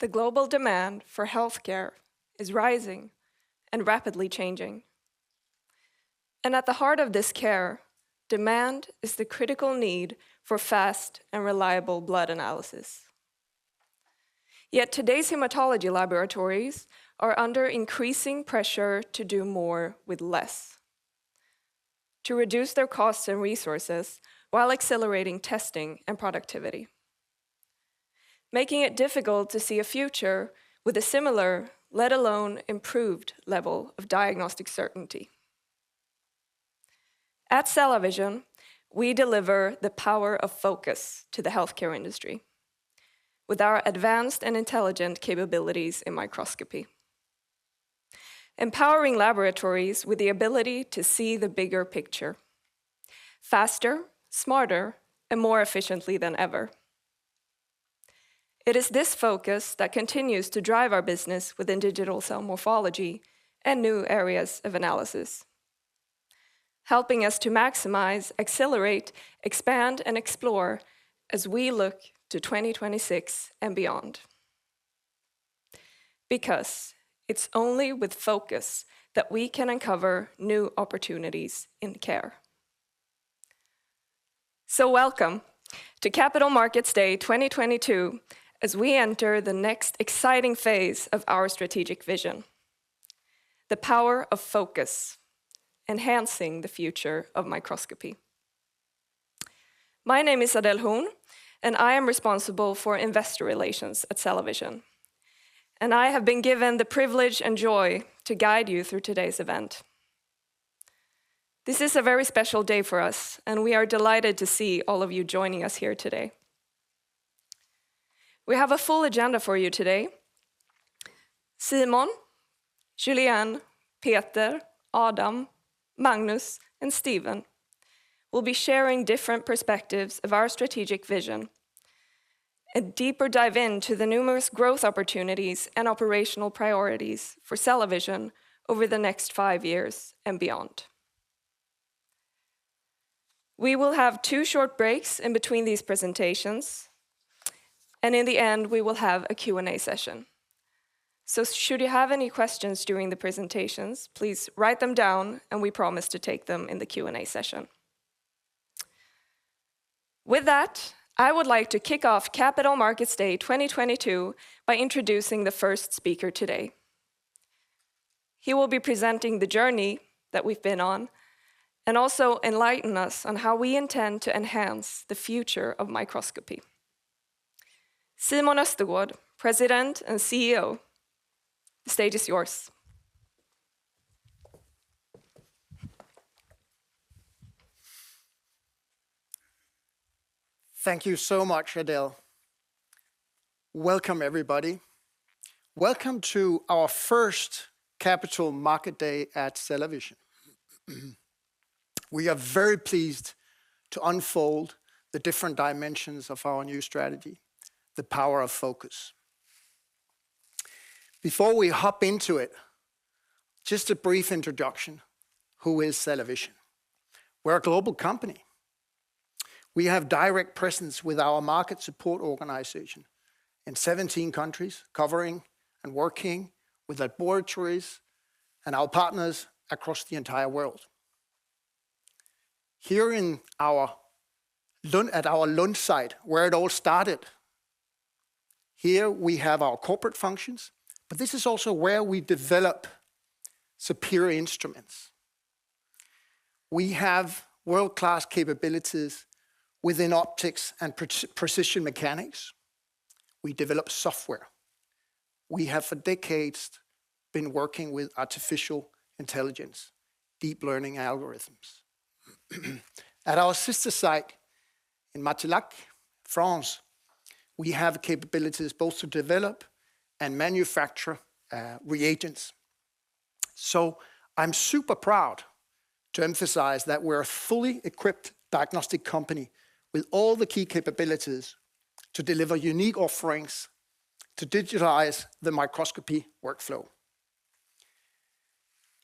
The global demand for healthcare is rising and rapidly changing. At the heart of this care, demand is the critical need for fast and reliable blood analysis. Yet today's hematology laboratories are under increasing pressure to do more with less, to reduce their costs and resources while accelerating testing and productivity, making it difficult to see a future with a similar, let alone improved, level of diagnostic certainty. At CellaVision, we deliver the power of focus to the healthcare industry with our advanced and intelligent capabilities in microscopy, empowering laboratories with the ability to see the bigger picture faster, smarter, and more efficiently than ever. It is this focus that continues to drive our business within digital cell morphology and new areas of analysis, helping us to maximize, accelerate, expand, and explore as we look to 2026 and beyond. Because it's only with focus that we can uncover new opportunities in care. Welcome to Capital Markets Day 2022 as we enter the next exciting phase of our strategic vision, the power of focus, enhancing the future of microscopy. My name is Adele Horn, and I am responsible for investor relations at CellaVision, and I have been given the privilege and joy to guide you through today's event. This is a very special day for us, and we are delighted to see all of you joining us here today. We have a full agenda for you today. Simon, Julien, Peter, Adam, Magnus, and Steven will be sharing different perspectives of our strategic vision, a deeper dive into the numerous growth opportunities, and operational priorities for CellaVision over the next five years and beyond. We will have two short breaks in between these presentations, and in the end, we will have a Q&A session. Should you have any questions during the presentations, please write them down, and we promise to take them in the Q&A session. With that, I would like to kick off Capital Markets Day 2022 by introducing the first speaker today. He will be presenting the journey that we've been on and also enlighten us on how we intend to enhance the future of microscopy. Simon Østergaard, President and CEO, the stage is yours. Thank you so much, Adele. Welcome, everybody. Welcome to our first Capital Market Day at CellaVision. We are very pleased to unfold the different dimensions of our new strategy, the power of focus. Before we hop into it, just a brief introduction. Who is CellaVision? We're a global company. We have direct presence with our market support organization in 17 countries, covering and working with laboratories and our partners across the entire world. Here at our Lund site, where it all started, here we have our corporate functions, but this is also where we develop superior instruments. We have world-class capabilities within optics and precision mechanics. We develop software. We have for decades been working with artificial intelligence, deep learning algorithms. At our sister site in Martillac, France, we have capabilities both to develop and manufacture reagents. I'm super proud to emphasize that we're a fully equipped diagnostic company with all the key capabilities to deliver unique offerings to digitize the microscopy workflow.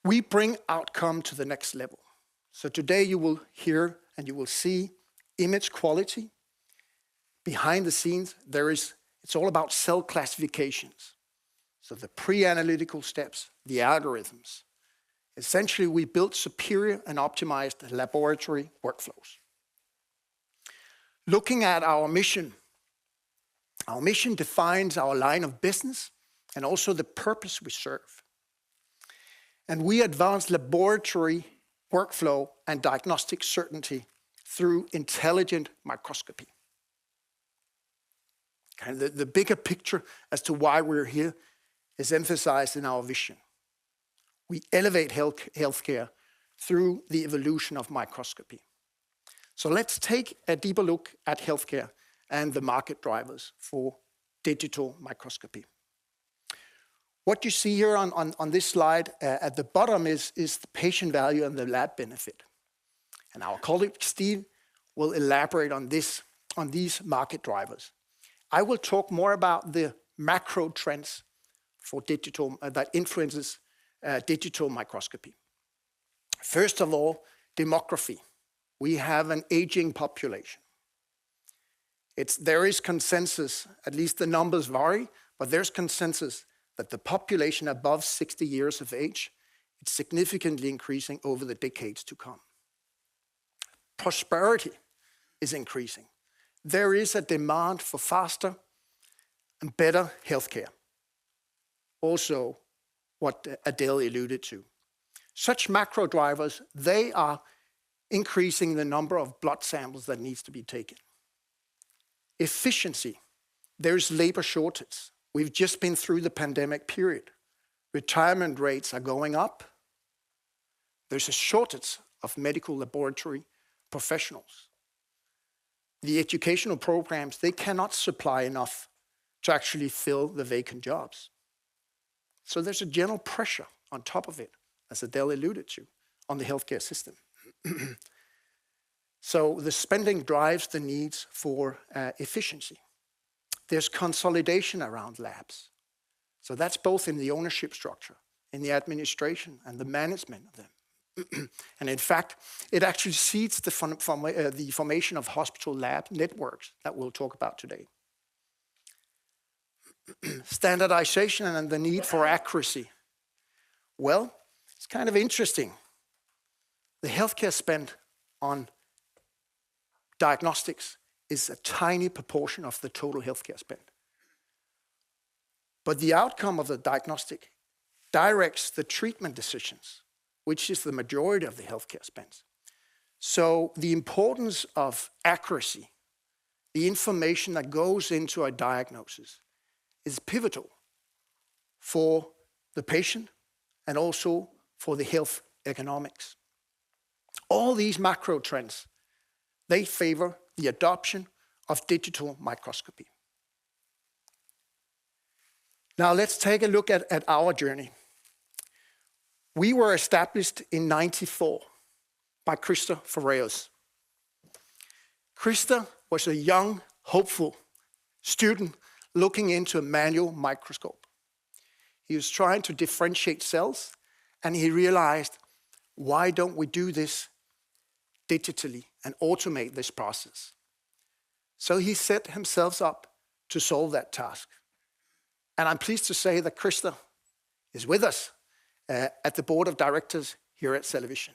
We bring outcome to the next level. Today you will hear and you will see image quality. Behind the scenes, it's all about cell classifications, so the pre-analytical steps, the algorithms. Essentially, we built superior and optimized laboratory workflows. Looking at our mission, our mission defines our line of business and also the purpose we serve. We advance laboratory workflow and diagnostic certainty through intelligent microscopy. The bigger picture as to why we're here is emphasized in our vision. We elevate healthcare through the evolution of microscopy. Let's take a deeper look at healthcare and the market drivers for digital microscopy. What you see here on this slide at the bottom is the patient value and the lab benefit. Our colleague, Steve, will elaborate on these market drivers. I will talk more about the macro trends for digital that influences digital microscopy. First of all, demography. We have an aging population. There is consensus, at least the numbers vary, but there's consensus that the population above 60 years of age is significantly increasing over the decades to come. Prosperity is increasing. There is a demand for faster and better healthcare. Also, what Adele alluded to. Such macro drivers, they are increasing the number of blood samples that needs to be taken. Efficiency, there is labor shortage. We've just been through the pandemic period. Retirement rates are going up. There's a shortage of medical laboratory professionals. The educational programs, they cannot supply enough to actually fill the vacant jobs. There's a general pressure on top of it, as Adele alluded to, on the healthcare system. The spending drives the needs for efficiency. There's consolidation around labs. That's both in the ownership structure, in the administration, and the management of them. In fact, it actually seeds the formation of hospital lab networks that we'll talk about today. Standardization and the need for accuracy. Well, it's kind of interesting. The healthcare spent on diagnostics is a tiny proportion of the total healthcare spent. The outcome of the diagnostic directs the treatment decisions, which is the majority of the healthcare spends. The importance of accuracy, the information that goes into a diagnosis, is pivotal for the patient and also for the health economics. All these macro trends, they favor the adoption of digital microscopy. Now, let's take a look at our journey. We were established in 1994 by Christer Fåhraeus. Christer was a young, hopeful student looking into a manual microscope. He was trying to differentiate cells, and he realized, "Why don't we do this digitally and automate this process?" So he set himself up to solve that task. I'm pleased to say that Christer is with us at the board of directors here at CellaVision.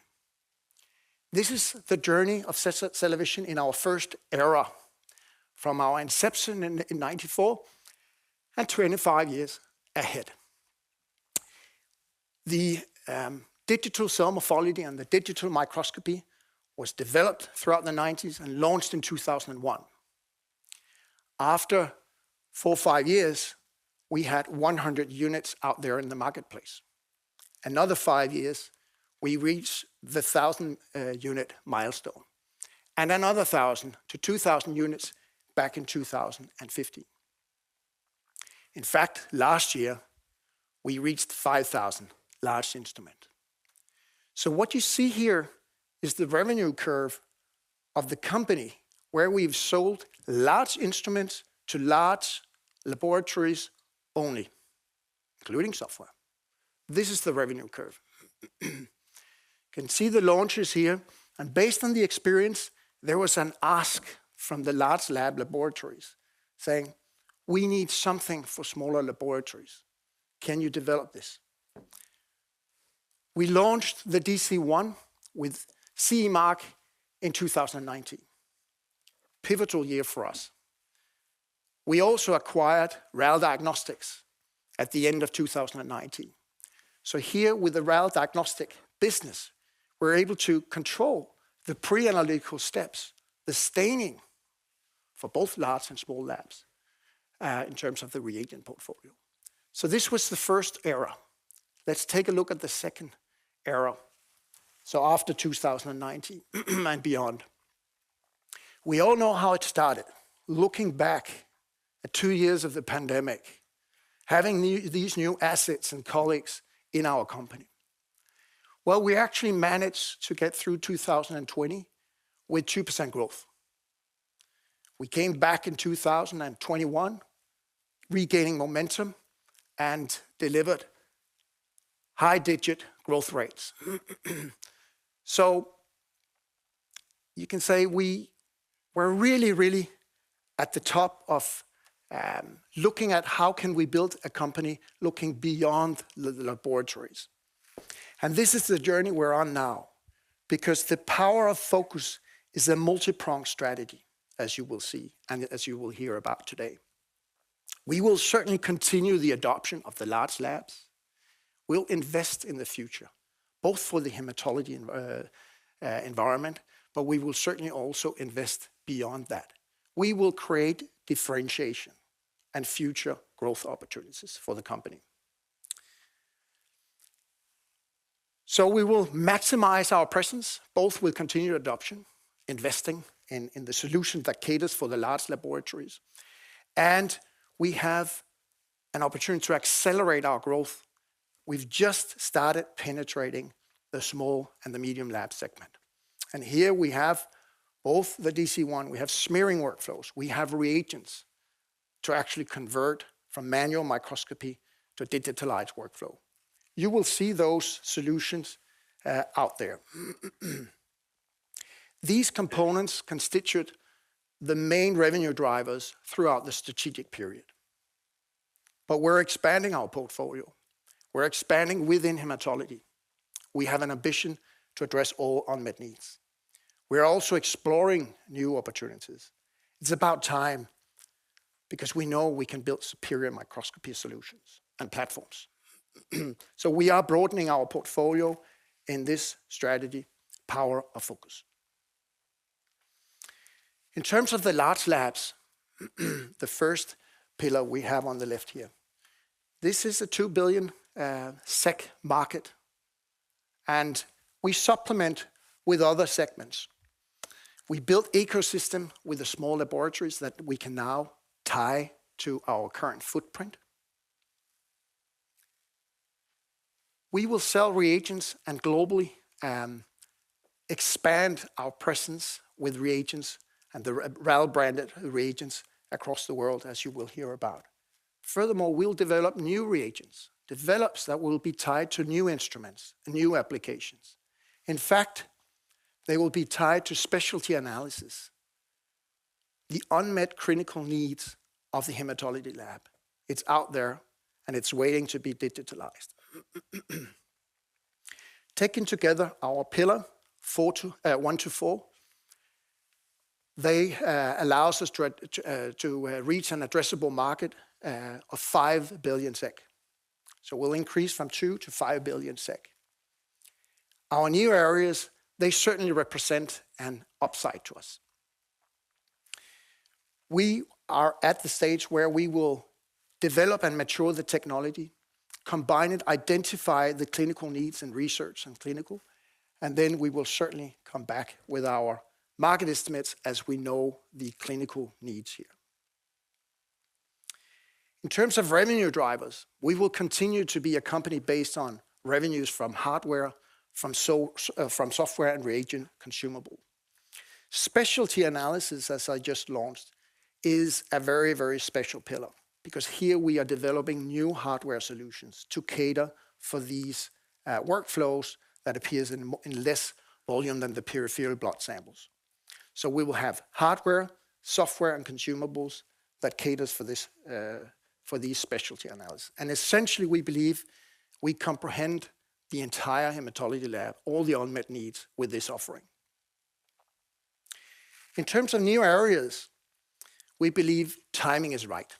This is the journey of CellaVision in our first era, from our inception in 1994 and 25 years ahead. The digital cell morphology and the digital microscopy was developed throughout the nineties and launched in 2001. After four, five years, we had 100 units out there in the marketplace. Another five years, we reached the 1,000 unit milestone, and another 1,000 to 2,000 units back in 2015. In fact, last year, we reached 5,000 large instruments. What you see here is the revenue curve of the company where we've sold large instruments to large laboratories only, including software. This is the revenue curve. You can see the launches here, and based on the experience, there was an ask from the large laboratories saying, "We need something for smaller laboratories. Can you develop this?" We launched the DC-1 with CE mark in 2019. Pivotal year for us. We also acquired RAL Diagnostics at the end of 2019. Here with the RAL Diagnostics business, we're able to control the pre-analytical steps, the staining for both large and small labs in terms of the reagent portfolio. This was the first era. Let's take a look at the second era, so after 2019 and beyond. We all know how it started. Looking back at 2 years of the pandemic, having these new assets and colleagues in our company. Well, we actually managed to get through 2020 with 2% growth. We came back in 2021, regaining momentum and delivered high single-digit growth rates. You can say we were really, really at the top of looking at how can we build a company looking beyond the laboratories. This is the journey we're on now because the power of focus is a multi-pronged strategy, as you will see and as you will hear about today. We will certainly continue the adoption of the large labs. We'll invest in the future, both for the hematology environment, but we will certainly also invest beyond that. We will create differentiation and future growth opportunities for the company. We will maximize our presence, both with continued adoption, investing in the solution that caters for the large laboratories, and we have an opportunity to accelerate our growth. We've just started penetrating the small and the medium lab segment. Here we have both the DC-1, we have smearing workflows, we have reagents to actually convert from manual microscopy to digitalized workflow. You will see those solutions out there. These components constitute the main revenue drivers throughout the strategic period. We're expanding our portfolio. We're expanding within hematology. We have an ambition to address all unmet needs. We are also exploring new opportunities. It's about time because we know we can build superior microscopy solutions and platforms. We are broadening our portfolio in this strategy, power of focus. In terms of the large labs, the first pillar we have on the left here, this is a 2 billion SEK market, and we supplement with other segments. We built ecosystem with the small laboratories that we can now tie to our current footprint. We will sell reagents and globally expand our presence with reagents and the RAL branded reagents across the world, as you will hear about. Furthermore, we'll develop new reagents that will be tied to new instruments and new applications. In fact, they will be tied to specialty analysis. The unmet clinical needs of the hematology lab, it's out there and it's waiting to be digitalized. Taken together, our pillars 1 to 4, they allows us to reach an addressable market of 5 billion SEK. We'll increase from 2 billion to 5 billion SEK. Our new areas, they certainly represent an upside to us. We are at the stage where we will develop and mature the technology, combine it, identify the clinical needs and research and clinical, and then we will certainly come back with our market estimates as we know the clinical needs here. In terms of revenue drivers, we will continue to be a company based on revenues from hardware, from software and reagent consumable. Specialty analysis, as I just launched, is a very, very special pillar because here we are developing new hardware solutions to cater for these workflows that appears in less volume than the peripheral blood samples. We will have hardware, software, and consumables that caters for this, for these specialty analysis. Essentially, we believe we comprehend the entire hematology lab, all the unmet needs with this offering. In terms of new areas, we believe timing is right.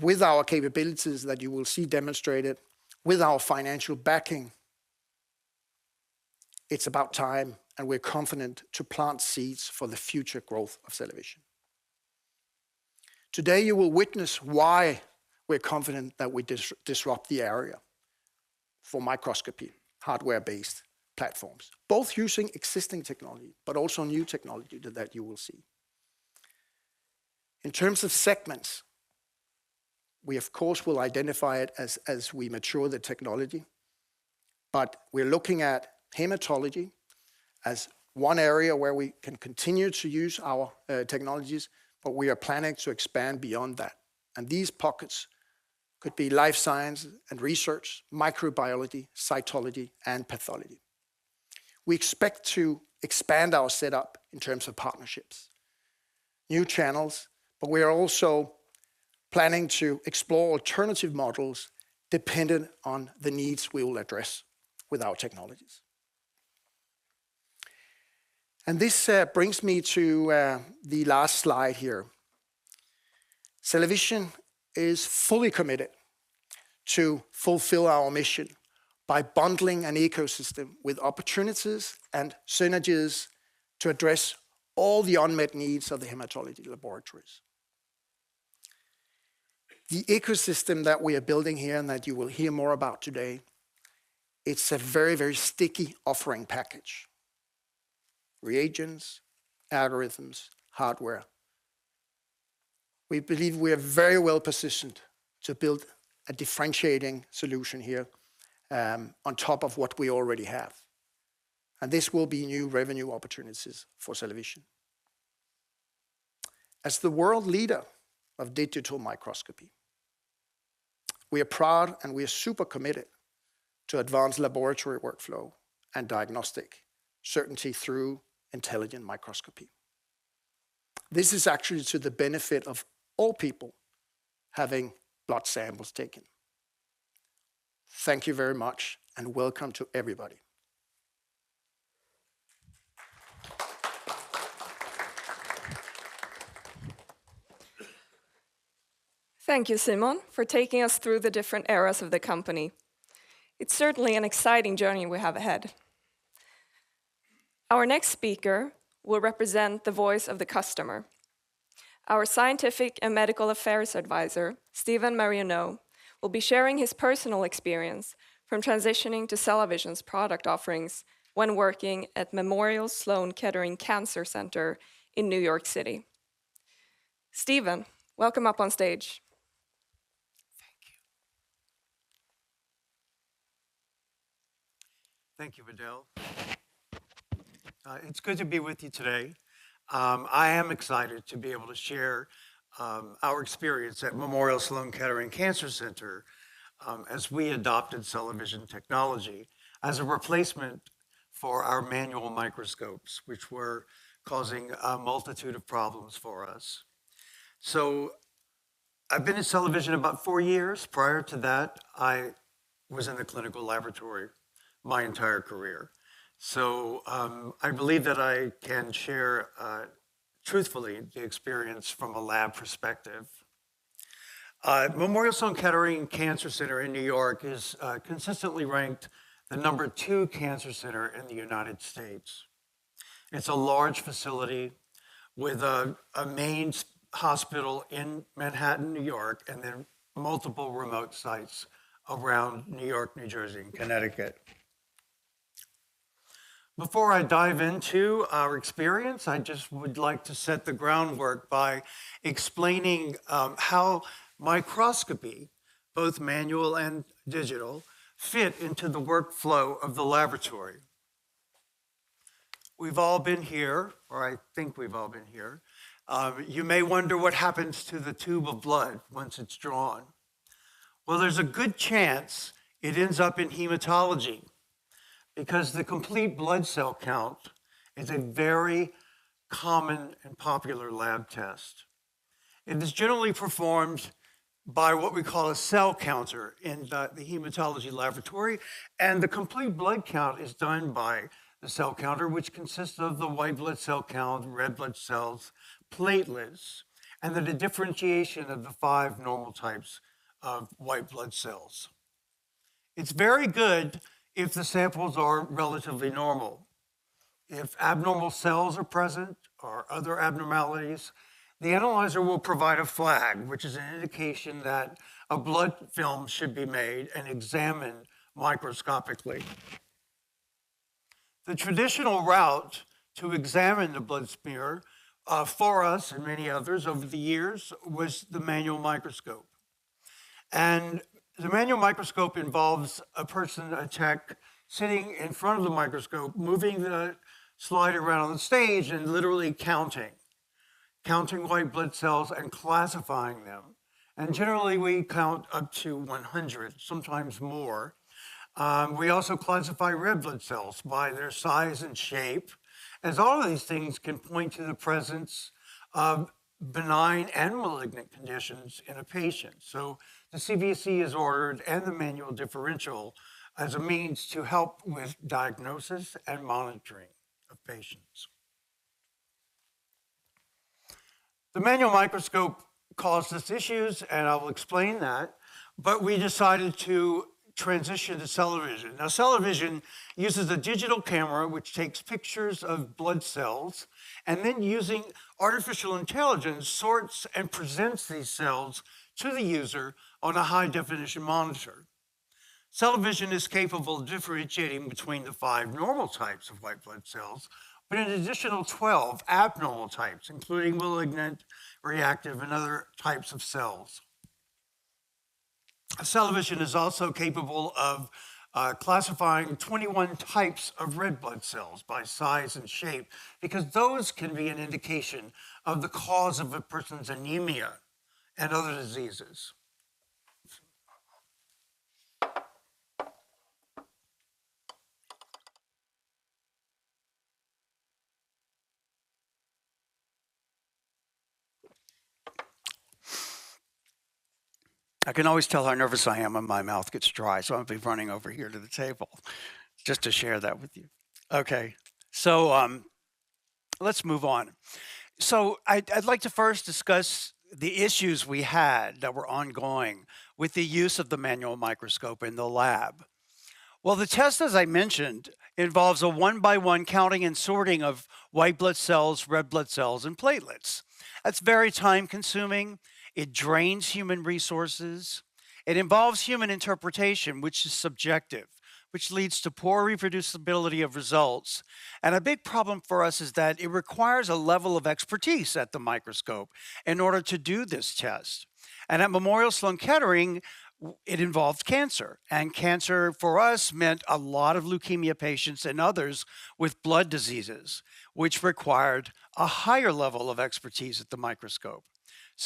With our capabilities that you will see demonstrated, with our financial backing, it's about time, and we're confident to plant seeds for the future growth of CellaVision. Today, you will witness why we're confident that we disrupt the area for microscopy, hardware-based platforms, both using existing technology but also new technology that you will see. In terms of segments, we of course will identify it as we mature the technology, but we're looking at hematology as one area where we can continue to use our technologies, but we are planning to expand beyond that. These pockets could be life science and research, microbiology, cytology, and pathology. We expect to expand our setup in terms of partnerships, new channels, but we are also planning to explore alternative models dependent on the needs we will address with our technologies. This brings me to the last slide here. CellaVision is fully committed to fulfill our mission by bundling an ecosystem with opportunities and synergies to address all the unmet needs of the hematology laboratories. The ecosystem that we are building here and that you will hear more about today, it's a very, very sticky offering package, reagents, algorithms, hardware. We believe we are very well positioned to build a differentiating solution here, on top of what we already have, and this will be new revenue opportunities for CellaVision. As the world leader of digital microscopy, we are proud and we are super committed to advance laboratory workflow and diagnostic certainty through intelligent microscopy. This is actually to the benefit of all people having blood samples taken. Thank you very much, and welcome to everybody. Thank you, Simon Østergaard, for taking us through the different eras of the company. It's certainly an exciting journey we have ahead. Our next speaker will represent the voice of the customer. Our Scientific and Medical Affairs Advisor, Steven Marionneaux, will be sharing his personal experience from transitioning to CellaVision's product offerings when working at Memorial Sloan Kettering Cancer Center in New York City. Steven, welcome up on stage. Thank you, Adele. It's good to be with you today. I am excited to be able to share our experience at Memorial Sloan Kettering Cancer Center as we adopted CellaVision technology as a replacement for our manual microscopes, which were causing a multitude of problems for us. I've been at CellaVision about 4 years. Prior to that, I was in the clinical laboratory my entire career. I believe that I can share truthfully the experience from a lab perspective. Memorial Sloan Kettering Cancer Center in New York is consistently ranked the number 2 cancer center in the United States. It's a large facility with a main hospital in Manhattan, New York, and then multiple remote sites around New York, New Jersey, and Connecticut. Before I dive into our experience, I just would like to set the groundwork by explaining how microscopy, both manual and digital, fit into the workflow of the laboratory. We've all been here, or I think we've all been here. You may wonder what happens to the tube of blood once it's drawn. Well, there's a good chance it ends up in hematology because the complete blood cell count is a very common and popular lab test, and it's generally performed by what we call a cell counter in the hematology laboratory. The complete blood count is done by the cell counter, which consists of the white blood cell count, red blood cells, platelets, and then the differentiation of the five normal types of white blood cells. It's very good if the samples are relatively normal. If abnormal cells are present or other abnormalities, the analyzer will provide a flag, which is an indication that a blood film should be made and examined microscopically. The traditional route to examine the blood smear, for us and many others over the years, was the manual microscope. The manual microscope involves a person, a tech, sitting in front of the microscope, moving the slide around on the stage and literally counting white blood cells and classifying them. Generally, we count up to 100, sometimes more. We also classify red blood cells by their size and shape, as all of these things can point to the presence of benign and malignant conditions in a patient. The CBC is ordered and the manual differential as a means to help with diagnosis and monitoring of patients. The manual microscope caused us issues, and I'll explain that, but we decided to transition to CellaVision. Now, CellaVision uses a digital camera which takes pictures of blood cells and then using artificial intelligence, sorts and presents these cells to the user on a high-definition monitor. CellaVision is capable of differentiating between the five normal types of white blood cells, but an additional 12 abnormal types, including malignant, reactive, and other types of cells. CellaVision is also capable of classifying 21 types of red blood cells by size and shape because those can be an indication of the cause of a person's anemia and other diseases. I can always tell how nervous I am when my mouth gets dry, so I'll be running over here to the table just to share that with you. Okay, let's move on. I'd like to first discuss the issues we had that were ongoing with the use of the manual microscope in the lab. Well, the test, as I mentioned, involves a one-by-one counting and sorting of white blood cells, red blood cells, and platelets. That's very time-consuming. It drains human resources. It involves human interpretation, which is subjective, which leads to poor reproducibility of results. A big problem for us is that it requires a level of expertise at the microscope in order to do this test. At Memorial Sloan Kettering, it involves cancer, and cancer for us meant a lot of leukemia patients and others with blood diseases, which required a higher level of expertise at the microscope.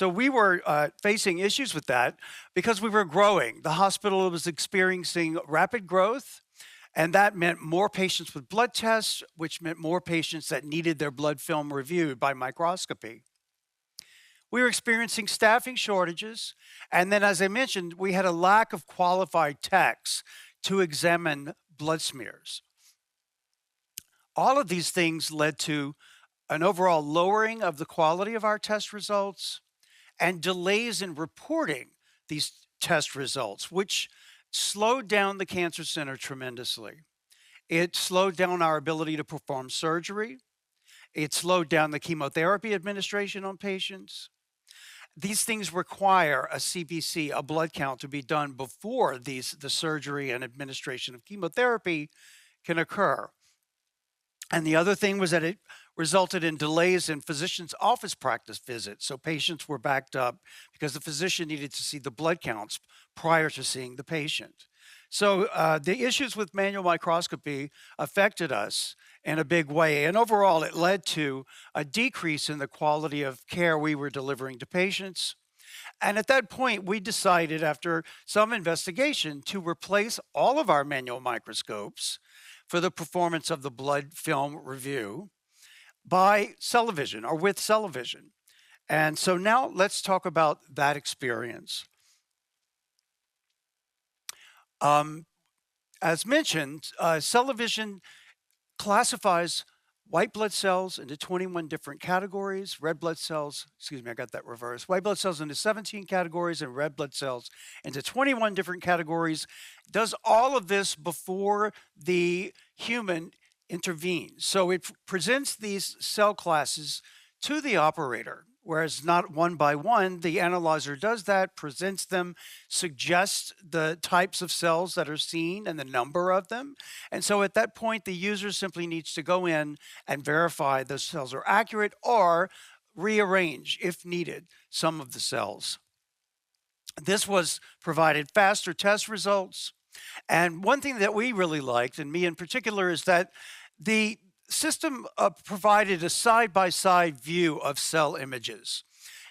We were facing issues with that because we were growing. The hospital was experiencing rapid growth, and that meant more patients with blood tests, which meant more patients that needed their blood film reviewed by microscopy. We were experiencing staffing shortages, and then, as I mentioned, we had a lack of qualified techs to examine blood smears. All of these things led to an overall lowering of the quality of our test results and delays in reporting these test results, which slowed down the cancer center tremendously. It slowed down our ability to perform surgery. It slowed down the chemotherapy administration on patients. These things require a CBC, a blood count, to be done before the surgery and administration of chemotherapy can occur. The other thing was that it resulted in delays in physicians' office practice visits, so patients were backed up because the physician needed to see the blood counts prior to seeing the patient. The issues with manual microscopy affected us in a big way, and overall, it led to a decrease in the quality of care we were delivering to patients. At that point, we decided, after some investigation, to replace all of our manual microscopes for the performance of the blood film review by CellaVision or with CellaVision. Now let's talk about that experience. As mentioned, CellaVision classifies white blood cells into 21 different categories, red blood cells. Excuse me, I got that reversed. White blood cells into 17 categories and red blood cells into 21 different categories. It does all of this before the human intervenes. It presents these cell classes to the operator, whereas not one by one, the analyzer does that, presents them, suggests the types of cells that are seen and the number of them. At that point, the user simply needs to go in and verify those cells are accurate or rearrange, if needed, some of the cells. This was provided faster test results. One thing that we really liked, and me in particular, is that the system provided a side-by-side view of cell images.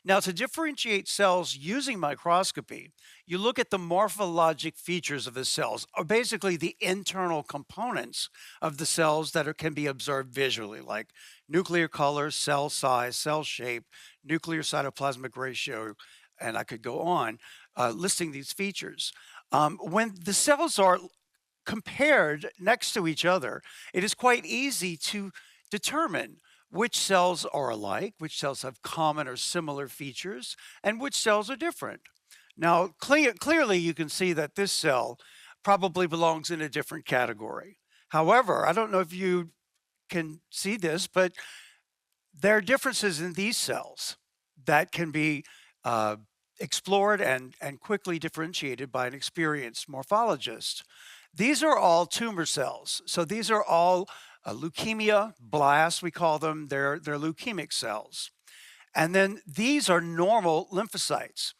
Now, to differentiate cells using microscopy, you look at the morphologic features of the cells or basically the internal components of the cells that can be observed visually, like nuclear color, cell size, cell shape, nuclear cytoplasmic ratio, and I could go on listing these features. When the cells are compared next to each other, it is quite easy to determine which cells are alike, which cells have common or similar features, and which cells are different. Now clearly, you can see that this cell probably belongs in a different category. However, I don't know if you can see this, but there are differences in these cells that can be explored and quickly differentiated by an experienced morphologist. These are all tumor cells, so these are all a leukemia blast, we call them. They're leukemic cells. These are normal lymphocytes.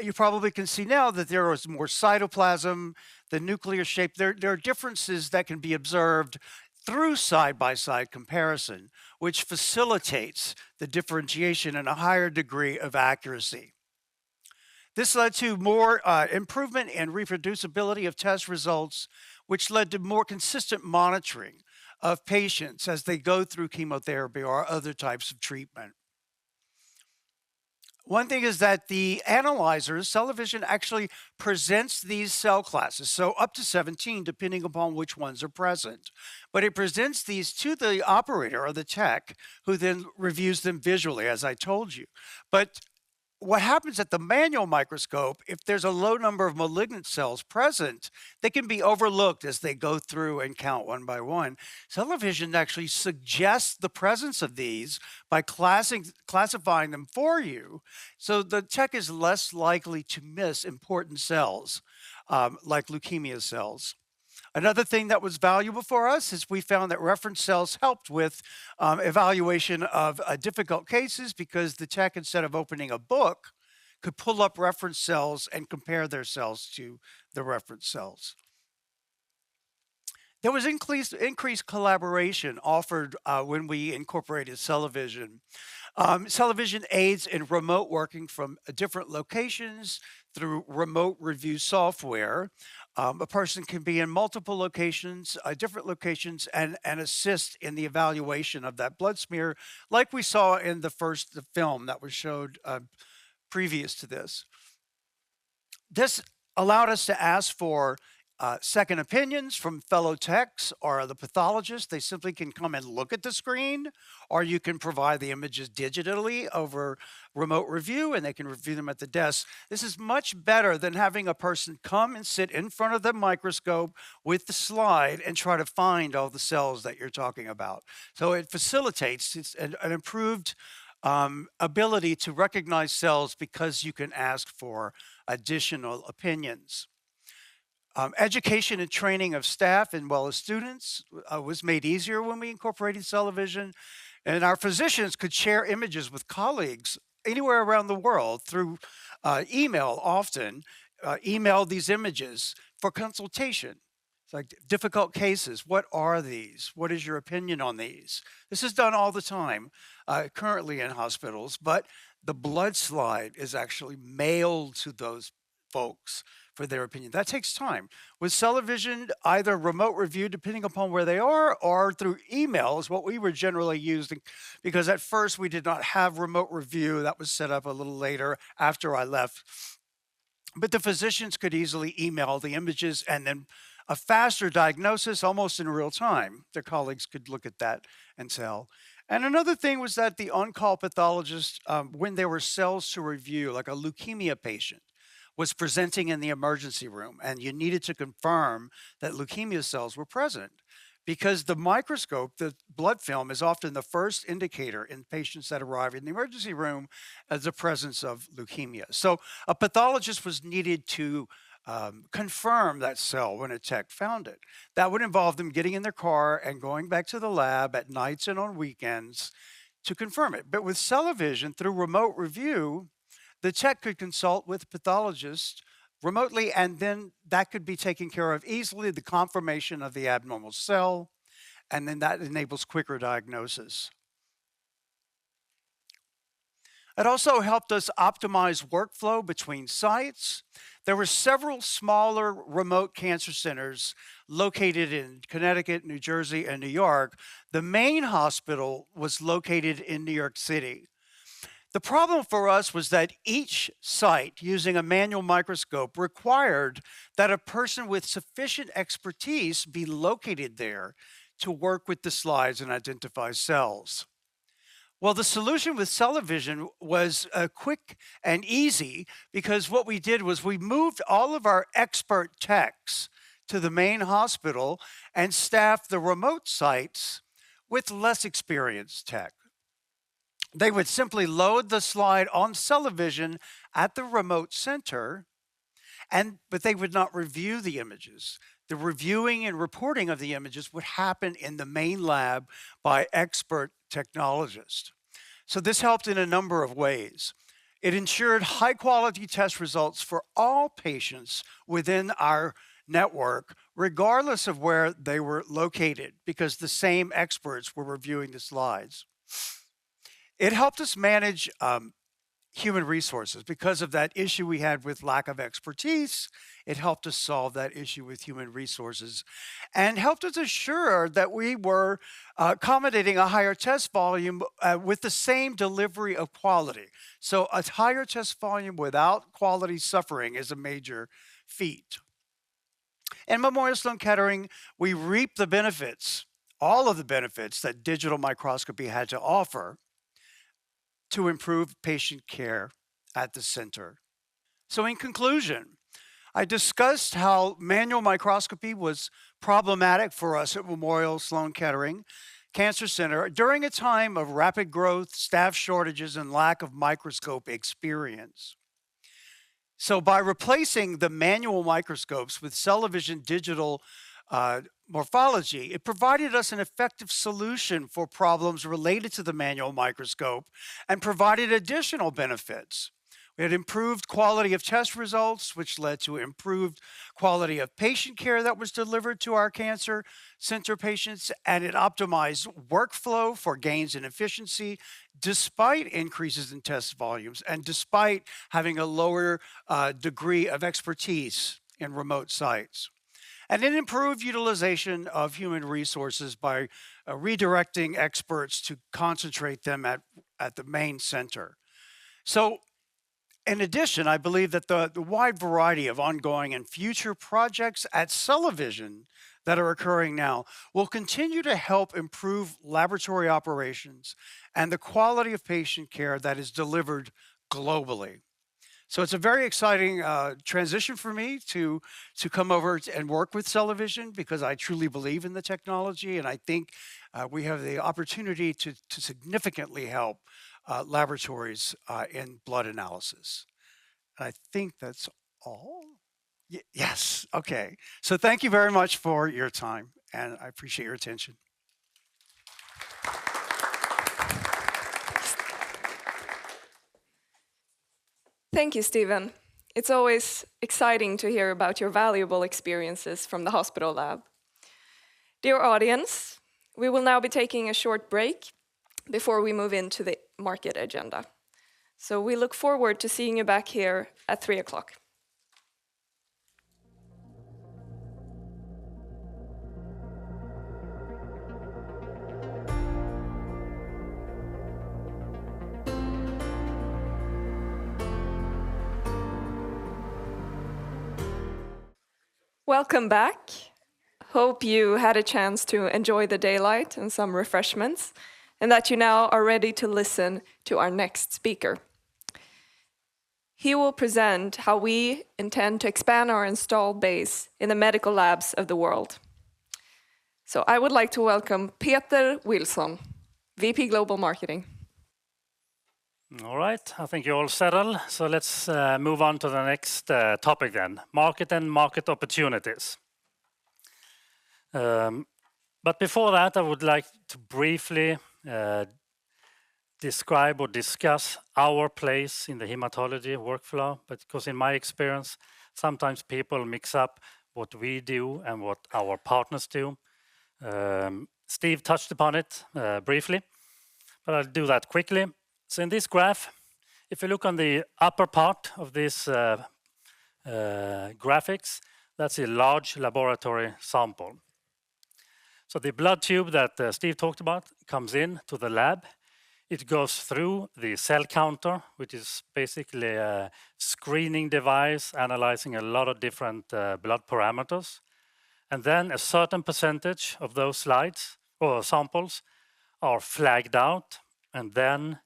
You probably can see now that there is more cytoplasm, the nuclear shape. There are differences that can be observed through side-by-side comparison, which facilitates the differentiation and a higher degree of accuracy. This led to more improvement in reproducibility of test results, which led to more consistent monitoring of patients as they go through chemotherapy or other types of treatment. One thing is that the analyzers, CellaVision actually presents these cell classes, so up to 17, depending upon which ones are present. It presents these to the operator or the tech, who then reviews them visually, as I told you. What happens at the manual microscope, if there's a low number of malignant cells present, they can be overlooked as they go through and count one by one. CellaVision actually suggests the presence of these by classifying them for you, so the tech is less likely to miss important cells, like leukemia cells. Another thing that was valuable for us is we found that reference cells helped with evaluation of difficult cases because the tech, instead of opening a book, could pull up reference cells and compare their cells to the reference cells. There was increased collaboration offered when we incorporated CellaVision. CellaVision aids in remote working from different locations through remote review software. A person can be in multiple locations, different locations and assist in the evaluation of that blood smear like we saw in the film that was showed previous to this. This allowed us to ask for second opinions from fellow techs or the pathologist. They simply can come and look at the screen, or you can provide the images digitally over Remote Review, and they can review them at the desk. This is much better than having a person come and sit in front of the microscope with the slide and try to find all the cells that you're talking about. It facilitates. It's an improved ability to recognize cells because you can ask for additional opinions. Education and training of staff and well, as students, was made easier when we incorporated CellaVision, and our physicians could share images with colleagues anywhere around the world through email, often email these images for consultation. It's like difficult cases. What are these? What is your opinion on these? This is done all the time currently in hospitals, but the blood slide is actually mailed to those folks for their opinion. That takes time. With CellaVision, either remote review, depending upon where they are, or through emails, what we were generally using, because at first, we did not have remote review. That was set up a little later after I left. The physicians could easily email the images and then a faster diagnosis, almost in real-time. Their colleagues could look at that and tell. Another thing was that the on-call pathologist, when there were cells to review, like a leukemia patient was presenting in the emergency room, and you needed to confirm that leukemia cells were present because the microscope, the blood film, is often the first indicator in patients that arrive in the emergency room as a presence of leukemia. A pathologist was needed to confirm that cell when a tech found it. That would involve them getting in their car and going back to the lab at nights and on weekends to confirm it. With CellaVision, through Remote Review, the tech could consult with pathologists remotely, and then that could be taken care of easily, the confirmation of the abnormal cell, and then that enables quicker diagnosis. It also helped us optimize workflow between sites. There were several smaller remote cancer centers located in Connecticut, New Jersey, and New York. The main hospital was located in New York City. The problem for us was that each site using a manual microscope required that a person with sufficient expertise be located there to work with the slides and identify cells. Well, the solution with CellaVision was quick and easy because what we did was we moved all of our expert techs to the main hospital and staffed the remote sites with less experienced tech. They would simply load the slide on CellaVision at the remote center, but they would not review the images. The reviewing and reporting of the images would happen in the main lab by expert technologists. This helped in a number of ways. It ensured high-quality test results for all patients within our network, regardless of where they were located because the same experts were reviewing the slides. It helped us manage human resources. Because of that issue we had with lack of expertise, it helped us solve that issue with human resources and helped us assure that we were accommodating a higher test volume with the same delivery of quality. A higher test volume without quality suffering is a major feat. At Memorial Sloan Kettering, we reaped the benefits, all of the benefits that digital microscopy had to offer to improve patient care at the center. In conclusion, I discussed how manual microscopy was problematic for us at Memorial Sloan Kettering Cancer Center during a time of rapid growth, staff shortages, and lack of microscope experience. By replacing the manual microscopes with CellaVision digital morphology, it provided us an effective solution for problems related to the manual microscope and provided additional benefits. It improved quality of test results, which led to improved quality of patient care that was delivered to our cancer center patients, and it optimized workflow for gains in efficiency despite increases in test volumes and despite having a lower degree of expertise in remote sites. It improved utilization of human resources by redirecting experts to concentrate them at the main center. In addition, I believe that the wide variety of ongoing and future projects at CellaVision that are occurring now will continue to help improve laboratory operations and the quality of patient care that is delivered globally. It's a very exciting transition for me to come over and work with CellaVision because I truly believe in the technology, and I think we have the opportunity to significantly help laboratories in blood analysis. I think that's all. Yes. Okay. Thank you very much for your time, and I appreciate your attention. Thank you, Steven. It's always exciting to hear about your valuable experiences from the hospital lab. Dear audience, we will now be taking a short break before we move into the market agenda. We look forward to seeing you back here at 3:00 P.M. Welcome back. Hope you had a chance to enjoy the daylight and some refreshments, and that you now are ready to listen to our next speaker. He will present how we intend to expand our installed base in the medical labs of the world. I would like to welcome Peter Wilson, VP Global Marketing. All right. I think you're all settled, so let's move on to the next topic then, market and market opportunities. Before that, I would like to briefly describe or discuss our place in the hematology workflow because in my experience, sometimes people mix up what we do and what our partners do. Steven touched upon it briefly, but I'll do that quickly. In this graph, if you look on the upper part of this graphic, that's a large laboratory sample. The blood tube that Steven talked about comes into the lab. It goes through the cell counter, which is basically a screening device analyzing a lot of different blood parameters. A certain percentage of those slides or samples are flagged out, and then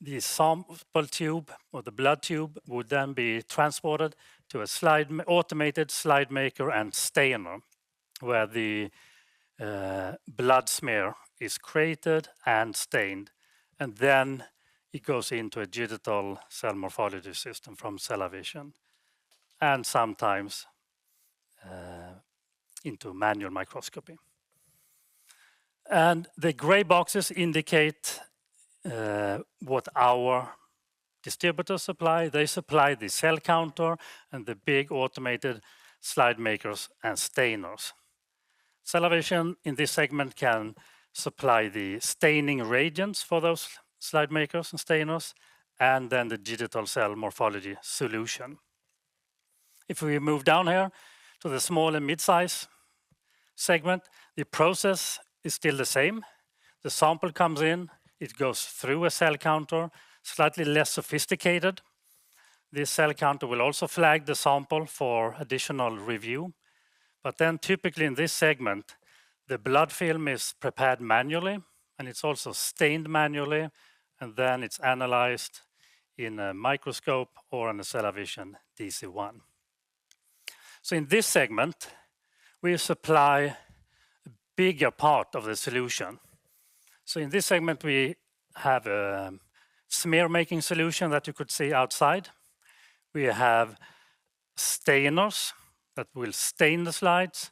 the sample tube or the blood tube would then be transported to a automated slide maker and stainer, where the blood smear is created and stained. It goes into a digital cell morphology system from CellaVision and sometimes into manual microscopy. The gray boxes indicate what our distributors supply. They supply the cell counter and the big automated slide makers and stainers. CellaVision in this segment can supply the staining reagents for those slide makers and stainers, and then the digital cell morphology solution. If we move down here to the small and mid-size segment, the process is still the same. The sample comes in, it goes through a cell counter, slightly less sophisticated. This cell counter will also flag the sample for additional review. Typically in this segment, the blood film is prepared manually, and it's also stained manually, and then it's analyzed in a microscope or in a CellaVision DC-1. In this segment, we supply a bigger part of the solution. In this segment, we have a smear-making solution that you could see outside. We have stainers that will stain the slides,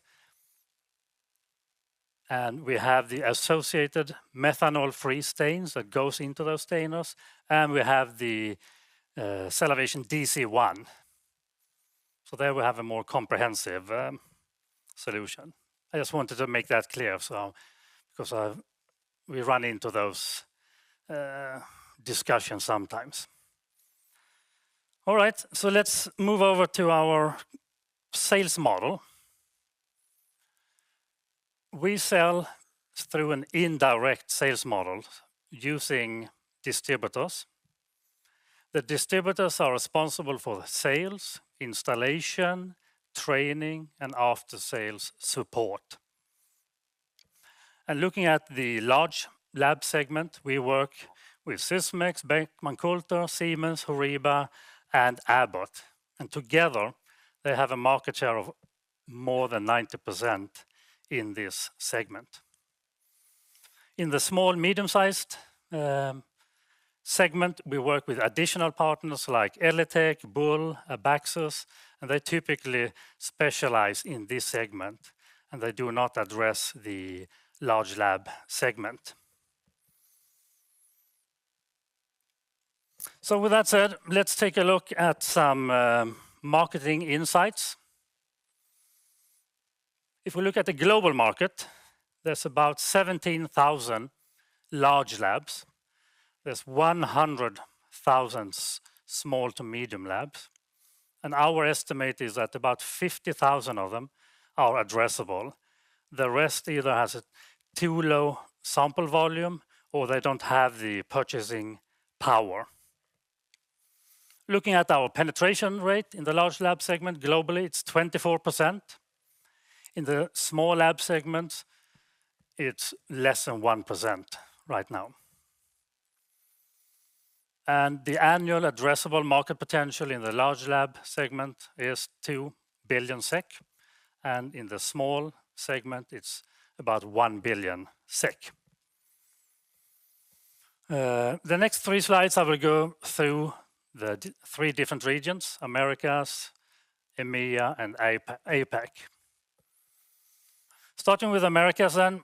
and we have the associated methanol-free stains that goes into those stainers, and we have the CellaVision DC-1. There we have a more comprehensive solution. I just wanted to make that clear because we run into those discussions sometimes. All right, let's move over to our sales model. We sell through an indirect sales model using distributors. The distributors are responsible for sales, installation, training, and after-sales support. Looking at the large lab segment, we work with Sysmex, Beckman Coulter, Siemens, Horiba, and Abbott. Together, they have a market share of more than 90% in this segment. In the small- to medium-sized segment, we work with additional partners like ELITech, Boule, Abaxis, and they typically specialize in this segment, and they do not address the large lab segment. With that said, let's take a look at some marketing insights. If we look at the global market, there's about 17,000 large labs. There's 100,000 small- to medium labs, and our estimate is that about 50,000 of them are addressable. The rest either has a too low sample volume, or they don't have the purchasing power. Looking at our penetration rate in the large lab segment, globally, it's 24%. In the small lab segment, it's less than 1% right now. The annual addressable market potential in the large lab segment is 2 billion SEK, and in the small segment, it's about 1 billion SEK. The next three slides, I will go through three different regions, Americas, EMEA, and APAC. Starting with Americas then,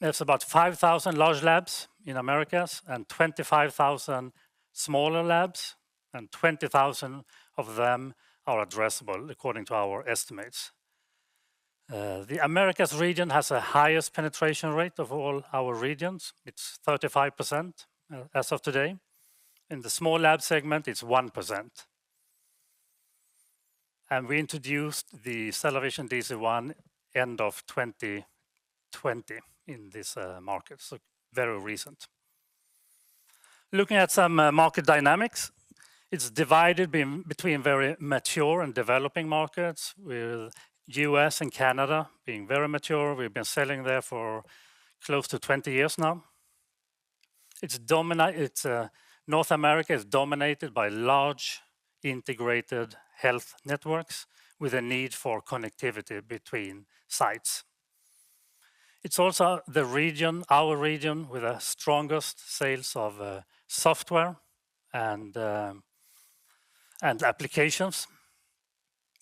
there's about 5,000 large labs in Americas and 25,000 smaller labs, and 20,000 of them are addressable according to our estimates. The Americas region has the highest penetration rate of all our regions. It's 35%, as of today. In the small lab segment, it's 1%. We introduced the CellaVision DC-1 end of 2020 in this market, so very recent. Looking at market dynamics, it's divided between very mature and developing markets, with US and Canada being very mature. We've been selling there for close to 20 years now. It's North America is dominated by large integrated health networks with a need for connectivity between sites. It's also the region, our region, with the strongest sales of software and applications,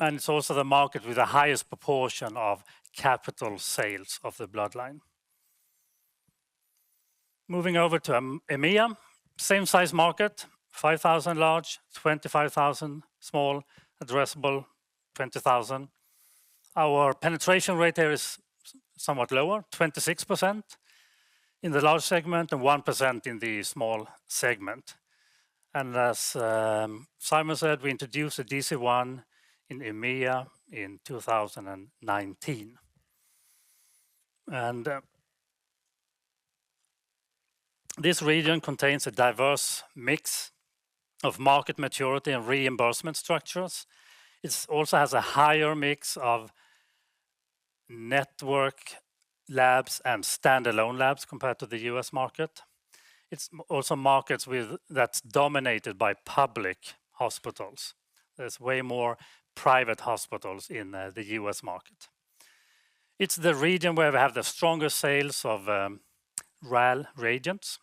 and it's also the market with the highest proportion of capital sales of the Blood Line. Moving over to EMEA, same size market, 5,000 large, 25,000 small, addressable, 20,000. Our penetration rate there is somewhat lower, 26% in the large segment and 1% in the small segment. As Simon said, we introduced the DC-1 in EMEA in 2019. This region contains a diverse mix of market maturity and reimbursement structures. It also has a higher mix of network labs and standalone labs compared to the U.S. market. It's also markets that's dominated by public hospitals. There's way more private hospitals in the US market. It's the region where we have the strongest sales of RAL reagents.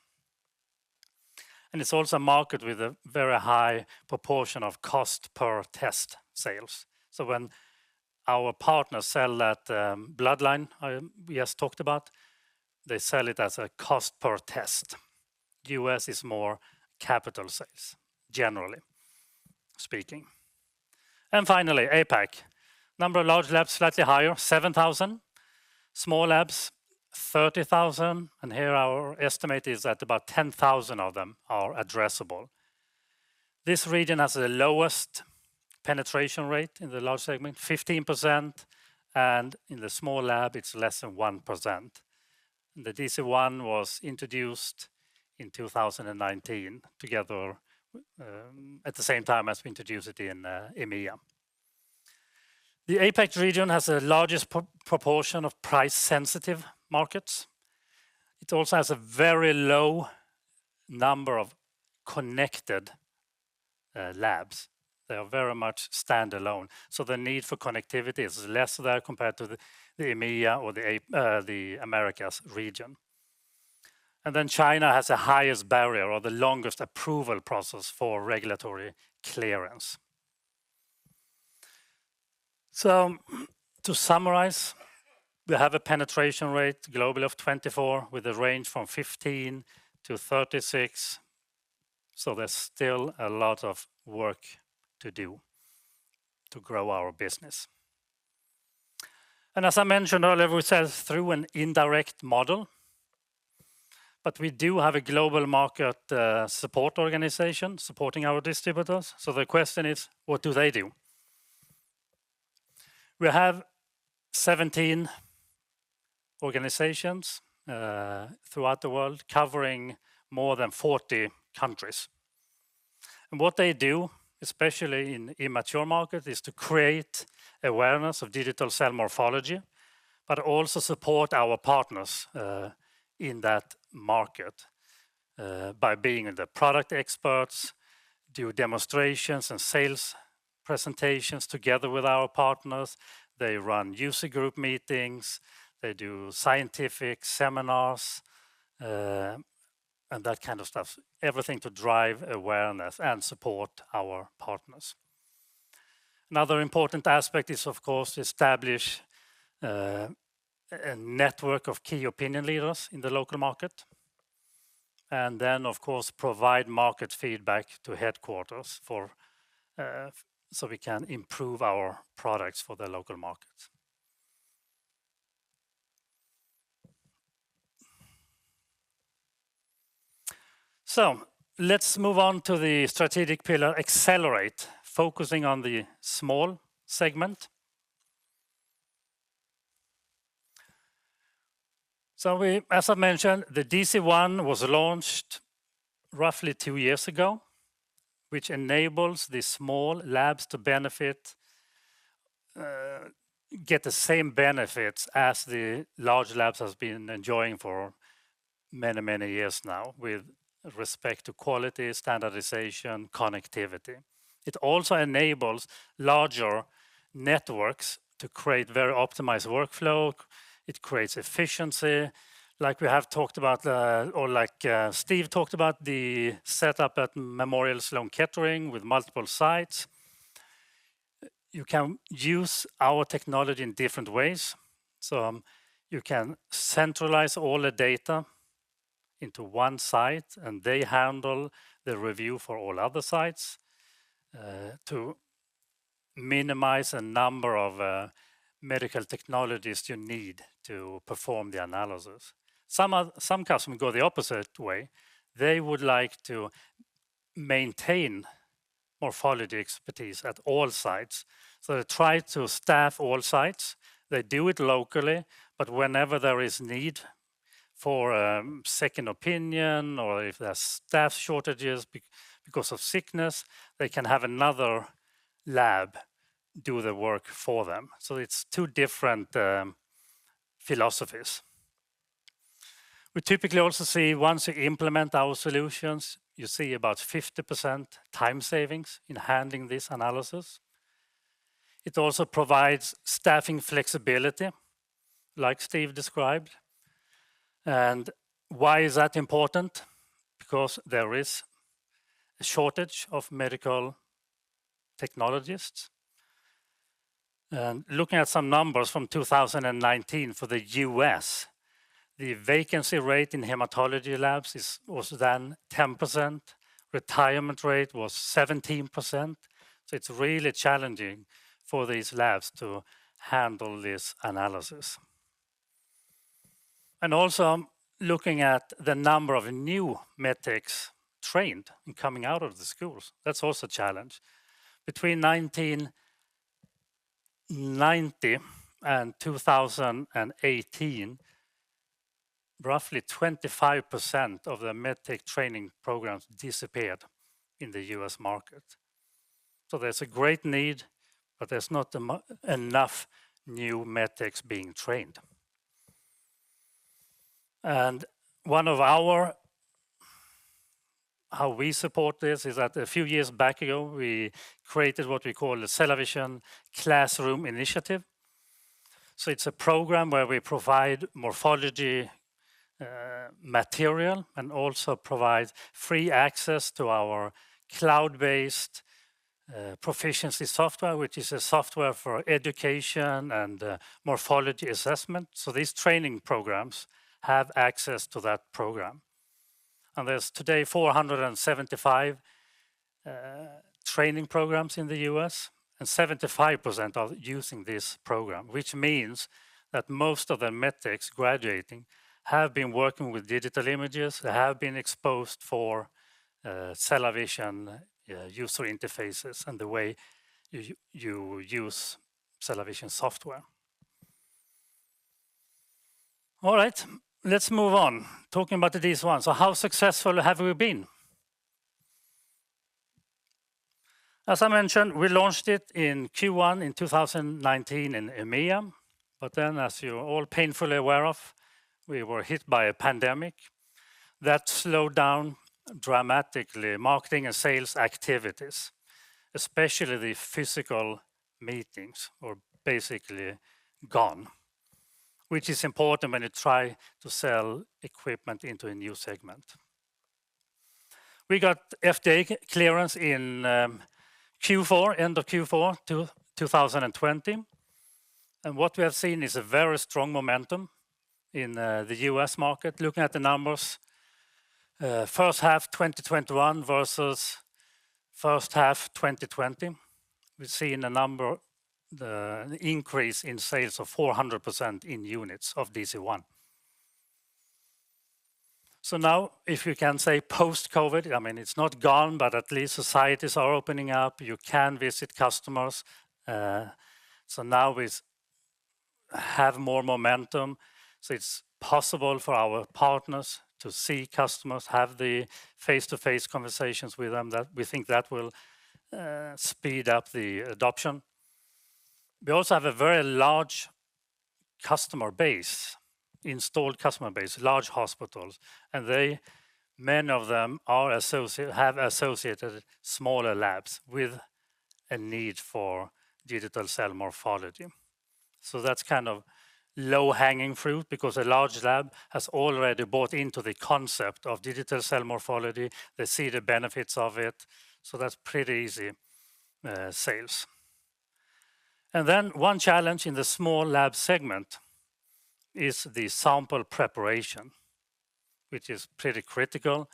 It's also a market with a very high proportion of cost per test sales. When our partners sell that DIFF-Line we just talked about, they sell it as a cost per test. US is more capital sales generally speaking. Finally, APAC. Number of large labs, slightly higher, 7,000. Small labs, 30,000, and here our estimate is that about 10,000 of them are addressable. This region has the lowest penetration rate in the large segment, 15%, and in the small lab, it's less than 1%. The DC-1 was introduced in 2019 together at the same time as we introduced it in EMEA. The APAC region has the largest proportion of price-sensitive markets. It also has a very low number of connected labs. They are very much standalone, so the need for connectivity is less there compared to the EMEA or the Americas region. China has the highest barrier or the longest approval process for regulatory clearance. To summarize, we have a penetration rate globally of 24% with a range from 15%-36%, so there's still a lot of work to do to grow our business. As I mentioned earlier, we sell through an indirect model, but we do have a global market support organization supporting our distributors. The question is, what do they do? We have 17 organizations throughout the world covering more than 40 countries. What they do, especially in immature market, is to create awareness of digital cell morphology, but also support our partners in that market by being the product experts, do demonstrations and sales presentations together with our partners. They run user group meetings, they do scientific seminars, and that kind of stuff. Everything to drive awareness and support our partners. Another important aspect is, of course, to establish a network of key opinion leaders in the local market, and then, of course, provide market feedback to headquarters so we can improve our products for the local market. Let's move on to the strategic pillar Accelerate, focusing on the small segment. As I mentioned, the DC-1 was launched roughly two years ago, which enables the small labs to benefit, get the same benefits as the large labs has been enjoying for many, many years now with respect to quality, standardization, connectivity. It also enables larger networks to create very optimized workflow. It creates efficiency, like we have talked about, or like, Steven talked about, the setup at Memorial Sloan Kettering with multiple sites. You can use our technology in different ways. You can centralize all the data into one site, and they handle the review for all other sites, to minimize the number of, medical technologists you need to perform the analysis. Some customers go the opposite way. They would like to maintain morphology expertise at all sites. They try to staff all sites. They do it locally, but whenever there is need for second opinion, or if there's staff shortages because of sickness, they can have another lab do the work for them. It's two different philosophies. We typically also see once you implement our solutions, you see about 50% time savings in handling this analysis. It also provides staffing flexibility, like Steve described. Why is that important? Because there is a shortage of medical technologists. Looking at some numbers from 2019 for the U.S., the vacancy rate in hematology labs was then 10%. Retirement rate was 17%. It's really challenging for these labs to handle this analysis. Looking at the number of new med techs trained and coming out of the schools, that's also a challenge. Between 1990 and 2018, roughly 25% of the med tech training programs disappeared in the U.S. market. There's a great need, but there's not enough new med techs being trained. How we support this is that a few years back ago, we created what we call the CellaVision Classroom Initiative. It's a program where we provide morphology material and also provide free access to our cloud-based Proficiency Software, which is a software for education and morphology assessment. These training programs have access to that program. There's today 475 training programs in the U.S., and 75% are using this program, which means that most of the med techs graduating have been working with digital images. They have been exposed for CellaVision user interfaces and the way you use CellaVision software. All right. Let's move on talking about the DC-1. How successful have we been? As I mentioned, we launched it in Q1 in 2019 in EMEA, but then as you're all painfully aware of, we were hit by a pandemic that slowed down dramatically marketing and sales activities, especially the physical meetings, which are basically gone, which is important when you try to sell equipment into a new segment. We got FDA clearance in Q4, end of Q4 2020. What we have seen is a very strong momentum in the US market. Looking at the numbers, first half 2021 versus first half 2020, we've seen the increase in sales of 400% in units of DC-1. Now if you can say post-COVID, I mean, it's not gone, but at least societies are opening up. You can visit customers. Now we have more momentum, so it's possible for our partners to see customers, have the face-to-face conversations with them that we think that will speed up the adoption. We also have a very large customer base, installed customer base, large hospitals, and many of them have associated smaller labs with a need for digital cell morphology. That's kind of low-hanging fruit because a large lab has already bought into the concept of digital cell morphology. They see the benefits of it, so that's pretty easy sales. Then one challenge in the small lab segment is the sample preparation, which is pretty critical.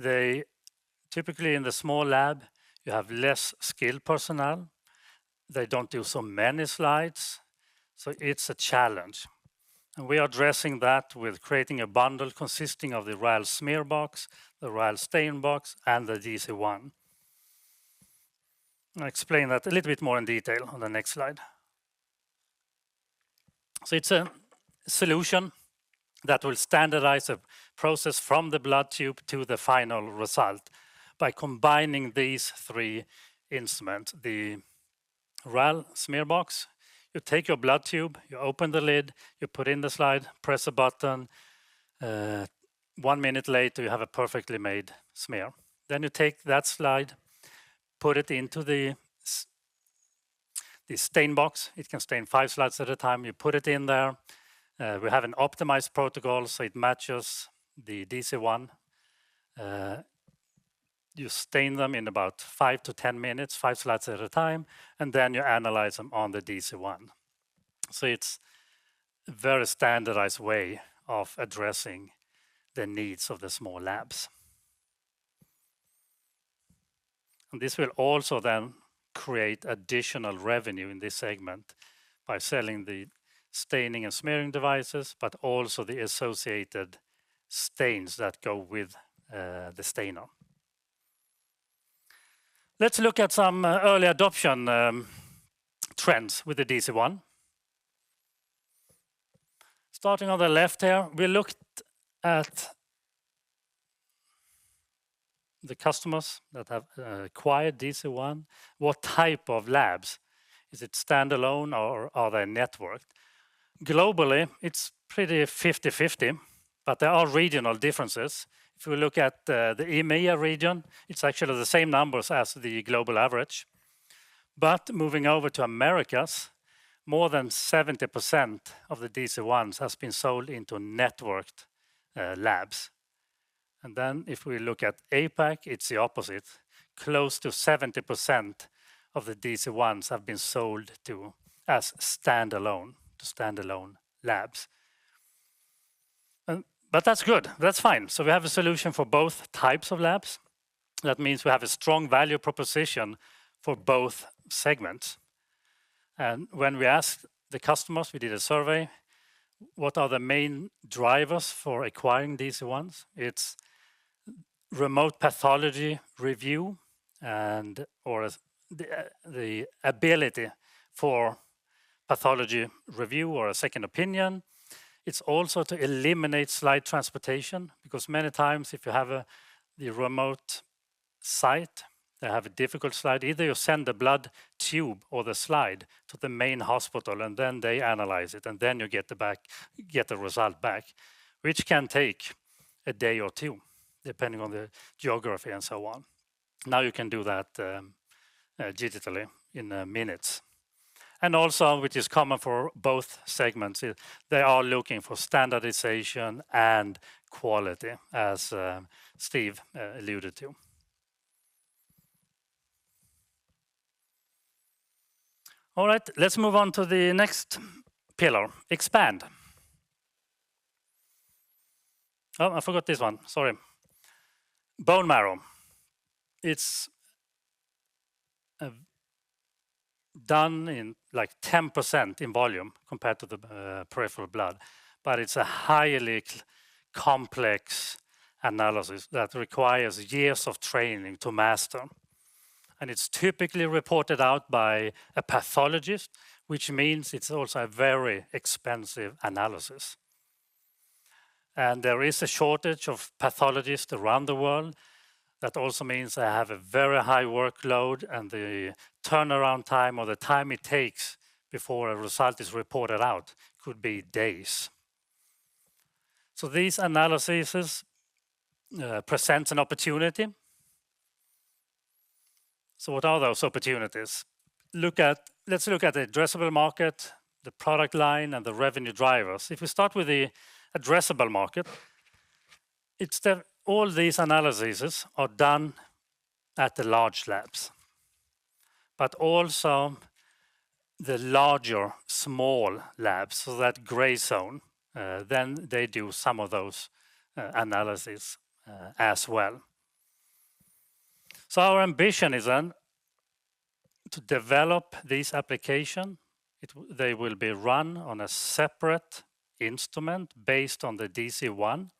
Typically in the small lab, you have less skilled personnel. They don't do so many slides, so it's a challenge. We are addressing that with creating a bundle consisting of the RAL SmearBox, the RAL StainBox, and the DC-1. I'll explain that a little bit more in detail on the next slide. It's a solution that will standardize a process from the blood tube to the final result by combining these three instrument. The RAL SmearBox, you take your blood tube, you open the lid, you put in the slide, press a button, 1 minute later, you have a perfectly made smear. Then you take that slide, put it into the StainBox. It can stain 5 slides at a time. You put it in there. We have an optimized protocol, so it matches the DC-1. You stain them in about 5-10 minutes, 5 slides at a time, and then you analyze them on the DC-1. It's very standardized way of addressing the needs of the small labs. This will also then create additional revenue in this segment by selling the staining and smearing devices, but also the associated stains that go with the stainer. Let's look at some early adoption trends with the DC-1. Starting on the left here, we looked at the customers that have acquired DC-1, what type of labs? Is it standalone or are they networked? Globally, it's pretty 50-50, but there are regional differences. If we look at the EMEA region, it's actually the same numbers as the global average. Moving over to Americas, more than 70% of the DC Ones has been sold into networked labs. Then if we look at APAC, it's the opposite. Close to 70% of the DC Ones have been sold to standalone labs. That's good. That's fine. We have a solution for both types of labs. That means we have a strong value proposition for both segments. When we asked the customers, we did a survey, what are the main drivers for acquiring DC Ones? It's remote pathology review or the ability for pathology review or a second opinion. It's also to eliminate slide transportation because many times if you have the remote site, they have a difficult slide. Either you send the blood tube or the slide to the main hospital, and then they analyze it, and then you get the result back, which can take a day or two, depending on the geography and so on. Now you can do that digitally in minutes. Also, which is common for both segments, they are looking for standardization and quality, as Steven alluded to. All right. Let's move on to the next pillar. Expand. Oh, I forgot this one. Sorry. Bone marrow. It's done in like 10% in volume compared to the peripheral blood, but it's a highly complex analysis that requires years of training to master. It's typically reported out by a pathologist, which means it's also a very expensive analysis. There is a shortage of pathologists around the world. That also means they have a very high workload, and the turnaround time or the time it takes before a result is reported out could be days. These analyses present an opportunity. What are those opportunities? Let's look at the addressable market, the product line, and the revenue drivers. If we start with the addressable market, it's all these analyses are done at the large labs, but also the larger small labs. That gray zone, then they do some of those analyses as well. Our ambition is then to develop this application. They will be run on a separate instrument based on the DC1.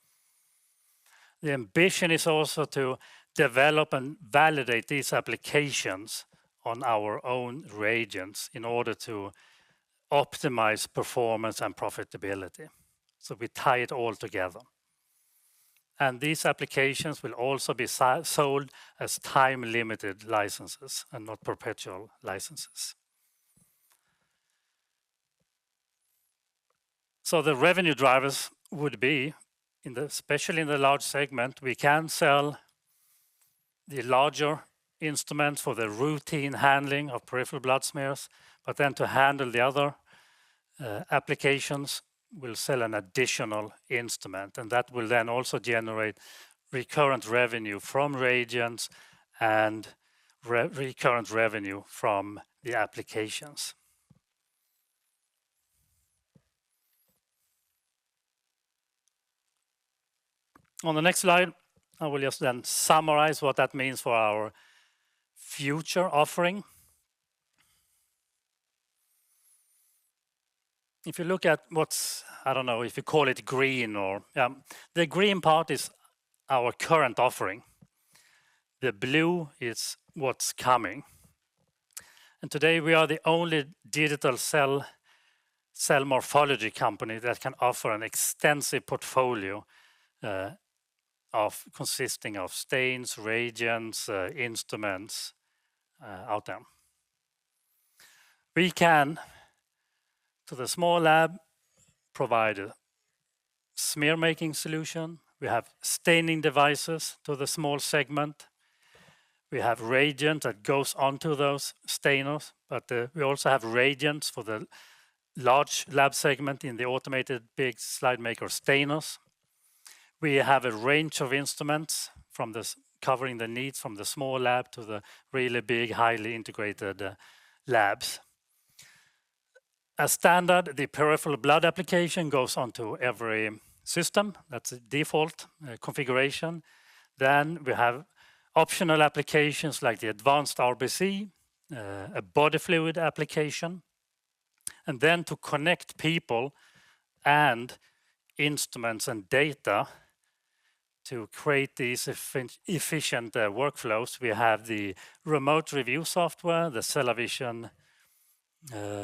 The ambition is also to develop and validate these applications on our own reagents in order to optimize performance and profitability. We tie it all together. These applications will also be sold as time-limited licenses and not perpetual licenses. The revenue drivers would be, especially in the large segment, we can sell the larger instrument for the routine handling of peripheral blood smears. To handle the other applications, we'll sell an additional instrument, and that will then also generate recurrent revenue from reagents and recurrent revenue from the applications. On the next slide, I will just then summarize what that means for our future offering. If you look at what's, I don't know if you call it green or. The green part is our current offering. The blue is what's coming. Today, we are the only digital cell morphology company that can offer an extensive portfolio consisting of stains, reagents, instruments out there. We can, to the small lab, provide a smear-making solution. We have staining devices to the small segment. We have reagent that goes onto those stainers, but we also have reagents for the large lab segment in the automated big slide maker stainers. We have a range of instruments covering the needs from the small lab to the really big, highly integrated labs. As standard, the Peripheral Blood Application goes onto every system. That's a default configuration. We have optional applications like the Advanced RBC, a Body Fluid Application. To connect people and instruments and data to create these efficient workflows, we have the Remote Review Software, the CellaVision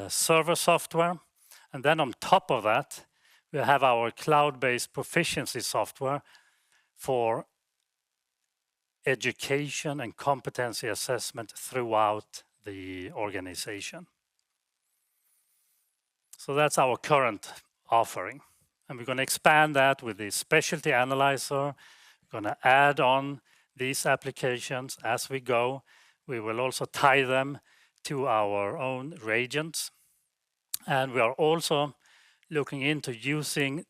Server Software. On top of that, we have our cloud-based Proficiency Software for education and competency assessment throughout the organization. That's our current offering, and we're gonna expand that with the specialty analyzer. Gonna add on these applications as we go. We will also tie them to our own reagents. We are also looking into using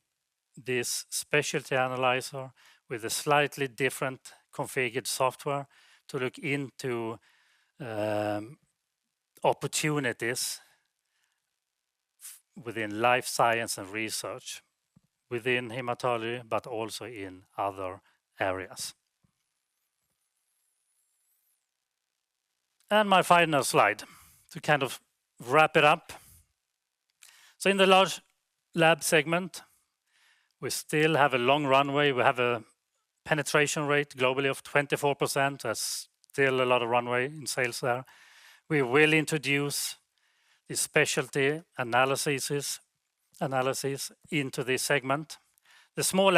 this specialty analyzer with a slightly different configured software to look into opportunities within life science and research within hematology, but also in other areas. My final slide to kind of wrap it up. In the large lab segment, we still have a long runway. We have a penetration rate globally of 24%. There's still a lot of runway in sales there. We will introduce the specialty analyzer into this segment. The small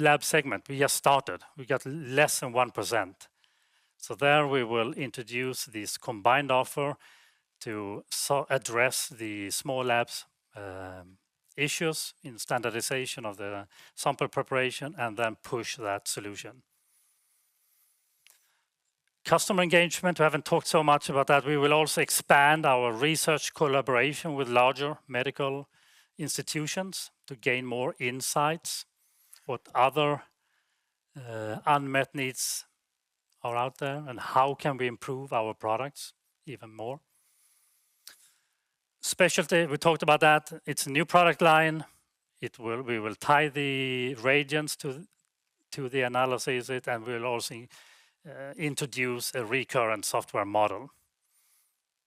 lab segment, we just started. We got less than 1%. There we will introduce this combined offer. To address the small labs issues in standardization of the sample preparation and then push that solution. Customer engagement, we haven't talked so much about that. We will also expand our research collaboration with larger medical institutions to gain more insights. What other unmet needs are out there, and how can we improve our products even more? Specialty, we talked about that. It's a new product line. We will tie the reagents to the analyses, and we'll also introduce a recurring software model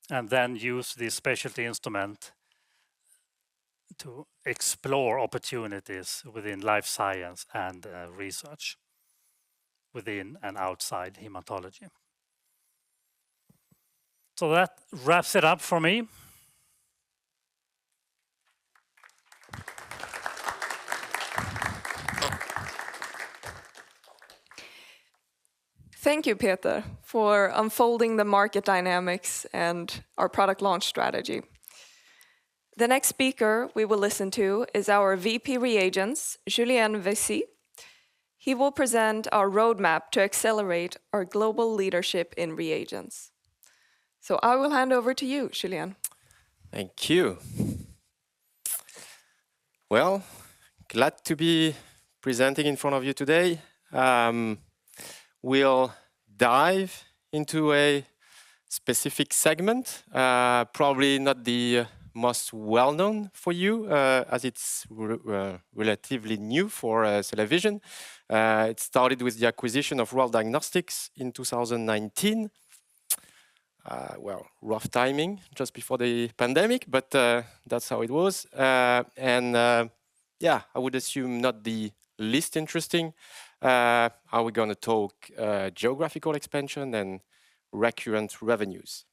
and then use the specialty instrument to explore opportunities within life science and research within and outside hematology. That wraps it up for me. Thank you, Peter, for unfolding the market dynamics and our product launch strategy. The next speaker we will listen to is our VP Reagents, Julien Veyssy. He will present our roadmap to accelerate our global leadership in reagents. I will hand over to you, Julien. Thank you. Well, glad to be presenting in front of you today. We'll dive into a specific segment, probably not the most well-known for you, as it's relatively new for CellaVision. It started with the acquisition of RAL Diagnostics in 2019. Well, rough timing just before the pandemic, but that's how it was. I would assume not the least interesting. Are we gonna talk geographical expansion and recurrent revenues?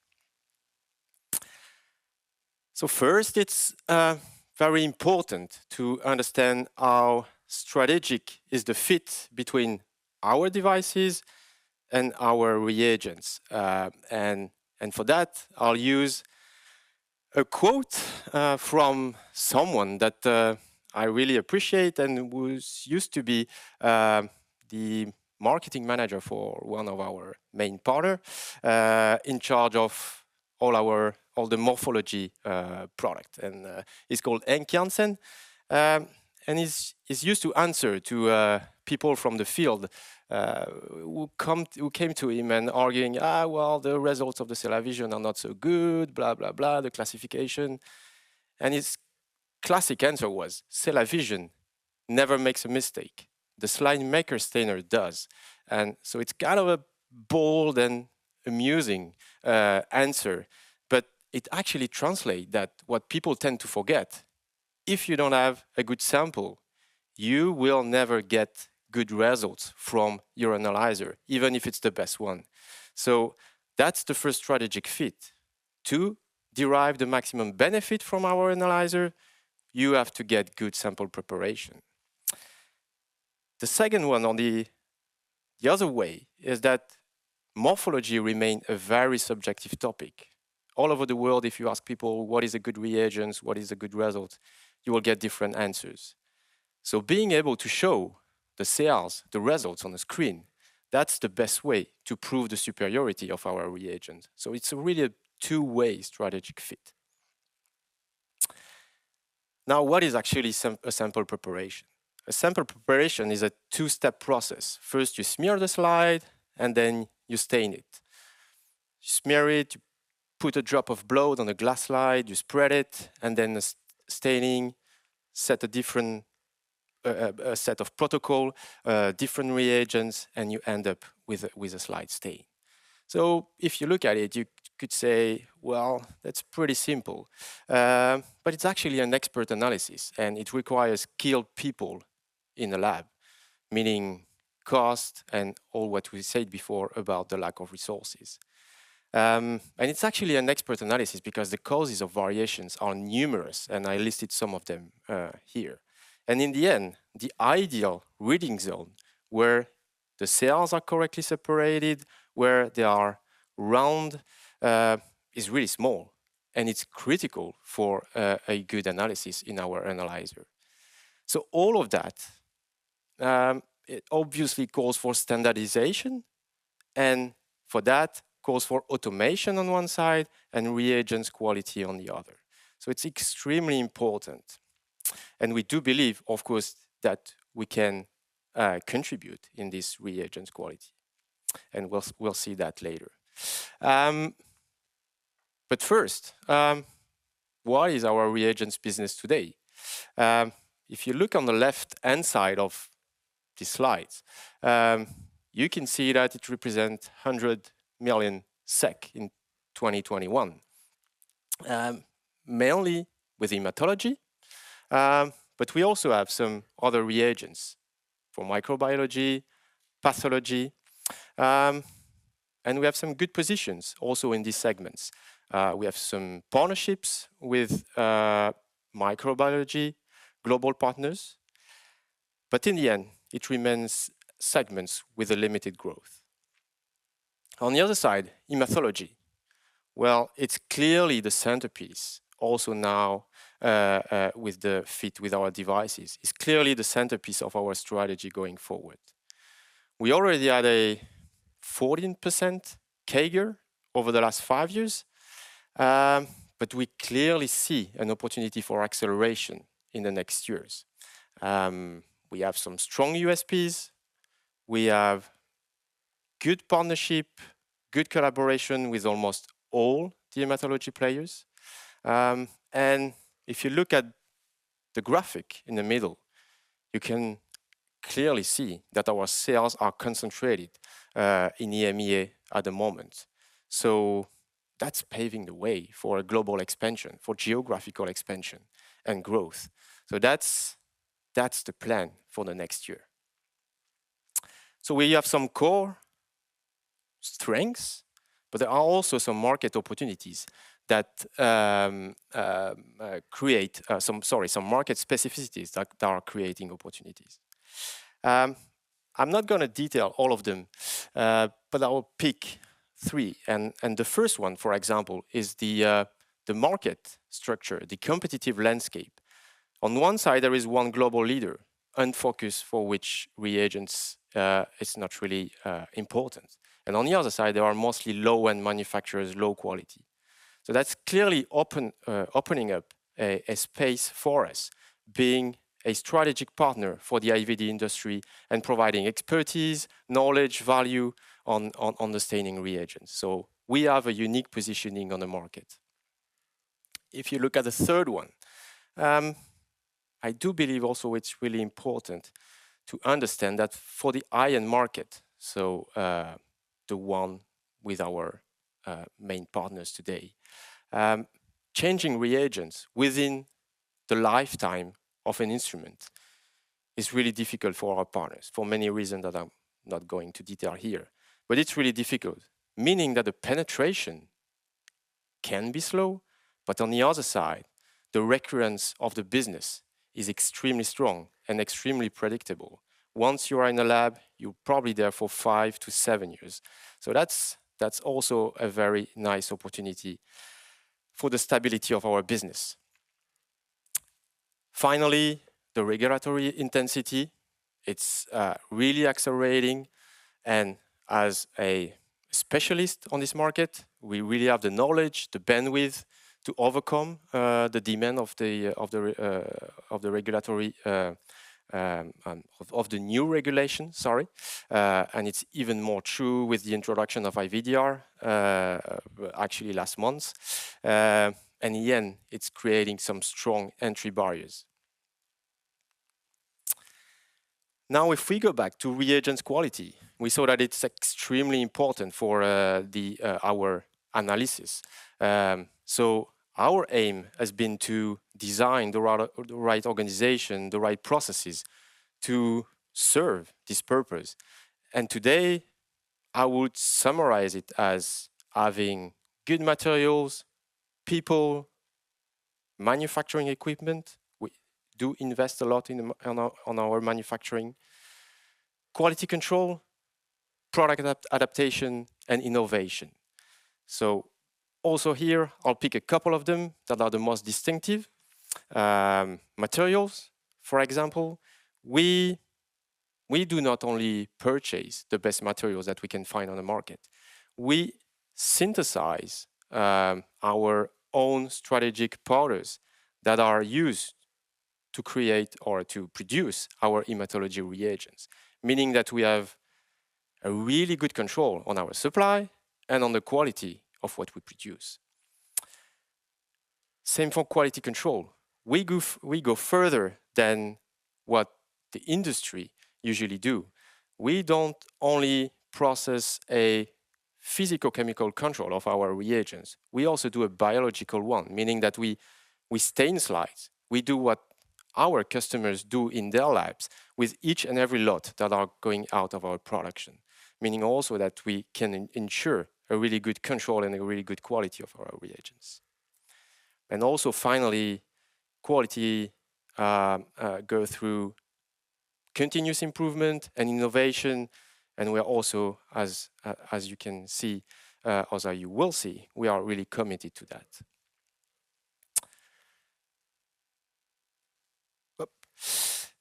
First, it's very important to understand how strategic is the fit between our devices and our reagents. For that, I'll use a quote from someone that I really appreciate and used to be the marketing manager for one of our main partner, in charge of all the morphology product. He's called Henk Jansen. He used to answer to people from the field who came to him and arguing, "Well, the results of the CellaVision are not so good, blah, blah, the classification." His classic answer was, "CellaVision never makes a mistake. The slide maker stainer does." It's kind of a bold and amusing answer, but it actually translate that what people tend to forget, if you don't have a good sample, you will never get good results from your analyzer, even if it's the best one. That's the first strategic fit. 2, derive the maximum benefit from our analyzer, you have to get good sample preparation. The second one on the other way is that morphology remain a very subjective topic. All over the world, if you ask people, "What is a good reagents? What is a good result?" You will get different answers. Being able to show the cells, the results on the screen, that's the best way to prove the superiority of our reagent. It's really a two-way strategic fit. Now, what is actually a sample preparation? A sample preparation is a two-step process. First, you smear the slide, and then you stain it. You smear it, you put a drop of blood on a glass slide, you spread it, and then the staining. It's a different set of protocols, different reagents, and you end up with a stained slide. If you look at it, you could say, "Well, that's pretty simple." It's actually an expert analysis, and it requires skilled people in the lab, meaning cost and all what we said before about the lack of resources. It's actually an expert analysis because the causes of variations are numerous, and I listed some of them, here. In the end, the ideal reading zone where the cells are correctly separated, where they are round, is really small, and it's critical for a good analysis in our analyzer. All of that, it obviously calls for standardization, and for that, calls for automation on one side and reagents quality on the other. It's extremely important. We do believe, of course, that we can, contribute in this reagents quality, and we'll see that later. First, what is our reagents business today? If you look on the left-hand side of the slide, you can see that it represent 100 million SEK in 2021, mainly with hematology, but we also have some other reagents for microbiology, pathology, and we have some good positions also in these segments. We have some partnerships with microbiology global partners. In the end, it remains segments with a limited growth. On the other side, hematology. Well, it's clearly the centerpiece also now, with the fit with our devices. It's clearly the centerpiece of our strategy going forward. We already had a 14% CAGR over the last five years, but we clearly see an opportunity for acceleration in the next years. We have some strong USPs, we have good partnership, good collaboration with almost all the hematology players. If you look at the graphic in the middle, you can clearly see that our sales are concentrated in EMEA at the moment. That's paving the way for a global expansion, for geographical expansion and growth. That's the plan for the next year. We have some core strengths, but there are also some market opportunities, some market specificities that are creating opportunities. I'm not gonna detail all of them, but I will pick three. The first one, for example, is the market structure, the competitive landscape. On one side, there is one global leader, unfocused, for which reagents is not really important. On the other side, there are mostly low-end manufacturers, low quality. That's clearly opening up a space for us being a strategic partner for the IVD industry and providing expertise, knowledge, value on the staining reagents. We have a unique positioning on the market. If you look at the third one, I do believe also it's really important to understand that for the OEM market, the one with our main partners today, changing reagents within the lifetime of an instrument is really difficult for our partners for many reasons that I'm not going to detail here, but it's really difficult. Meaning that the penetration can be slow, but on the other side, the recurring of the business is extremely strong and extremely predictable. Once you are in a lab, you're probably there for five to seven years. That's also a very nice opportunity for the stability of our business. Finally, the regulatory intensity, it's really accelerating and as a specialist on this market, we really have the knowledge, the bandwidth to overcome the demand of the new regulation. Sorry. It's even more true with the introduction of IVDR, actually last month. It's creating some strong entry barriers. Now, if we go back to reagents quality, we saw that it's extremely important for our analysis. Our aim has been to design the right organization, the right processes to serve this purpose. Today, I would summarize it as having good materials, people, manufacturing equipment. We do invest a lot in our manufacturing. Quality control, product adaptation, and innovation. Also here, I'll pick a couple of them that are the most distinctive. Materials, for example. We do not only purchase the best materials that we can find on the market. We synthesize our own strategic powders that are used to create or to produce our hematology reagents, meaning that we have a really good control on our supply and on the quality of what we produce. Same for quality control. We go further than what the industry usually do. We don't only process a physical chemical control of our reagents, we also do a biological one, meaning that we stain slides. We do what our customers do in their labs with each and every lot that are going out of our production, meaning also that we can ensure a really good control and a really good quality of our reagents. Also finally, quality goes through continuous improvement and innovation. We're also, as you can see, or that you will see, we are really committed to that.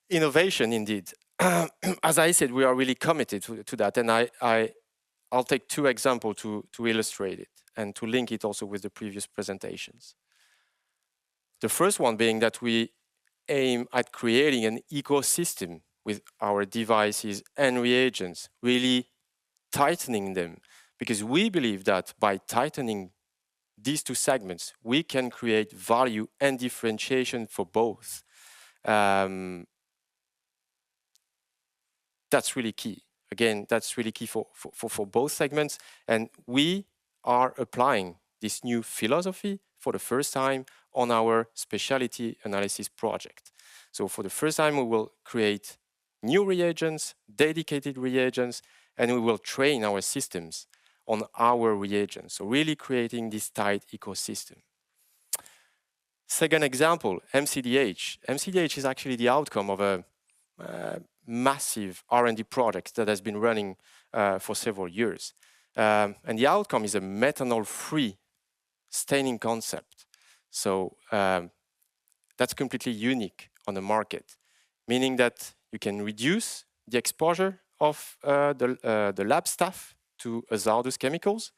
Innovation indeed. As I said, we are really committed to that, and I'll take two examples to illustrate it and to link it also with the previous presentations. The first one being that we aim at creating an ecosystem with our devices and reagents, really tightening them, because we believe that by tightening these two segments, we can create value and differentiation for both. That's really key. Again, that's really key for both segments, and we are applying this new philosophy for the first time on our specialty analysis project. For the first time, we will create new reagents, dedicated reagents, and we will train our systems on our reagents, really creating this tight ecosystem. Second example, MCDh. MCDh is actually the outcome of a massive R&D product that has been running for several years. The outcome is a methanol-free staining concept. That's completely unique on the market, meaning that you can reduce the exposure of the lab staff to hazardous chemicals.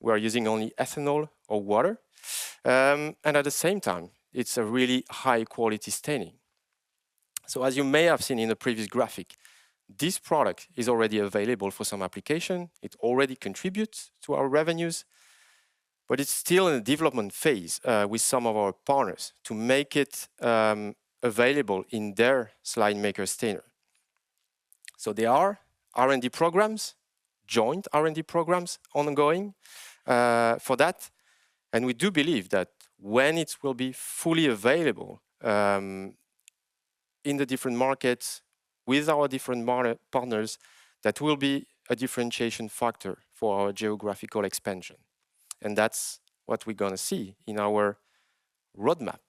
We are using only ethanol or water. At the same time, it's a really high-quality staining. As you may have seen in the previous graphic, this product is already available for some application. It already contributes to our revenues, but it's still in the development phase with some of our partners to make it available in their slide maker stainer. There are R&D programs, joint R&D programs ongoing for that. We do believe that when it will be fully available in the different markets with our different partners, that will be a differentiation factor for our geographical expansion. That's what we're gonna see in our roadmap.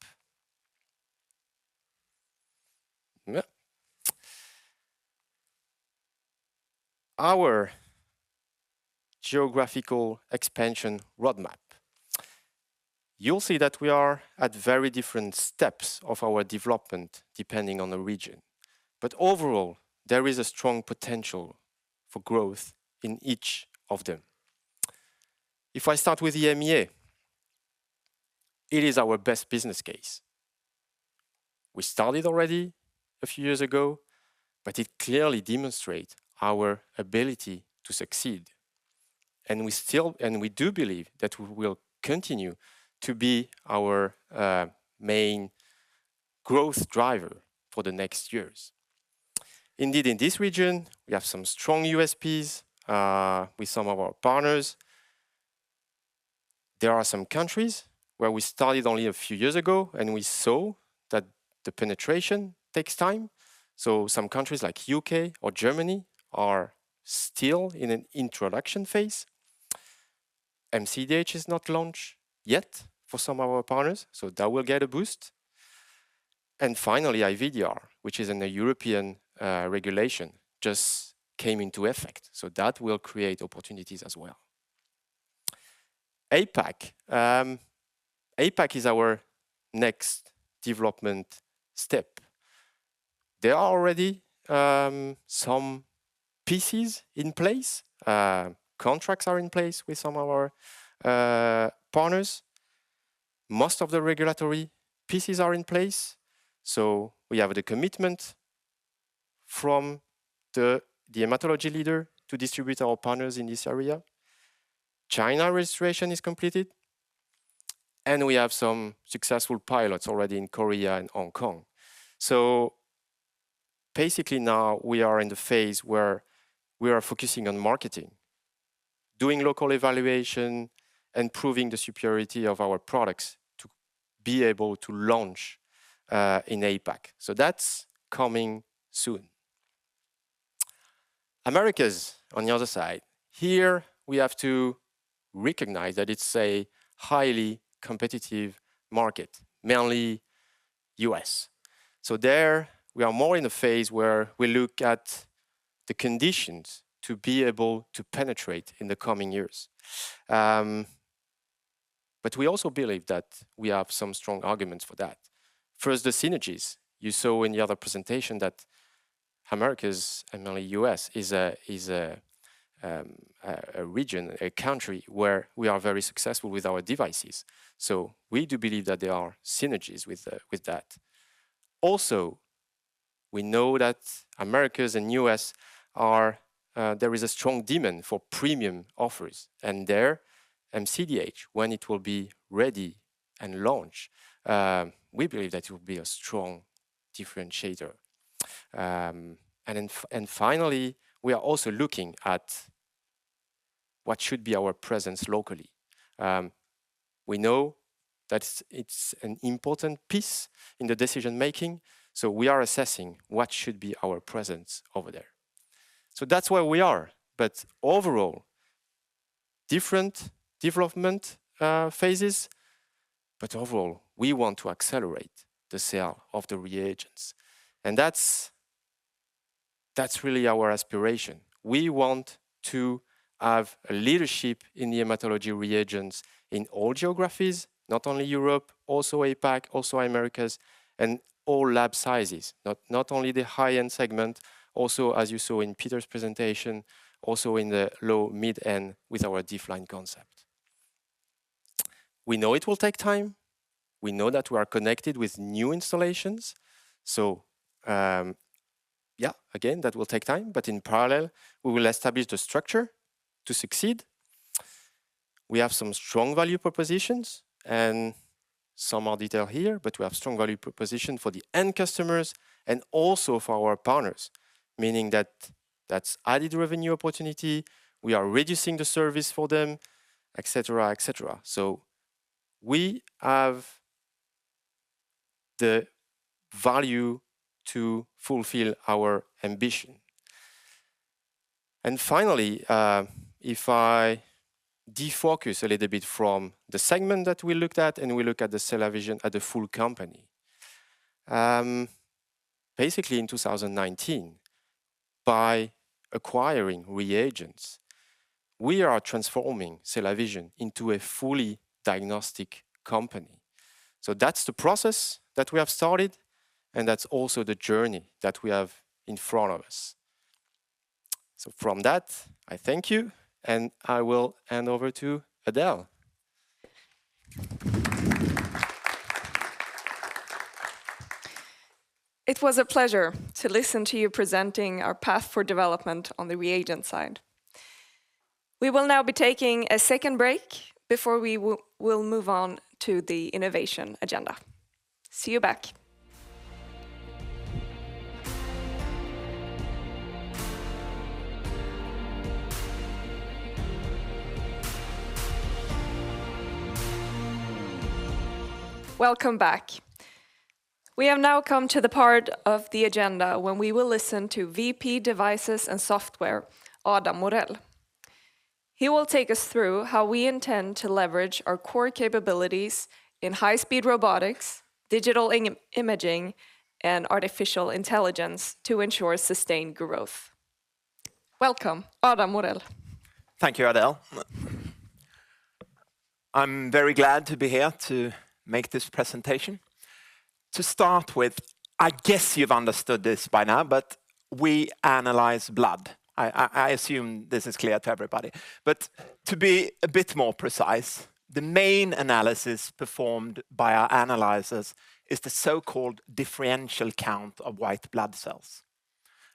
Yeah. Our geographical expansion roadmap. You'll see that we are at very different steps of our development depending on the region. Overall, there is a strong potential for growth in each of them. If I start with EMEA, it is our best business case. We started already a few years ago, but it clearly demonstrate our ability to succeed. We do believe that we will continue to be our main growth driver for the next years. Indeed, in this region, we have some strong USPs with some of our partners. There are some countries where we started only a few years ago, and we saw that the penetration takes time. Some countries like UK or Germany are still in an introduction phase. MCDh is not launched yet for some of our partners, so that will get a boost. Finally, IVDR, which is in a European regulation, just came into effect, so that will create opportunities as well. APAC. APAC is our next development step. There are already some pieces in place. Contracts are in place with some of our partners. Most of the regulatory pieces are in place. We have the commitment from the hematology leader to distribute our partners in this area. China registration is completed, and we have some successful pilots already in Korea and Hong Kong. Basically now we are in the phase where we are focusing on marketing, doing local evaluation, and proving the superiority of our products to be able to launch in APAC. That's coming soon. Americas on the other side. Here we have to recognize that it's a highly competitive market, mainly US. There we are more in the phase where we look at the conditions to be able to penetrate in the coming years. We also believe that we have some strong arguments for that. First, the synergies. You saw in the other presentation that Americas and mainly U.S. is a region, a country where we are very successful with our devices. We do believe that there are synergies with that. Also, we know that Americas and U.S. are there is a strong demand for premium offers. There, MCDh, when it will be ready and launch, we believe that it will be a strong differentiator. Then and finally, we are also looking at what should be our presence locally. We know that it's an important piece in the decision-making, so we are assessing what should be our presence over there. That's where we are. Overall, different development phases, but overall, we want to accelerate the sale of the reagents. That's really our aspiration. We want to have a leadership in the hematology reagents in all geographies, not only Europe, also APAC, also Americas and all lab sizes. Not only the high-end segment, also, as you saw in Peter's presentation, also in the low, mid-end with our D line concept. We know it will take time. We know that we are connected with new installations. Yeah, again, that will take time. In parallel, we will establish the structure to succeed. We have some strong value propositions and some are detailed here, but we have strong value proposition for the end customers and also for our partners, meaning that that's added revenue opportunity. We are reducing the service for them, et cetera, et cetera. We have the value to fulfill our ambition. Finally, if I defocus a little bit from the segment that we looked at, and we look at the CellaVision as a full company. Basically in 2019, by acquiring reagents, we are transforming CellaVision into a fully diagnostic company. That's the process that we have started, and that's also the journey that we have in front of us. From that, I thank you, and I will hand over to Adele. It was a pleasure to listen to you presenting our path for development on the reagent side. We will now be taking a second break before we'll move on to the innovation agenda. See you back. Welcome back. We have now come to the part of the agenda when we will listen to VP Devices and Software, Adam Morell. He will take us through how we intend to leverage our core capabilities in high-speed robotics, digital imaging, and artificial intelligence to ensure sustained growth. Welcome, Adam Morell. Thank you, Adele. I'm very glad to be here to make this presentation. To start with, I guess you've understood this by now, but we analyze blood. I assume this is clear to everybody. To be a bit more precise, the main analysis performed by our analyzers is the so-called differential count of white blood cells.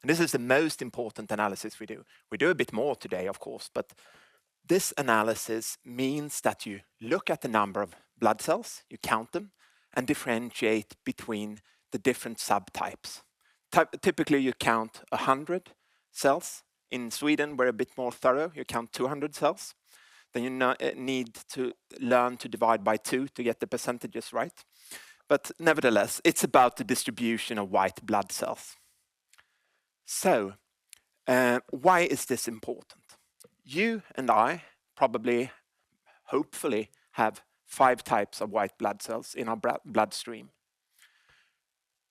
This is the most important analysis we do. We do a bit more today, of course, but this analysis means that you look at the number of blood cells, you count them, and differentiate between the different subtypes. Typically, you count 100 cells. In Sweden, we're a bit more thorough, you count 200 cells. You need to learn to divide by two to get the percentages right. Nevertheless, it's about the distribution of white blood cells. Why is this important? You and I probably, hopefully, have five types of white blood cells in our bloodstream.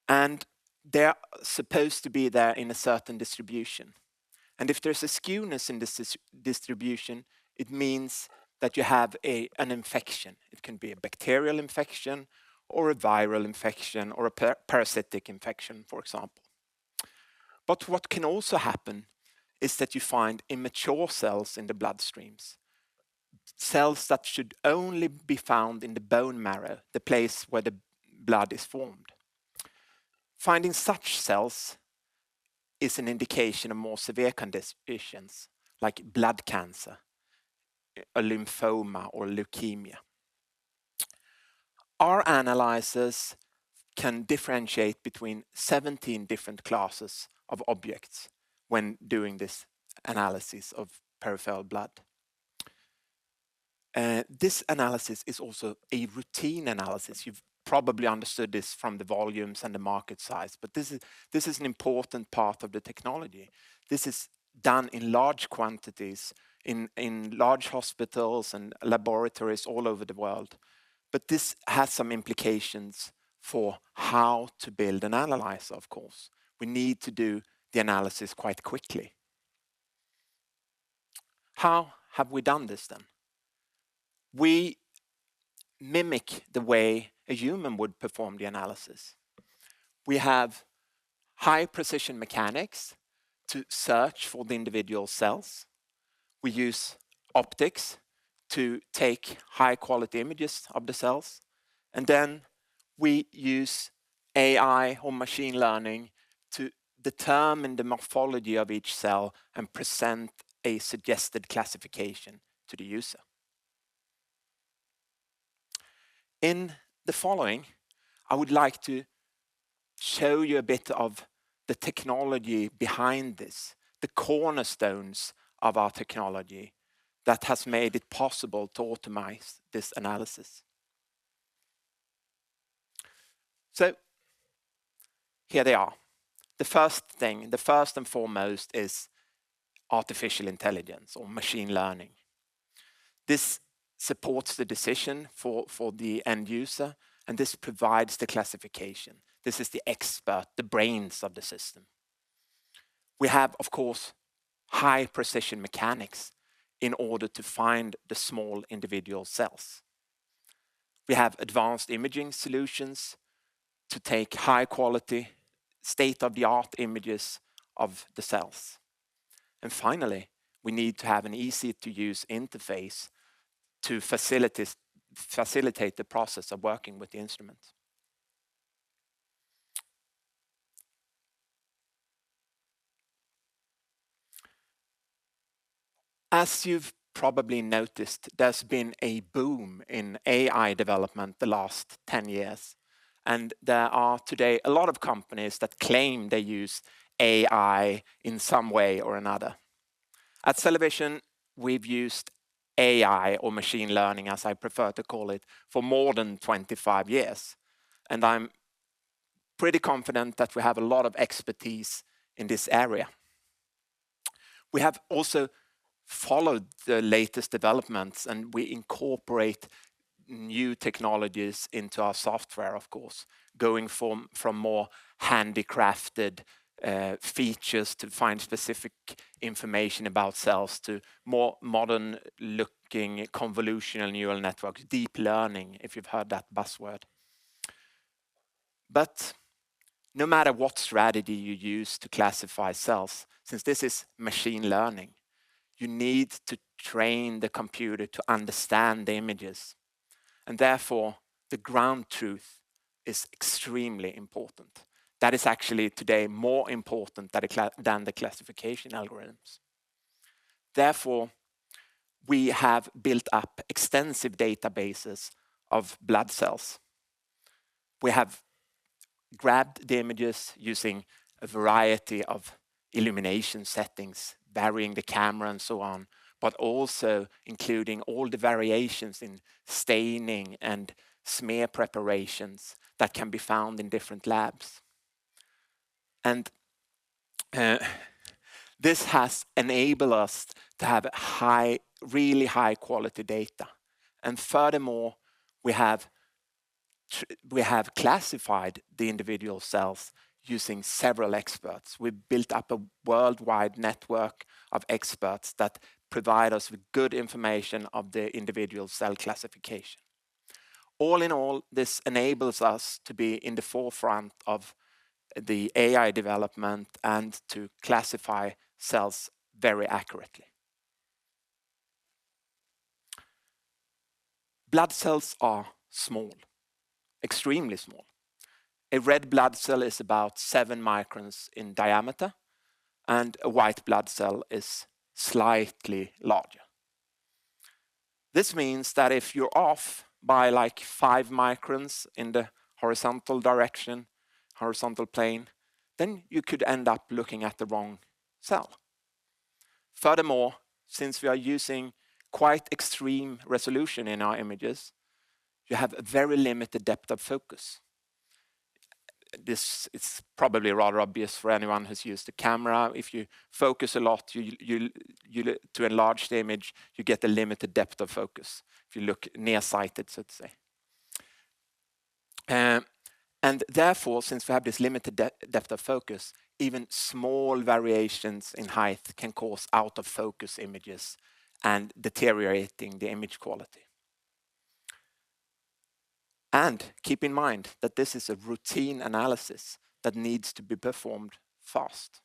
They are supposed to be there in a certain distribution. If there's a skewness in this distribution, it means that you have an infection. It can be a bacterial infection or a viral infection or a parasitic infection, for example. What can also happen is that you find immature cells in the bloodstreams, cells that should only be found in the bone marrow, the place where the blood is formed. Finding such cells is an indication of more severe conditions like blood cancer, a lymphoma or leukemia. Our analyzers can differentiate between 17 different classes of objects when doing this analysis of peripheral blood. This analysis is also a routine analysis. You've probably understood this from the volumes and the market size, but this is an important part of the technology. This is done in large quantities in large hospitals and laboratories all over the world. This has some implications for how to build an analyzer, of course. We need to do the analysis quite quickly. How have we done this, then? We mimic the way a human would perform the analysis. We have high-precision mechanics to search for the individual cells. We use optics to take high-quality images of the cells, and then we use AI or machine learning to determine the morphology of each cell and present a suggested classification to the user. In the following, I would like to show you a bit of the technology behind this, the cornerstones of our technology that has made it possible to optimize this analysis. Here they are. The first thing, the first and foremost is artificial intelligence or machine learning. This supports the decision for the end user, and this provides the classification. This is the expert, the brains of the system. We have, of course, high-precision mechanics in order to find the small individual cells. We have advanced imaging solutions to take high-quality state-of-the-art images of the cells. Finally, we need to have an easy-to-use interface to facilitate the process of working with the instrument. As you've probably noticed, there's been a boom in AI development the last 10 years, and there are today a lot of companies that claim they use AI in some way or another. At CellaVision, we've used AI, or machine learning, as I prefer to call it, for more than 25 years, and I'm pretty confident that we have a lot of expertise in this area. We have also followed the latest developments, and we incorporate new technologies into our software, of course, going from more handcrafted features to find specific information about cells to more modern-looking convolutional neural networks, deep learning, if you've heard that buzzword. No matter what strategy you use to classify cells, since this is machine learning, you need to train the computer to understand the images, and therefore the ground truth is extremely important. That is actually today more important than the classification algorithms. Therefore, we have built up extensive databases of blood cells. We have grabbed the images using a variety of illumination settings, varying the camera and so on, but also including all the variations in staining and smear preparations that can be found in different labs. This has enabled us to have high, really high-quality data, and furthermore, we have classified the individual cells using several experts. We built up a worldwide network of experts that provide us with good information of the individual cell classification. All in all, this enables us to be in the forefront of the AI development and to classify cells very accurately. Blood cells are small, extremely small. A red blood cell is about 7 microns in diameter, and a white blood cell is slightly larger. This means that if you're off by like 5 microns in the horizontal direction, horizontal plane, then you could end up looking at the wrong cell. Furthermore, since we are using quite extreme resolution in our images, you have a very limited depth of focus. This is probably rather obvious for anyone who's used a camera. If you focus a lot to enlarge the image, you get a limited depth of focus if you look nearsighted, so to say. Therefore, since we have this limited depth of focus, even small variations in height can cause out-of-focus images and deteriorating the image quality. Keep in mind that this is a routine analysis that needs to be performed fast.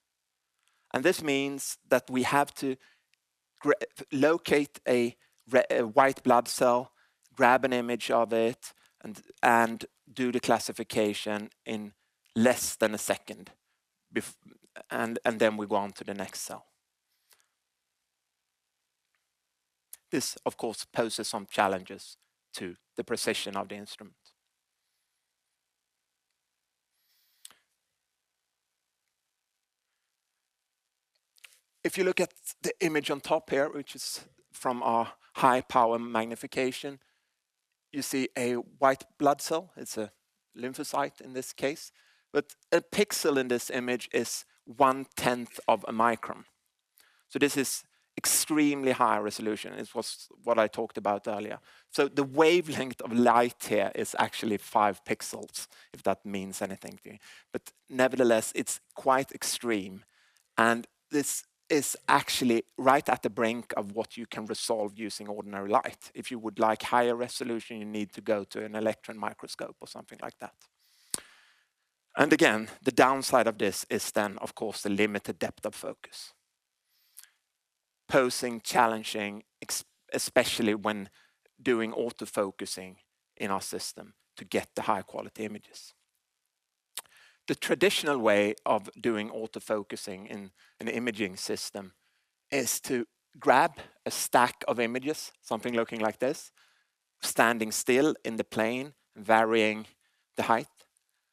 This means that we have to locate a white blood cell, grab an image of it and do the classification in less than a second and then we go on to the next cell. This of course poses some challenges to the precision of the instrument. If you look at the image on top here, which is from our high-power magnification, you see a white blood cell. It's a lymphocyte in this case. A pixel in this image is one-tenth of a micron, so this is extremely high resolution. It was what I talked about earlier. The wavelength of light here is actually 5 pixels, if that means anything to you. Nevertheless, it's quite extreme, and this is actually right at the brink of what you can resolve using ordinary light. If you would like higher resolution, you need to go to an electron microscope or something like that. Again, the downside of this is then of course the limited depth of focus, posing challenges especially when doing auto-focusing in our system to get the high-quality images. The traditional way of doing auto-focusing in an imaging system is to grab a stack of images, something looking like this, standing still in the plane, varying the height,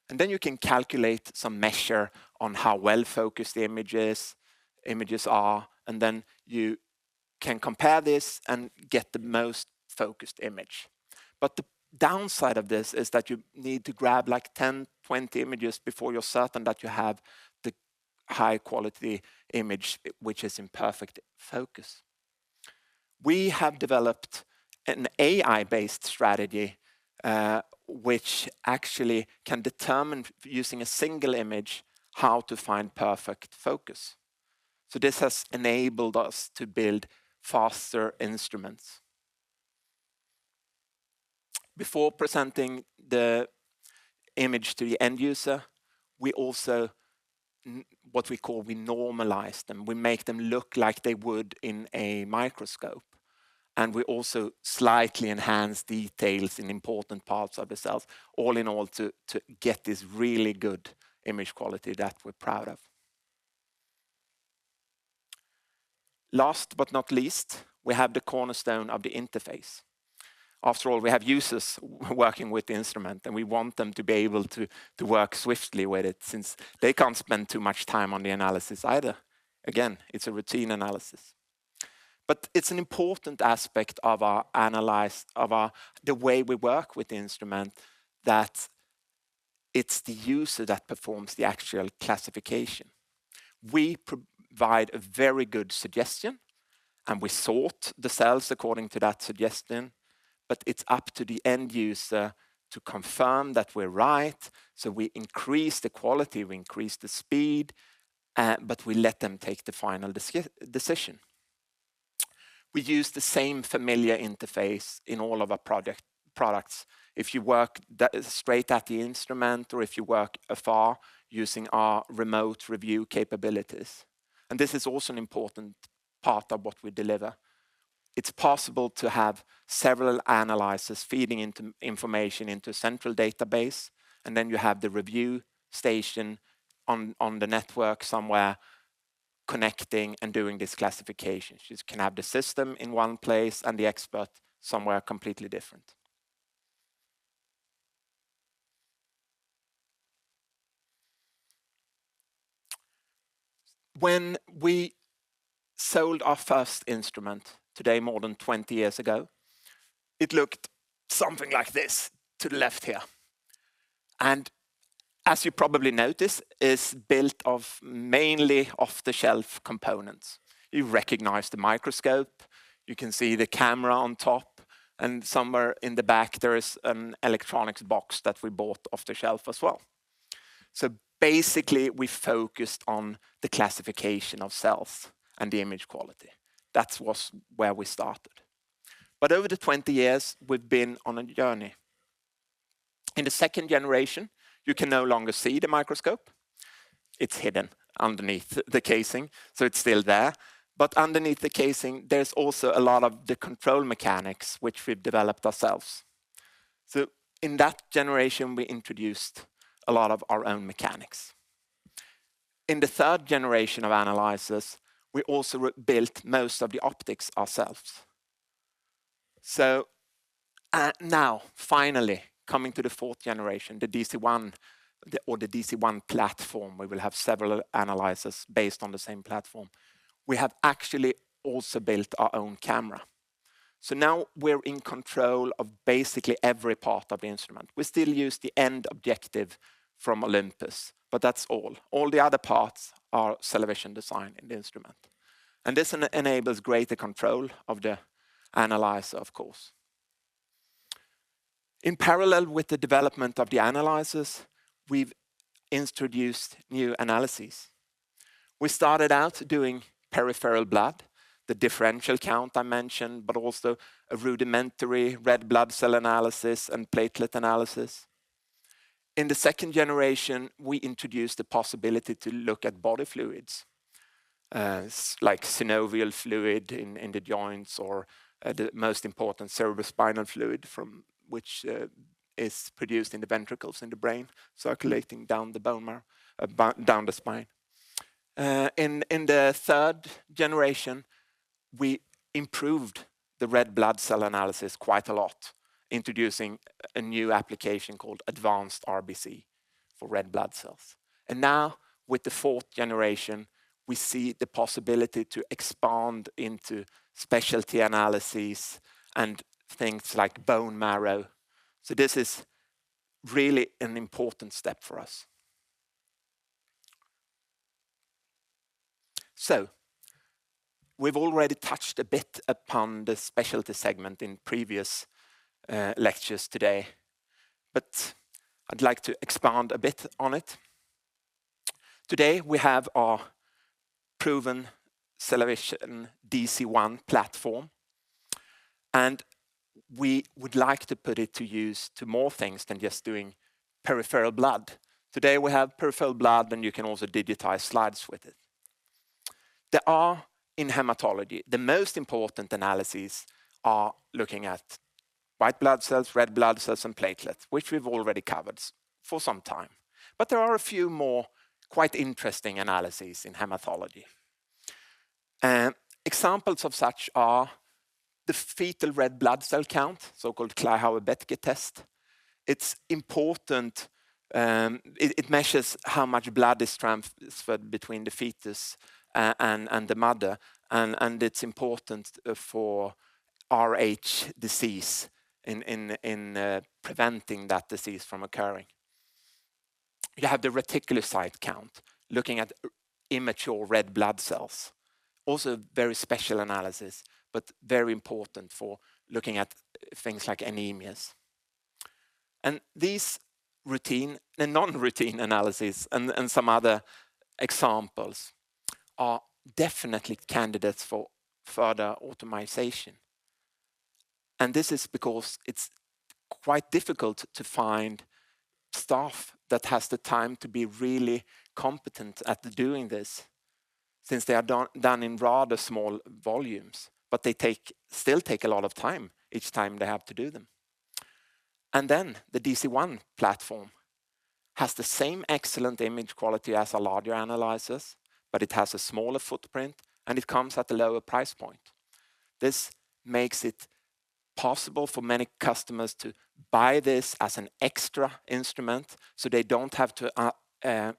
and then you can calculate some measure on how well-focused the images are, and then you can compare this and get the most focused image. The downside of this is that you need to grab like 10, 20 images before you're certain that you have the high-quality image which is in perfect focus. We have developed an AI-based strategy, which actually can determine using a single image how to find perfect focus. This has enabled us to build faster instruments. Before presenting the image to the end user, we also what we call normalize them. We make them look like they would in a microscope, and we also slightly enhance details in important parts of the cells all in all to get this really good image quality that we're proud of. Last but not least, we have the cornerstone of the interface. After all, we have users working with the instrument, and we want them to be able to work swiftly with it since they can't spend too much time on the analysis either. Again, it's a routine analysis. It's an important aspect of the way we work with the instrument that it's the user that performs the actual classification. We provide a very good suggestion, and we sort the cells according to that suggestion, but it's up to the end user to confirm that we're right. We increase the quality, we increase the speed, but we let them take the final decision. We use the same familiar interface in all of our products. If you work straight at the instrument or if you work afar using our remote review capabilities. This is also an important part of what we deliver. It's possible to have several analyzers feeding information into a central database, and then you have the review station on the network somewhere connecting and doing this classification. You just can have the system in one place and the expert somewhere completely different. When we sold our first instrument, today more than 20 years ago, it looked something like this to the left here. As you probably noticed, it's built of mainly off-the-shelf components. You recognize the microscope, you can see the camera on top, and somewhere in the back there is an electronics box that we bought off the shelf as well. Basically we focused on the classification of cells and the image quality. That was where we started. Over the 20 years we've been on a journey. In the second generation, you can no longer see the microscope. It's hidden underneath the casing. It's still there, but underneath the casing there's also a lot of the control mechanics which we've developed ourselves. In that generation, we introduced a lot of our own mechanics. In the third generation of analyzers, we also built most of the optics ourselves. Now finally coming to the fourth generation, the DCOne, or the DCOne platform, we will have several analyzers based on the same platform. We have actually also built our own camera. Now we're in control of basically every part of the instrument. We still use the objective from Olympus, but that's all. All the other parts are CellaVision design in the instrument. This enables greater control of the analyzer of course. In parallel with the development of the analyzers, we've introduced new analyses. We started out doing peripheral blood, the differential count I mentioned, but also a rudimentary red blood cell analysis and platelet analysis. In the second generation, we introduced the possibility to look at body fluids, like synovial fluid in the joints or the most important cerebrospinal fluid from which is produced in the ventricles in the brain, circulating down the spine. In the third generation, we improved the red blood cell analysis quite a lot, introducing a new application called Advanced RBC for red blood cells. Now with the fourth generation, we see the possibility to expand into specialty analyzer and things like bone marrow. This is really an important step for us. We've already touched a bit upon the specialty segment in previous lectures today, but I'd like to expand a bit on it. Today we have our proven CellaVision DCOne platform, and we would like to put it to use to more things than just doing peripheral blood. Today we have peripheral blood, and you can also digitize slides with it. There are in hematology the most important analyses are looking at white blood cells, red blood cells and platelets, which we've already covered for some time. There are a few more quite interesting analyses in hematology. Examples of such are the fetal red blood cell count, so-called Kleihauer-Betke test. It's important. It measures how much blood is transferred between the fetus and the mother and it's important for Rh disease in preventing that disease from occurring. You have the reticulocyte count, looking at immature red blood cells. Also very special analysis, but very important for looking at things like anemias. These routine and non-routine analysis and some other examples are definitely candidates for further automation. This is because it's quite difficult to find staff that has the time to be really competent at doing this since they are done in rather small volumes, but they still take a lot of time each time they have to do them. The DC-1 platform has the same excellent image quality as larger analyzers, but it has a smaller footprint, and it comes at a lower price point. This makes it possible for many customers to buy this as an extra instrument, so they don't have to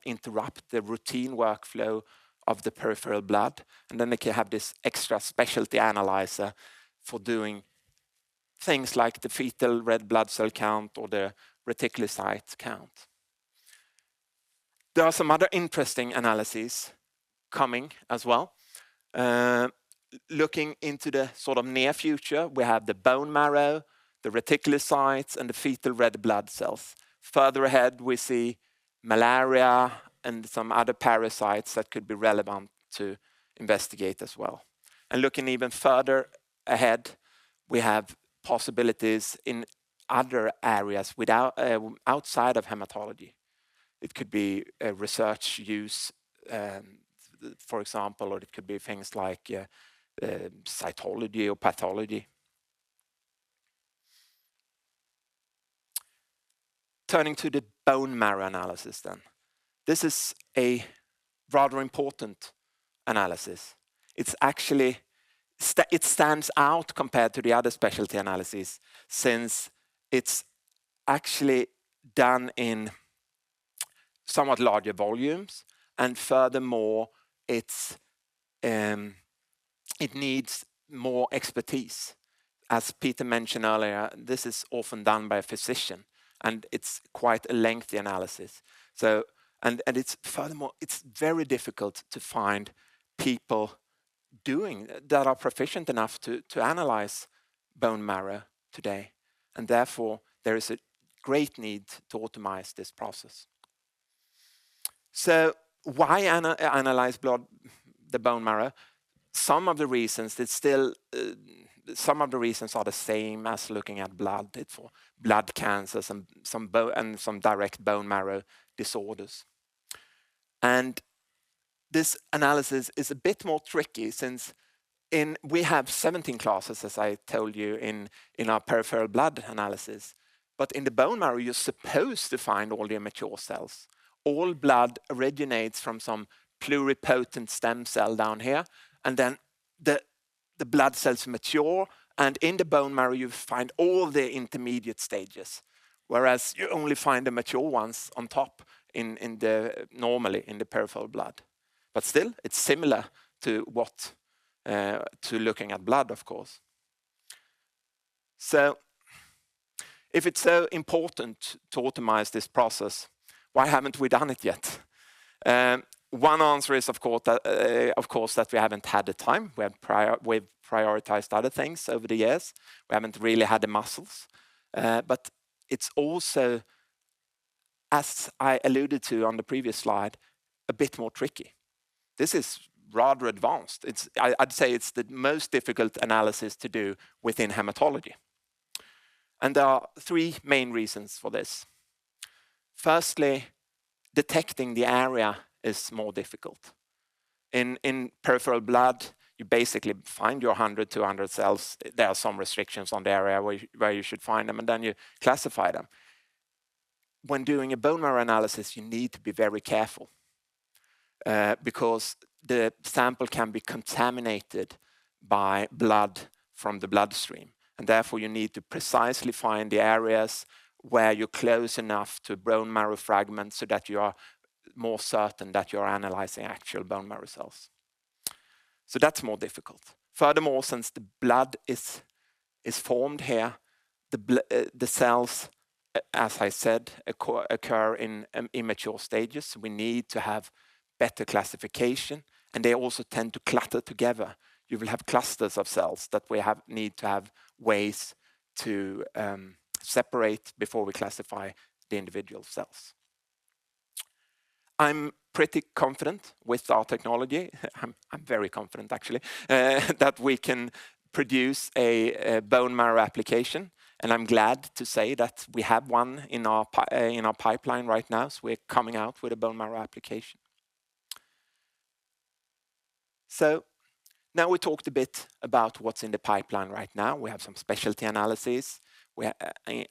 interrupt the routine workflow of the peripheral blood, and then they can have this extra specialty analyzer for doing things like the fetal red blood cell count or the reticulocyte count. There are some other interesting analyses coming as well. Looking into the sort of near future, we have the bone marrow, the reticulocytes, and the fetal red blood cells. Further ahead, we see malaria and some other parasites that could be relevant to investigate as well. Looking even further ahead, we have possibilities in other areas outside of hematology. It could be a research use, for example, or it could be things like, cytology or pathology. Turning to the bone marrow analysis then. This is a rather important analysis. It stands out compared to the other specialty analyzer since it's actually done in somewhat larger volumes. Furthermore, it needs more expertise. As Peter mentioned earlier, this is often done by a physician, and it's quite a lengthy analysis. Furthermore, it's very difficult to find people that are proficient enough to analyze bone marrow today, and therefore, there is a great need to automate this process. Why analyze the bone marrow? Some of the reasons are the same as looking at blood. It's for blood cancers and some direct bone marrow disorders. This analysis is a bit more tricky since we have 17 classes, as I told you in our peripheral blood analysis. In the bone marrow, you're supposed to find all the immature cells. All blood originates from some pluripotent stem cell down here, and then the blood cells mature, and in the bone marrow, you find all the intermediate stages, whereas you only find the mature ones on top in the peripheral blood. Still, it's similar to looking at blood, of course. If it's so important to automate this process, why haven't we done it yet? One answer is, of course, that we haven't had the time. We've prioritized other things over the years. We haven't really had the muscles. it's also, as I alluded to on the previous slide, a bit more tricky. This is rather advanced. I'd say it's the most difficult analysis to do within hematology. There are three main reasons for this. Firstly, detecting the area is more difficult. In peripheral blood, you basically find your 100, 200 cells. There are some restrictions on the area where you should find them, and then you classify them. When doing a bone marrow analysis, you need to be very careful, because the sample can be contaminated by blood from the bloodstream, and therefore you need to precisely find the areas where you're close enough to bone marrow fragments so that you are more certain that you're analyzing actual bone marrow cells. That's more difficult. Furthermore, since the blood is formed here, the cells, as I said, occur in immature stages, we need to have better classification, and they also tend to clutter together. You will have clusters of cells that we need to have ways to separate before we classify the individual cells. I'm pretty confident with our technology. I'm very confident, actually, that we can produce a bone marrow application, and I'm glad to say that we have one in our pipeline right now, so we're coming out with a bone marrow application. Now we talked a bit about what's in the pipeline right now. We have some specialty analyzer.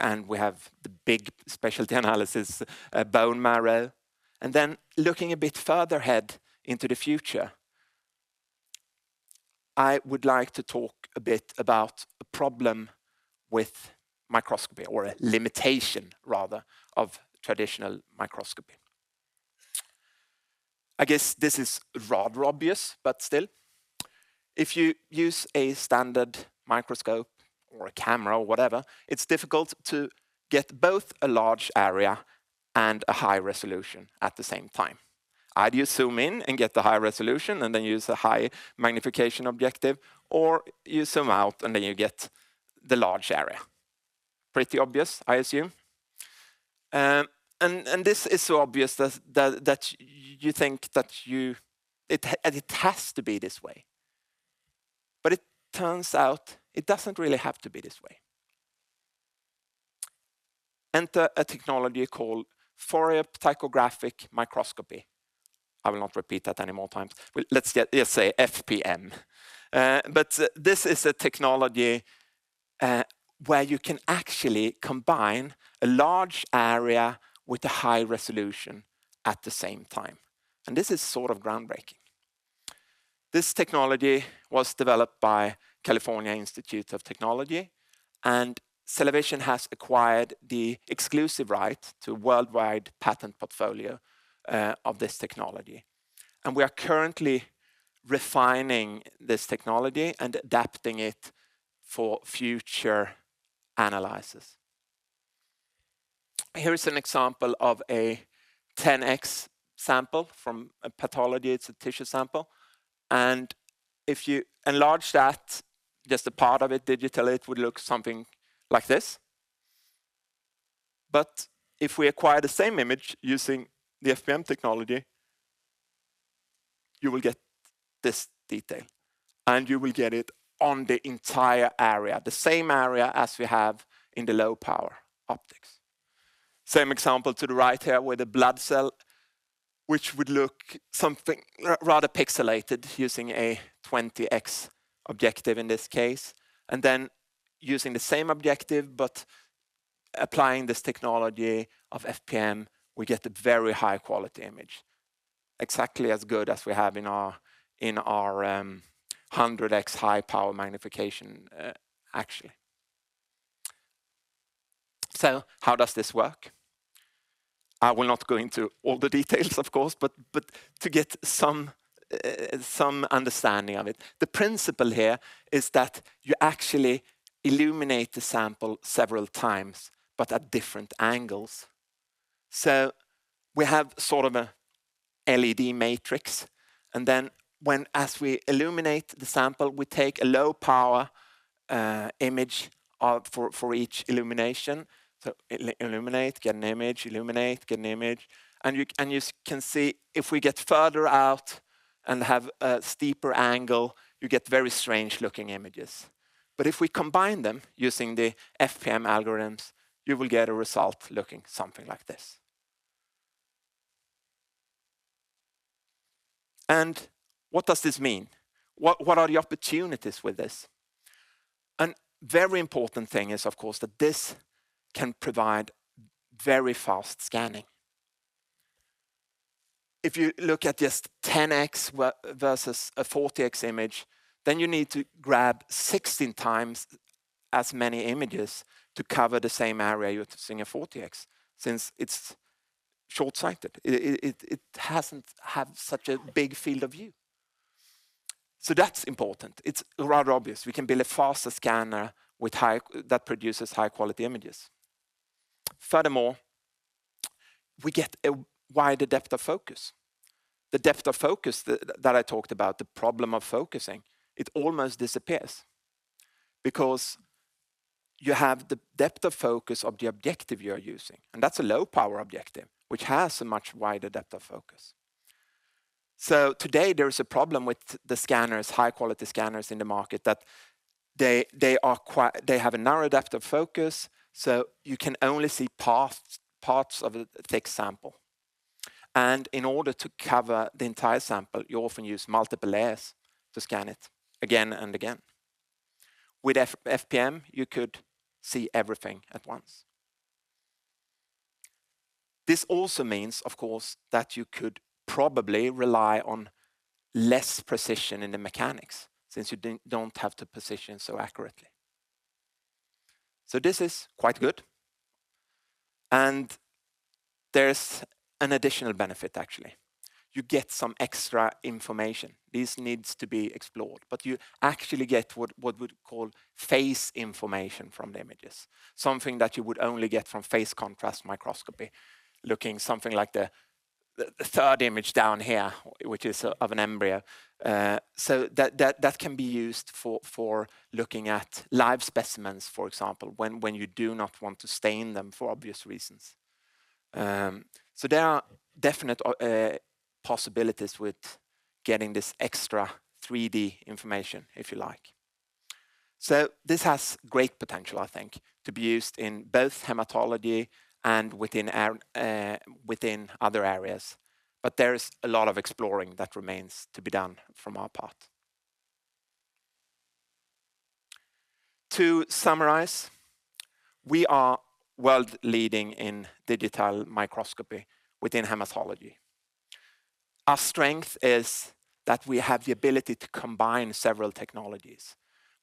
And we have the big specialty analysis, bone marrow. Looking a bit further ahead into the future, I would like to talk a bit about a problem with microscopy or a limitation rather of traditional microscopy. I guess this is rather obvious, but still. If you use a standard microscope or a camera or whatever, it's difficult to get both a large area and a high resolution at the same time. Either you zoom in and get the high resolution and then use a high magnification objective, or you zoom out and then you get the large area. Pretty obvious, I assume. This is so obvious that you think that it has to be this way. It turns out it doesn't really have to be this way. Enter a technology called Fourier Ptychographic Microscopy. I will not repeat that any more times. Just say FPM. But this is a technology where you can actually combine a large area with a high resolution at the same time. This is sort of groundbreaking. This technology was developed by California Institute of Technology, and CellaVision has acquired the exclusive right to worldwide patent portfolio of this technology. We are currently refining this technology and adapting it for future analysis. Here is an example of a 10x sample from a pathology, it's a tissue sample, and if you enlarge that, just a part of it digitally, it would look something like this. But if we acquire the same image using the FPM technology, you will get this detail, and you will get it on the entire area, the same area as we have in the low power optics. Same example to the right here with a blood cell, which would look something rather pixelated using a 20x objective in this case. Then using the same objective but applying this technology of FPM, we get a very high-quality image, exactly as good as we have in our 100x high power magnification, actually. How does this work? I will not go into all the details of course, but to get some understanding of it. The principle here is that you actually illuminate the sample several times but at different angles. We have sort of a LED matrix, and then when as we illuminate the sample, we take a low power image for each illumination. Illuminate, get an image, illuminate, get an image. You can see if we get further out and have a steeper angle, you get very strange-looking images. If we combine them using the FPM algorithms, you will get a result looking something like this. What does this mean? What are the opportunities with this? Very important thing is, of course, that this can provide very fast scanning. If you look at just 10x versus a 40x image, then you need to grab 16 times as many images to cover the same area you're using a 40x since it's short-sighted. It hasn't had such a big field of view. That's important. It's rather obvious we can build a faster scanner that produces high-quality images. Furthermore, we get a wider depth of focus. The depth of focus that I talked about, the problem of focusing, it almost disappears because you have the depth of focus of the objective you're using, and that's a low power objective, which has a much wider depth of focus. Today there is a problem with the scanners, high-quality scanners in the market that they have a narrow depth of focus, so you can only see parts of a thick sample. In order to cover the entire sample, you often use multiple layers to scan it again and again. With FPM, you could see everything at once. This also means, of course, that you could probably rely on less precision in the mechanics since you don't have to position so accurately. This is quite good, and there is an additional benefit actually. You get some extra information. This needs to be explored, but you actually get what we call phase information from the images, something that you would only get from phase contrast microscopy. Looking something like the third image down here, which is of an embryo. That can be used for looking at live specimens, for example, when you do not want to stain them for obvious reasons. There are definite possibilities with getting this extra 3-D information, if you like. This has great potential, I think, to be used in both hematology and within other areas, but there is a lot of exploring that remains to be done on our part. To summarize, we are world-leading in digital microscopy within hematology. Our strength is that we have the ability to combine several technologies.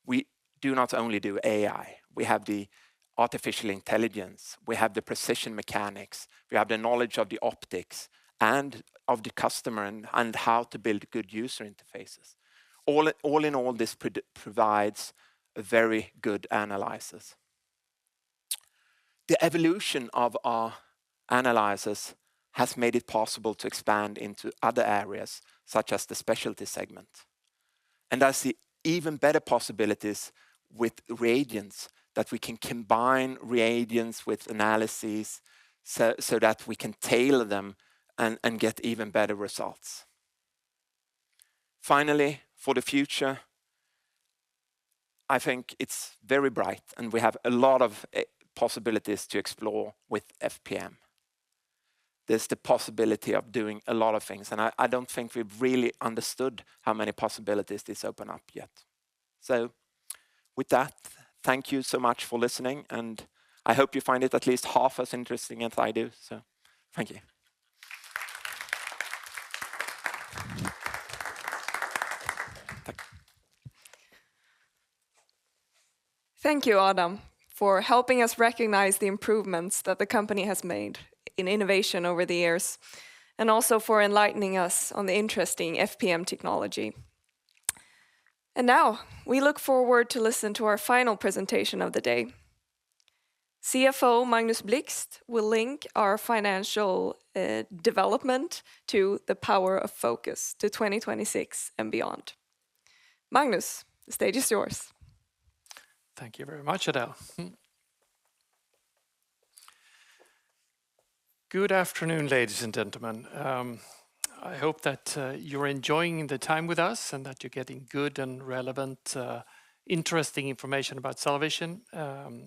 We do not only do AI, we have the artificial intelligence, we have the precision mechanics, we have the knowledge of the optics and of the customer and how to build good user interfaces. All in all, this provides a very good analysis. The evolution of our analysis has made it possible to expand into other areas such as the specialty segment, and I see even better possibilities with reagents that we can combine reagents with analyses so that we can tailor them and get even better results. Finally, for the future, I think it's very bright, and we have a lot of possibilities to explore with FPM. There's the possibility of doing a lot of things, and I don't think we've really understood how many possibilities this open up yet. With that, thank you so much for listening, and I hope you find it at least half as interesting as I do. Thank you. Thank you, Adam, for helping us recognize the improvements that the company has made in innovation over the years, and also for enlightening us on the interesting FPM technology. Now, we look forward to listen to our final presentation of the day. CFO Magnus Blixt will link our financial development to the power of focus to 2026 and beyond. Magnus, the stage is yours. Thank you very much, Adele. Good afternoon, ladies and gentlemen. I hope that you're enjoying the time with us and that you're getting good and relevant, interesting information about CellaVision,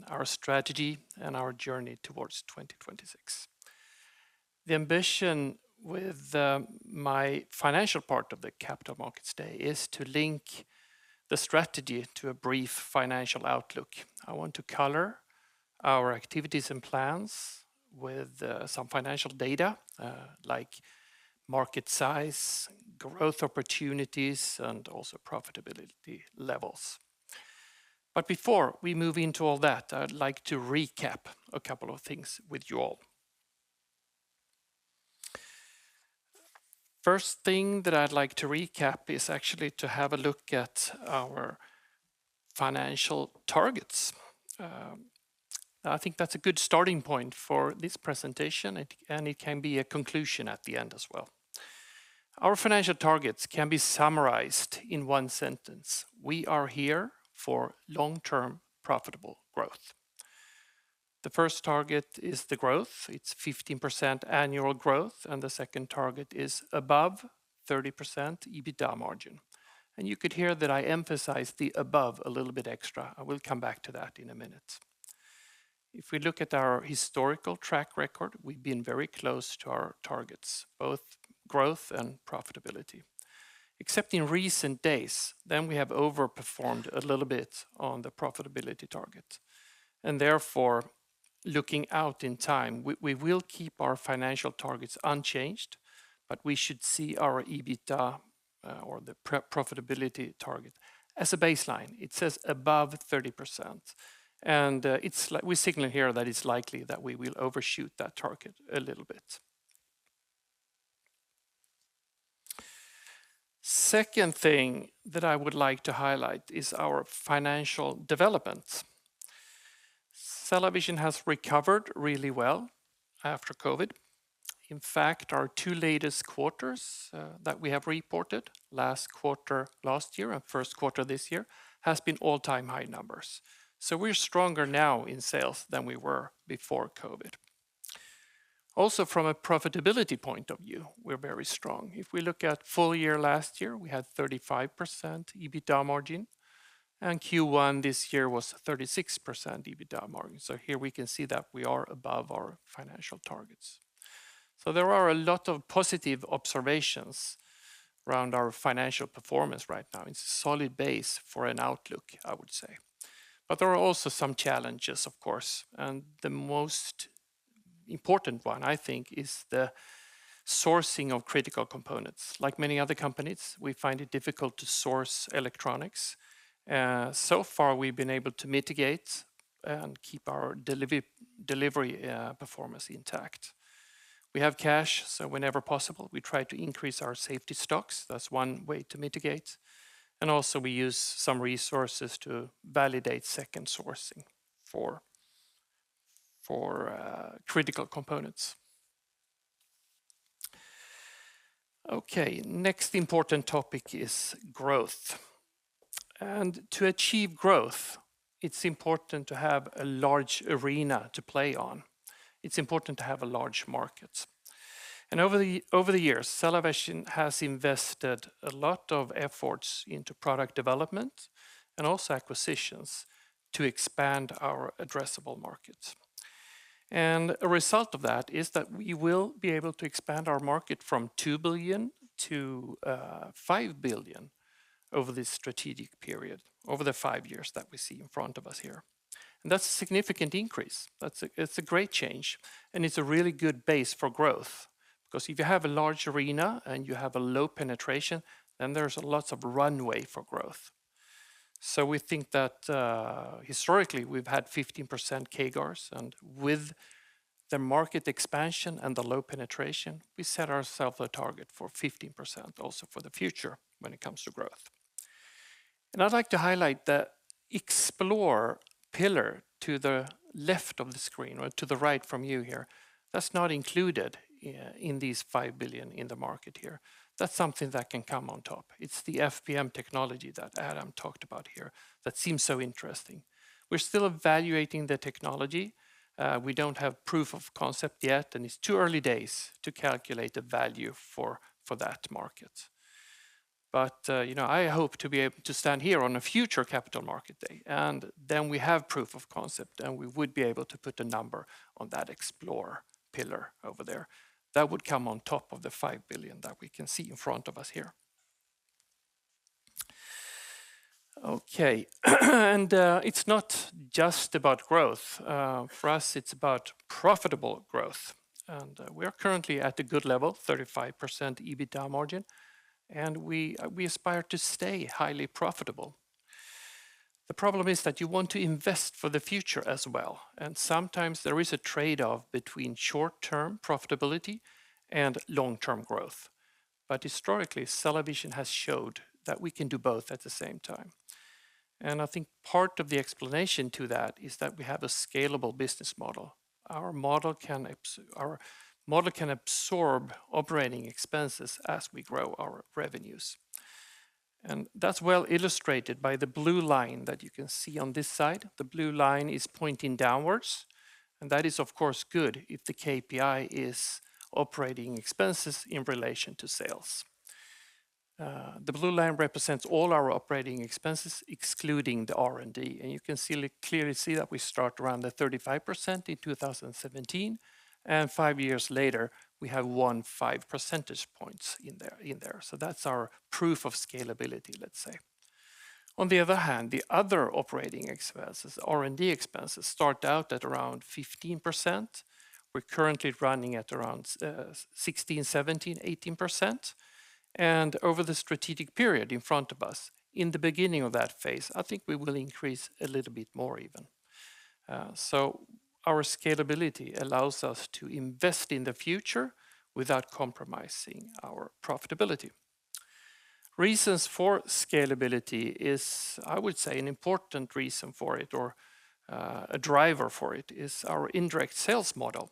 our strategy, and our journey towards 2026. The ambition with my financial part of the Capital Markets Day is to link the strategy to a brief financial outlook. I want to color our activities and plans with some financial data, like market size, growth opportunities, and also profitability levels. Before we move into all that, I'd like to recap a couple of things with you all. First thing that I'd like to recap is actually to have a look at our financial targets. I think that's a good starting point for this presentation, and it can be a conclusion at the end as well. Our financial targets can be summarized in one sentence: We are here for long-term profitable growth. The first target is the growth. It's 15% annual growth, and the second target is above 30% EBITDA margin. You could hear that I emphasize the above a little bit extra. I will come back to that in a minute. If we look at our historical track record, we've been very close to our targets, both growth and profitability. Except in recent years, then we have overperformed a little bit on the profitability target. Therefore, looking out in time, we will keep our financial targets unchanged, but we should see our EBITDA or the profitability target as a baseline. It says above 30%. We signal here that it's likely that we will overshoot that target a little bit. Second thing that I would like to highlight is our financial developments. CellaVision has recovered really well after COVID. In fact, our two latest quarters, that we have reported, last quarter last year and first quarter this year, has been all-time high numbers. We're stronger now in sales than we were before COVID. Also, from a profitability point of view, we're very strong. If we look at full year last year, we had 35% EBITDA margin, and Q1 this year was 36% EBITDA margin. Here we can see that we are above our financial targets. There are a lot of positive observations around our financial performance right now. It's a solid base for an outlook, I would say. There are also some challenges, of course. The most important one, I think, is the sourcing of critical components. Like many other companies, we find it difficult to source electronics. So far, we've been able to mitigate and keep our delivery performance intact. We have cash, so whenever possible, we try to increase our safety stocks. That's one way to mitigate. Also, we use some resources to validate second sourcing for critical components. Okay. Next important topic is growth. To achieve growth, it's important to have a large arena to play on. It's important to have a large market. Over the years, CellaVision has invested a lot of efforts into product development and also acquisitions to expand our addressable markets. A result of that is that we will be able to expand our market from $2 billion-$5 billion over this strategic period, over the five years that we see in front of us here. That's a significant increase. That's a great change, and it's a really good base for growth. Because if you have a large arena and you have a low penetration, then there's lots of runway for growth. We think that, historically, we've had 15% CAGRs, and with the market expansion and the low penetration, we set ourself a target for 15% also for the future when it comes to growth. I'd like to highlight the explore pillar to the left of the screen or to the right from you here. That's not included in these 5 billion in the market here. That's something that can come on top. It's the FPM technology that Adam talked about here that seems so interesting. We're still evaluating the technology. We don't have proof of concept yet, and it's too early days to calculate the value for that market. You know, I hope to be able to stand here on a future Capital Market Day, and then we have proof of concept, and we would be able to put a number on that explore pillar over there. That would come on top of the 5 billion that we can see in front of us here. Okay. It's not just about growth. For us it's about profitable growth. We are currently at a good level, 35% EBITDA margin, and we aspire to stay highly profitable. The problem is that you want to invest for the future as well, and sometimes there is a trade-off between short-term profitability and long-term growth. Historically, CellaVision has showed that we can do both at the same time. I think part of the explanation to that is that we have a scalable business model. Our model can absorb operating expenses as we grow our revenues. That's well illustrated by the blue line that you can see on this side. The blue line is pointing downwards, and that is of course good if the KPI is operating expenses in relation to sales. The blue line represents all our operating expenses excluding the R&D, and you can see clearly that we start around the 35% in 2017, and five years later we have 15 percentage points in there. That's our proof of scalability, let's say. On the other hand, the other operating expenses, R&D expenses, start out at around 15%. We're currently running at around 16%-18%. Over the strategic period in front of us, in the beginning of that phase, I think we will increase a little bit more even. Our scalability allows us to invest in the future without compromising our profitability. Reasons for scalability is, I would say an important reason for it or, a driver for it is our indirect sales model.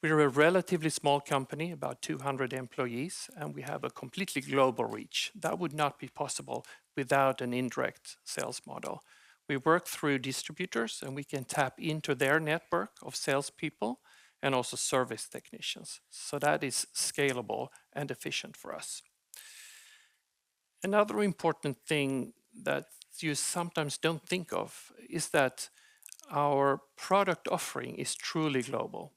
We're a relatively small company, about 200 employees, and we have a completely global reach. That would not be possible without an indirect sales model. We work through distributors, and we can tap into their network of salespeople and also service technicians. That is scalable and efficient for us. Another important thing that you sometimes don't think of is that our product offering is truly global.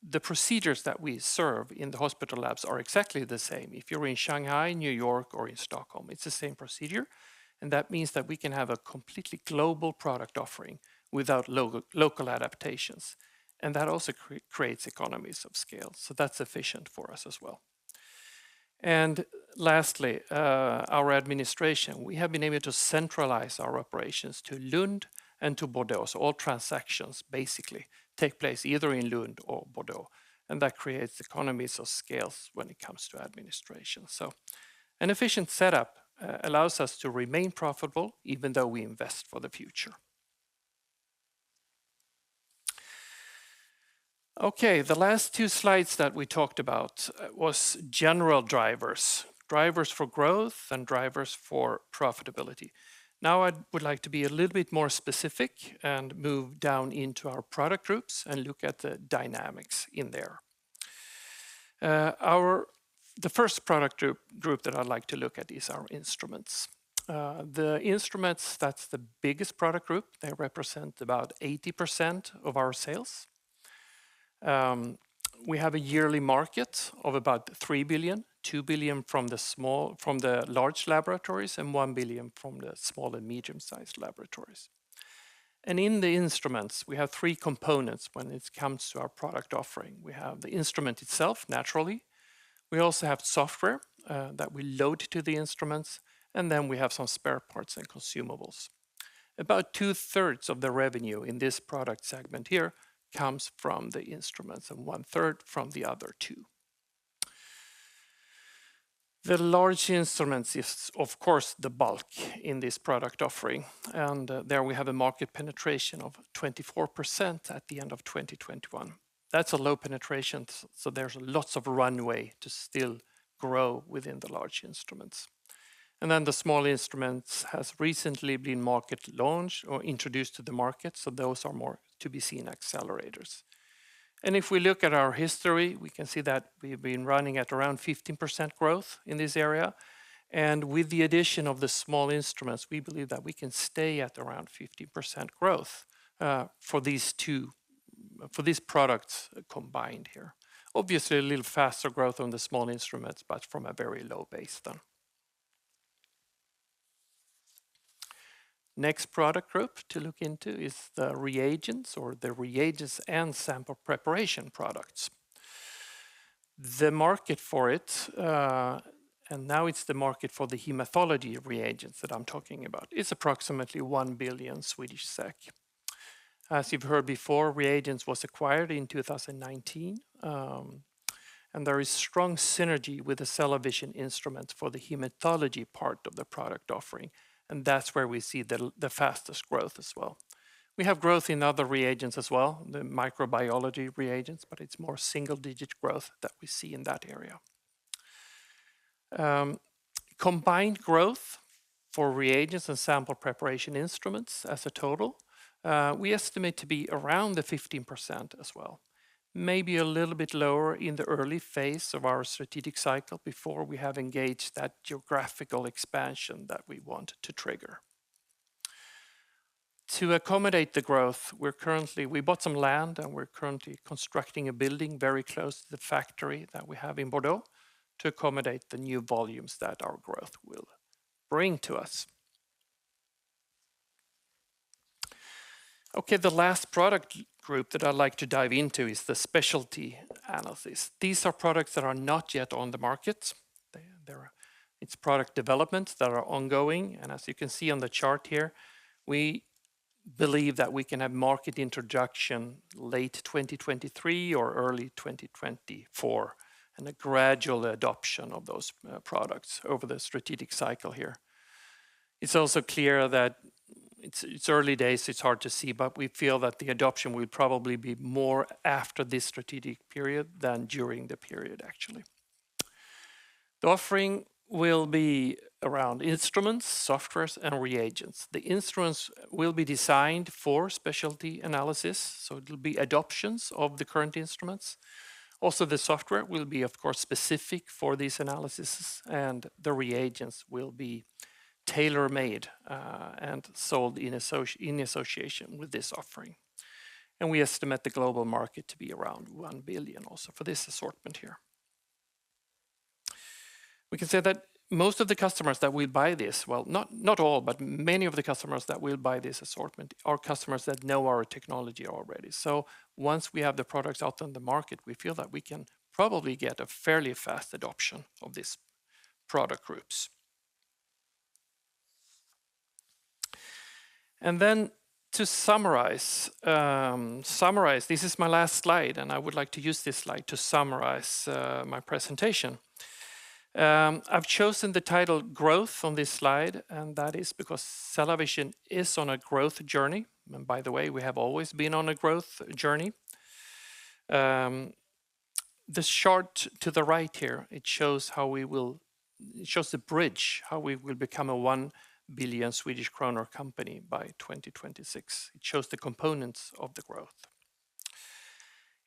The procedures that we serve in the hospital labs are exactly the same. If you're in Shanghai, New York or in Stockholm, it's the same procedure, and that means that we can have a completely global product offering without local adaptations. That also creates economies of scale, so that's efficient for us as well. Lastly, our administration. We have been able to centralize our operations to Lund and to Bordeaux. All transactions basically take place either in Lund or Bordeaux, and that creates economies of scale when it comes to administration. An efficient setup allows us to remain profitable even though we invest for the future. Okay. The last two slides that we talked about was general drivers. Drivers for growth and drivers for profitability. Now I would like to be a little bit more specific and move down into our product groups and look at the dynamics in there. The first product group that I'd like to look at is our instruments. The instruments, that's the biggest product group. They represent about 80% of our sales. We have a yearly market of about 3 billion, 2 billion from the large laboratories, and 1 billion from the small and medium-sized laboratories. In the instruments, we have three components when it comes to our product offering. We have the instrument itself, naturally. We also have software that we load to the instruments, and then we have some spare parts and consumables. About 2/3 of the revenue in this product segment here comes from the instruments, and 1/3 from the other two. The large instruments is of course the bulk in this product offering, and there we have a market penetration of 24% at the end of 2021. That's a low penetration, so there's lots of runway to still grow within the large instruments. Then the small instruments has recently been market launched or introduced to the market, so those are more to be seen accelerators. If we look at our history, we can see that we've been running at around 15% growth in this area. With the addition of the small instruments, we believe that we can stay at around 15% growth, for these two, for these products combined here. Obviously, a little faster growth on the small instruments, but from a very low base then. Next product group to look into is the reagents or the reagents and sample preparation products. The market for it, and now it's the market for the hematology reagents that I'm talking about, is approximately 1 billion Swedish SEK. As you've heard before, reagents was acquired in 2019, and there is strong synergy with the CellaVision instruments for the hematology part of the product offering, and that's where we see the fastest growth as well. We have growth in other reagents as well, the microbiology reagents, but it's more single-digit growth that we see in that area. Combined growth for reagents and sample preparation instruments as a total, we estimate to be around 15% as well. Maybe a little bit lower in the early phase of our strategic cycle before we have engaged that geographical expansion that we want to trigger. To accommodate the growth, we bought some land, and we're currently constructing a building very close to the factory that we have in Bordeaux to accommodate the new volumes that our growth will bring to us. Okay, the last product group that I'd like to dive into is the specialty analysis. These are products that are not yet on the market. They're product developments that are ongoing, and as you can see on the chart here, we believe that we can have market introduction late 2023 or early 2024, and a gradual adoption of those products over the strategic cycle here. It's also clear that it's early days. It's hard to see, but we feel that the adoption will probably be more after this strategic period than during the period, actually. The offering will be around instruments, software, and reagents. The instruments will be designed for specialty analysis, so it'll be adoptions of the current instruments. Also, the software will be, of course, specific for these analysis, and the reagents will be tailor-made and sold in association with this offering. We estimate the global market to be around 1 billion also for this assortment here. We can say that most of the customers that will buy this, well, not all, but many of the customers that will buy this assortment are customers that know our technology already. Once we have the products out on the market, we feel that we can probably get a fairly fast adoption of these product groups. To summarize, this is my last slide, and I would like to use this slide to summarize my presentation. I've chosen the title growth on this slide, and that is because CellaVision is on a growth journey. By the way, we have always been on a growth journey. The chart to the right here shows the bridge, how we will become a 1 billion Swedish kronor company by 2026. It shows the components of the growth.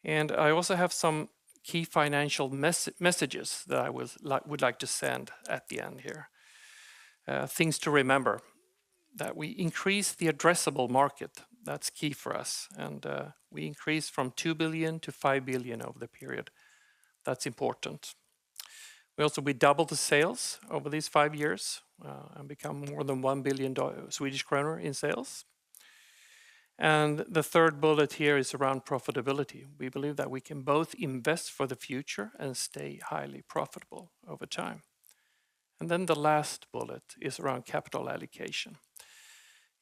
I also have some key financial messages that I would like to send at the end here. Things to remember, that we increase the addressable market. That's key for us. We increase from 2 billion to 5 billion over the period. That's important. We also double the sales over these 5 years and become more than 1 billion Swedish kronor in sales. The third bullet here is around profitability. We believe that we can both invest for the future and stay highly profitable over time. The last bullet is around capital allocation.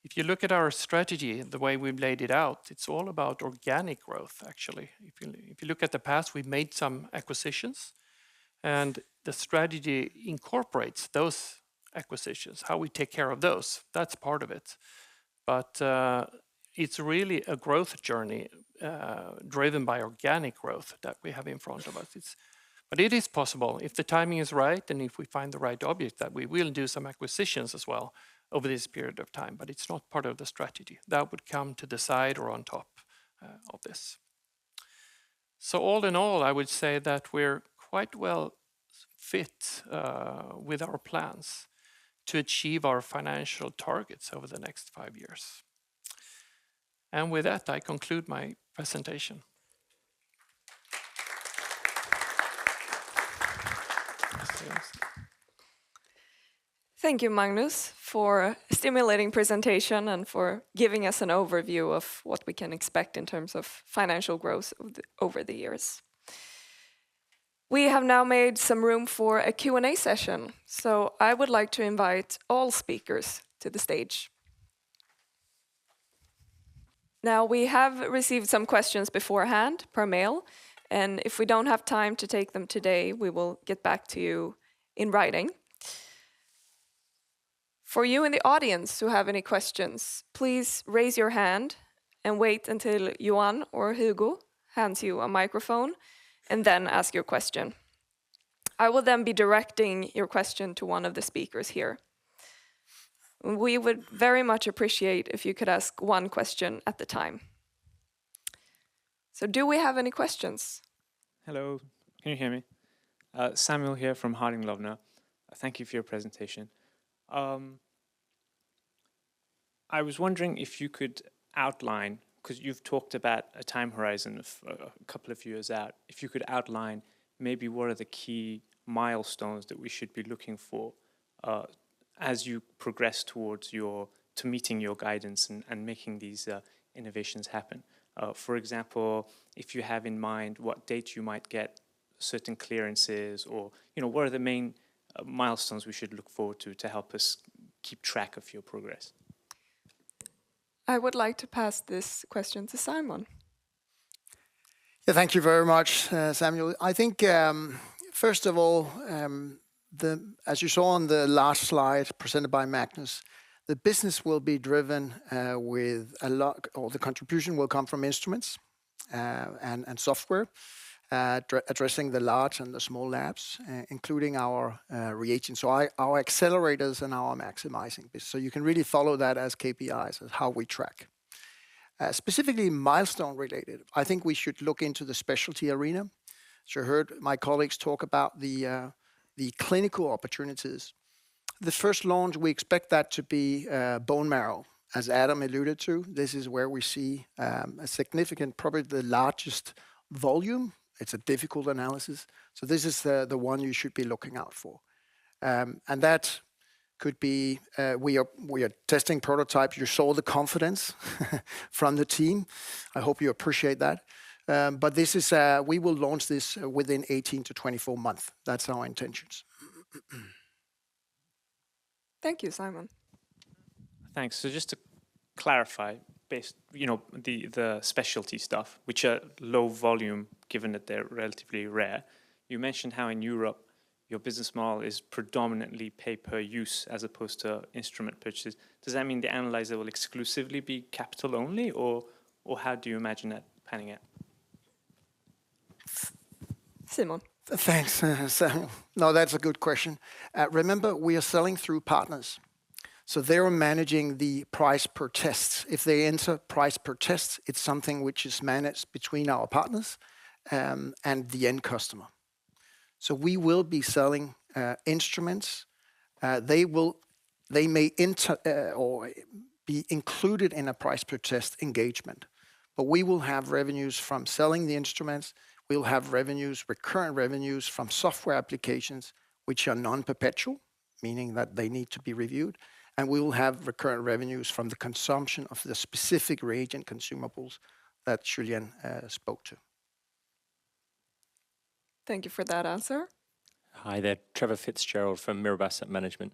If you look at our strategy, the way we've laid it out, it's all about organic growth, actually. If you look at the past, we made some acquisitions, and the strategy incorporates those acquisitions, how we take care of those. That's part of it. It's really a growth journey driven by organic growth that we have in front of us. It is possible if the timing is right and if we find the right object that we will do some acquisitions as well over this period of time, but it's not part of the strategy. That would come to the side or on top, of this. All in all, I would say that we're quite well fit, with our plans to achieve our financial targets over the next five years. With that, I conclude my presentation. Thank you, Magnus, for a stimulating presentation and for giving us an overview of what we can expect in terms of financial growth over the years. We have now made some room for a Q&A session, so I would like to invite all speakers to the stage. Now, we have received some questions beforehand per mail, and if we don't have time to take them today, we will get back to you in writing. For you in the audience who have any questions, please raise your hand and wait until Johan or Hugo hands you a microphone and then ask your question. I will then be directing your question to one of the speakers here. We would very much appreciate if you could ask one question at the time. Do we have any questions? Hello. Can you hear me? Samuel here from Harding Loevner. Thank you for your presentation. I was wondering if you could outline, 'cause you've talked about a time horizon of a couple of years out, if you could outline maybe what are the key milestones that we should be looking for, as you progress to meeting your guidance and making these innovations happen. For example, if you have in mind what date you might get certain clearances or what are the main milestones we should look forward to help us keep track of your progress? I would like to pass this question to Simon. Yeah. Thank you very much, Samuel. I think first of all, as you saw on the last slide presented by Magnus, the business will be driven or the contribution will come from instruments and software addressing the large and the small labs, including our reagents. Our accelerators and maximizing this. You can really follow that as KPIs of how we track. Specifically milestone related, I think we should look into the specialty arena. You heard my colleagues talk about the clinical opportunities. The first launch, we expect that to be bone marrow. As Adam alluded to, this is where we see a significant, probably the largest volume. It's a difficult analysis. This is the one you should be looking out for. That could be, we are testing prototypes. You saw the confidence from the team. I hope you appreciate that. This is, we will launch this within 18-24 months. That's our intentions. Thank you, Simon. Thanks. Just to clarify, based, you know, the specialty stuff, which are low volume given that they're relatively rare, you mentioned how in Europe your business model is predominantly pay-per-use as opposed to instrument purchases. Does that mean the analyzer will exclusively be capital only, or how do you imagine that panning out? Simon. Thanks. No, that's a good question. Remember, we are selling through partners, so they are managing the price per tests. If they enter price per tests, it's something which is managed between our partners and the end customer. We will be selling instruments. They may enter or be included in a price per test engagement. We will have revenues from selling the instruments. We'll have revenues, recurrent revenues from software applications which are non-perpetual, meaning that they need to be reviewed, and we will have recurrent revenues from the consumption of the specific reagent consumables that Julien spoke to. Thank you for that answer. Hi there. Trevor Fitzgerald from Mirabaud Asset Management.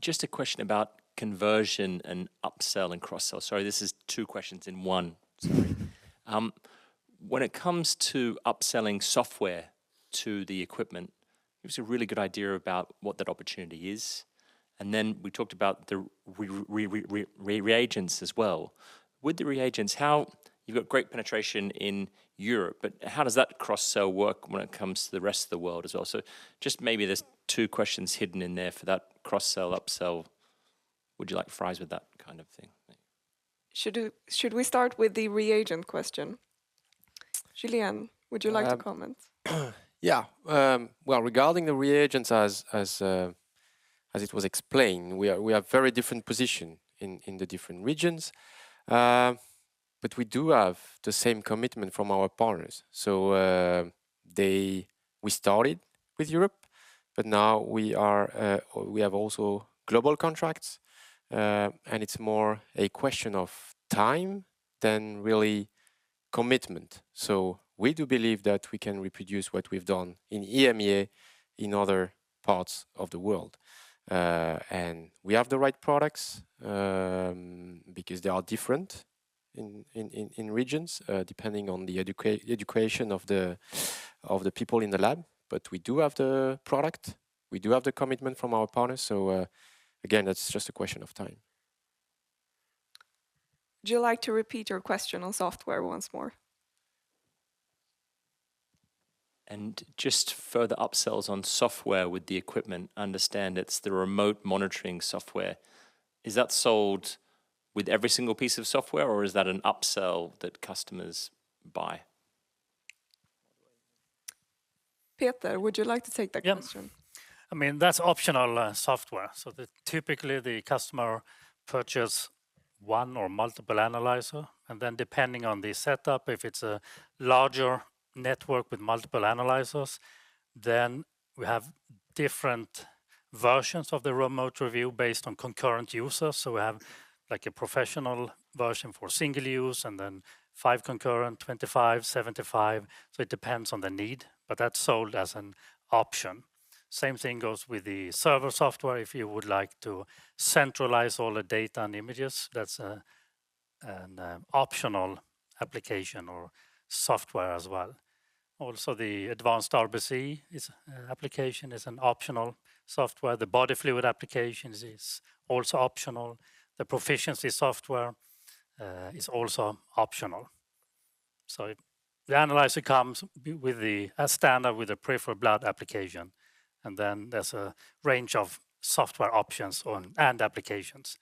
Just a question about conversion and upsell and cross-sell. Sorry, this is two questions in one. Sorry. When it comes to upselling software to the equipment, give us a really good idea about what that opportunity is. We talked about the reagents as well. With the reagents, you've got great penetration in Europe, but how does that cross-sell work when it comes to the rest of the world as well. Just maybe there's two questions hidden in there for that cross-sell, upsell, would you like fries with that kind of thing. Should we start with the reagent question? Julien, would you like to comment? Yeah. Well, regarding the reagents, as it was explained, we have very different position in the different regions. We do have the same commitment from our partners. We started with Europe, but now we have also global contracts. It's more a question of time than really commitment. We do believe that we can reproduce what we've done in EMEA in other parts of the world. We have the right products, because they are different in regions, depending on the education of the people in the lab. We do have the product, we do have the commitment from our partners, again, that's just a question of time. Would you like to repeat your question on software once more? Just further upsells on software with the equipment. Understand it's the remote monitoring software. Is that sold with every single piece of software, or is that an upsell that customers buy? Peter, would you like to take that question? I mean, that's optional software. Typically, the customer purchase one or multiple analyzer, and then depending on the setup, if it's a larger network with multiple analyzers, then we have different versions of the Remote Review based on concurrent users. We have like a professional version for single use and then 5 concurrent, 25, 75. It depends on the need, but that's sold as an option. Same thing goes with the server software. If you would like to centralize all the data and images, that's an optional application or software as well. Also, the Advanced RBC application is an optional software. The Body Fluid Application is also optional. The Proficiency Software is also optional. The analyzer comes with the... as standard with a Peripheral Blood Application, and then there's a range of software options and applications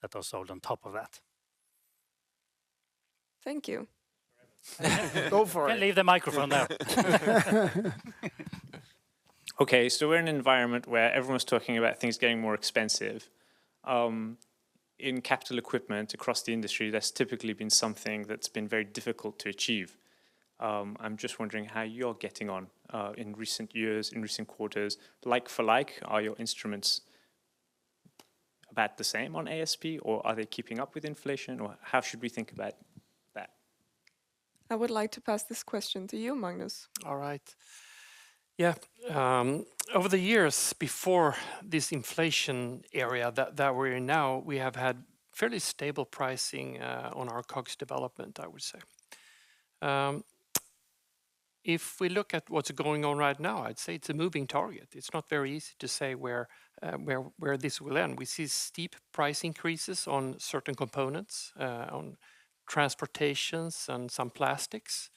that are sold on top of that. Thank you. Go for it. Can't leave the microphone now. Okay. We're in an environment where everyone's talking about things getting more expensive. In capital equipment across the industry, that's typically been something that's been very difficult to achieve. I'm just wondering how you're getting on in recent years, in recent quarters. Like for like, are your instruments about the same on ASP, or are they keeping up with inflation, or how should we think about that? I would like to pass this question to you, Magnus. All right. Yeah. Over the years before this inflation era that we're in now, we have had fairly stable pricing on our COGS development, I would say. If we look at what's going on right now, I'd say it's a moving target. It's not very easy to say where this will end. We see steep price increases on certain components on transportation and some plastics.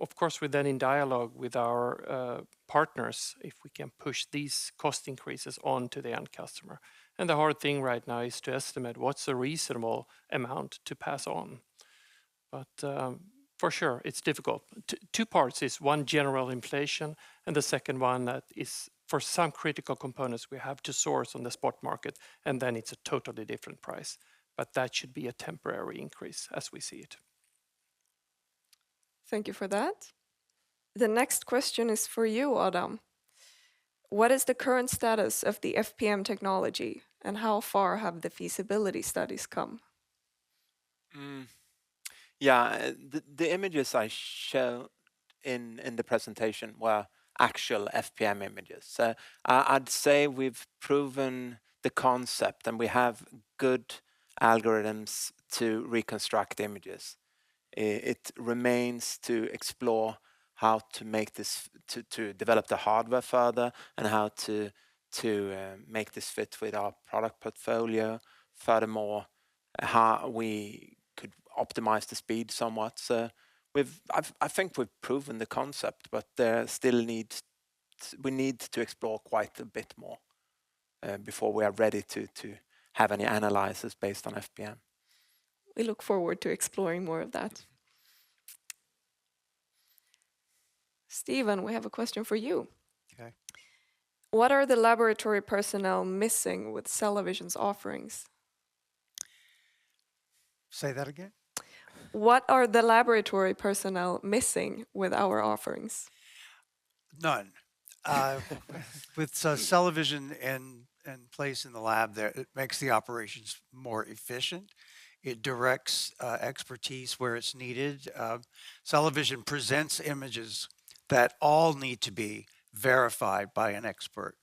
Of course we're then in dialogue with our partners if we can push these cost increases on to the end customer. The hard thing right now is to estimate what's a reasonable amount to pass on. For sure, it's difficult. Two parts is one, general inflation, and the second one that is for some critical components we have to source on the spot market, and then it's a totally different price. That should be a temporary increase as we see it. Thank you for that. The next question is for you, Adam. What is the current status of the FPM technology, and how far have the feasibility studies come? Yeah, the images I show in the presentation were actual FPM images. I'd say we've proven the concept, and we have good algorithms to reconstruct images. It remains to explore how to make this fit with our product portfolio. Furthermore, how we could optimize the speed somewhat. I think we've proven the concept, but we need to explore quite a bit more before we are ready to have any analyzers based on FPM. We look forward to exploring more of that. Steven, we have a question for you. Okay. What are the laboratory personnel missing with CellaVision's offerings? Say that again. What are the laboratory personnel missing with our offerings? None. With CellaVision in place in the lab there, it makes the operations more efficient. It directs expertise where it's needed. CellaVision presents images that all need to be verified by an expert.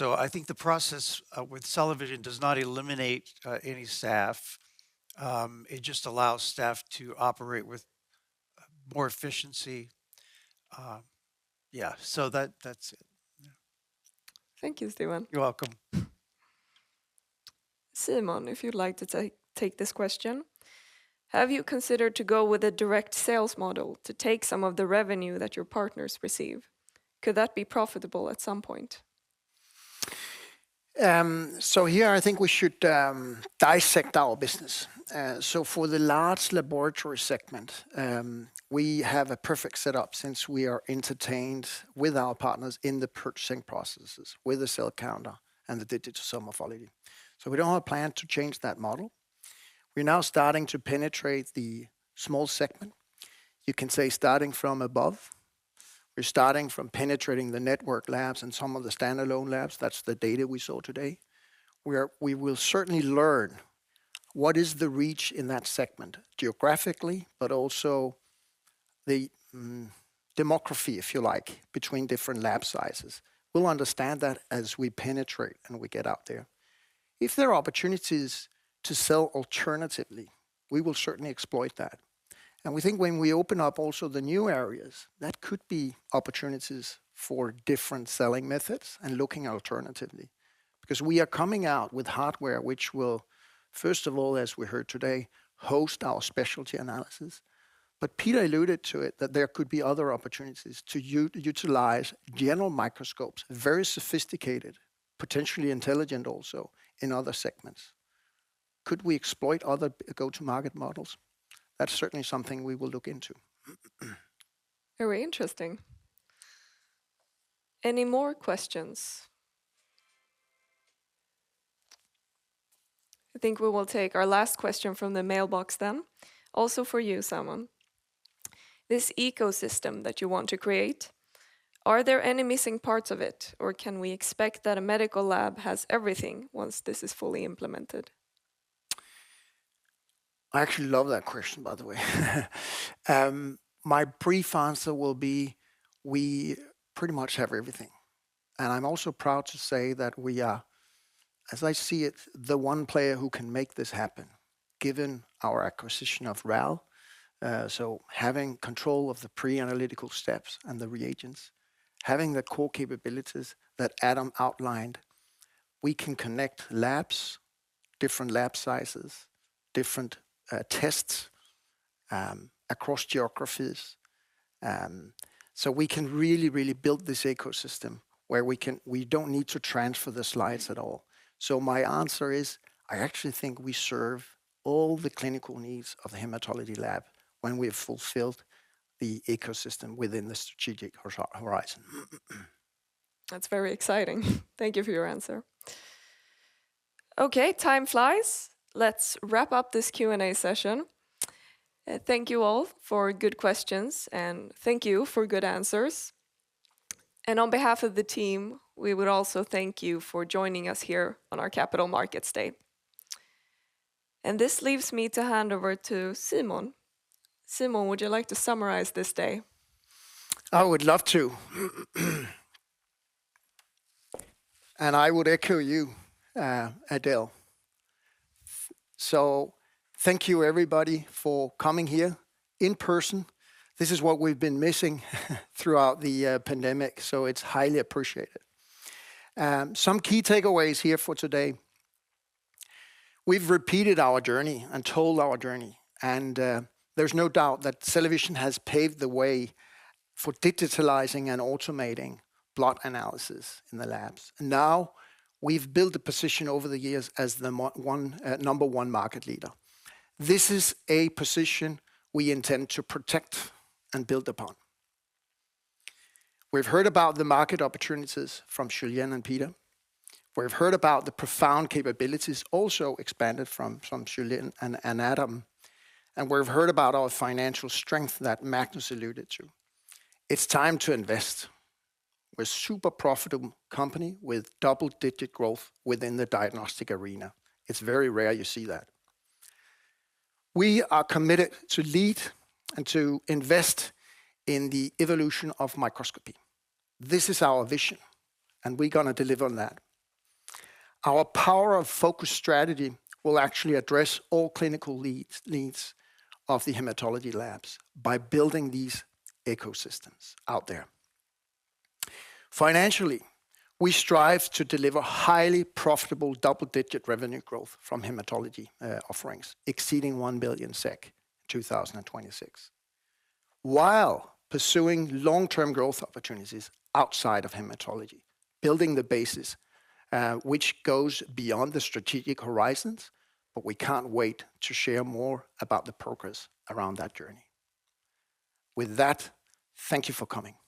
I think the process with CellaVision does not eliminate any staff. It just allows staff to operate with more efficiency. Yeah, so that's it. Yeah. Thank you, Steven. You're welcome. Simon, if you'd like to take this question. Have you considered to go with a direct sales model to take some of the revenue that your partners receive? Could that be profitable at some point? Here I think we should dissect our business. For the large laboratory segment, we have a perfect setup since we are integrated with our partners in the purchasing processes with the cell counter and the digital morphology. We don't have a plan to change that model. We're now starting to penetrate the small segment, you can say starting from above. We're starting from penetrating the network labs and some of the standalone labs. That's the data we saw today. We will certainly learn what is the reach in that segment geographically, but also the demographics, if you like, between different lab sizes. We'll understand that as we penetrate and we get out there. If there are opportunities to sell alternatively, we will certainly exploit that. We think when we open up also the new areas, that could be opportunities for different selling methods and looking alternatively. Because we are coming out with hardware which will, first of all, as we heard today, host our specialty analysis. Peter alluded to it, that there could be other opportunities to utilize general microscopes, very sophisticated, potentially intelligent also, in other segments. Could we exploit other go-to-market models? That's certainly something we will look into. Very interesting. Any more questions? I think we will take our last question from the mailbox then. Also for you, Simon Østergaard. This ecosystem that you want to create, are there any missing parts of it, or can we expect that a medical lab has everything once this is fully implemented? I actually love that question, by the way. My brief answer will be we pretty much have everything. I'm also proud to say that we are, as I see it, the one player who can make this happen, given our acquisition of RAL. Having control of the pre-analytical steps and the reagents, having the core capabilities that Adam outlined, we can connect labs, different lab sizes, different tests, across geographies. We can really, really build this ecosystem where we don't need to transfer the slides at all. My answer is, I actually think we serve all the clinical needs of the hematology lab when we have fulfilled the ecosystem within the strategic horizon. That's very exciting. Thank you for your answer. Okay, time flies. Let's wrap up this Q&A session. Thank you all for good questions, and thank you for good answers. On behalf of the team, we would also thank you for joining us here on our Capital Markets Day. This leaves me to hand over to Simon. Simon, would you like to summarize this day? I would love to. I would echo you, Adele. Thank you, everybody, for coming here in person. This is what we've been missing throughout the pandemic, so it's highly appreciated. Some key takeaways here for today. We've repeated our journey and told our journey, and there's no doubt that CellaVision has paved the way for digitalizing and automating blood analysis in the labs. Now, we've built a position over the years as the number one market leader. This is a position we intend to protect and build upon. We've heard about the market opportunities from Julien and Peter. We've heard about the profound capabilities also expanded from Julien and Adam. We've heard about our financial strength that Magnus alluded to. It's time to invest. We're a super profitable company with double-digit growth within the diagnostic arena. It's very rare you see that. We are committed to lead and to invest in the evolution of microscopy. This is our vision, and we're gonna deliver on that. Our power of focus strategy will actually address all clinical needs of the hematology labs by building these ecosystems out there. Financially, we strive to deliver highly profitable double-digit revenue growth from hematology offerings, exceeding 1 billion SEK 2026, while pursuing long-term growth opportunities outside of hematology, building the basis which goes beyond the strategic horizons, but we can't wait to share more about the progress around that journey. With that, thank you for coming.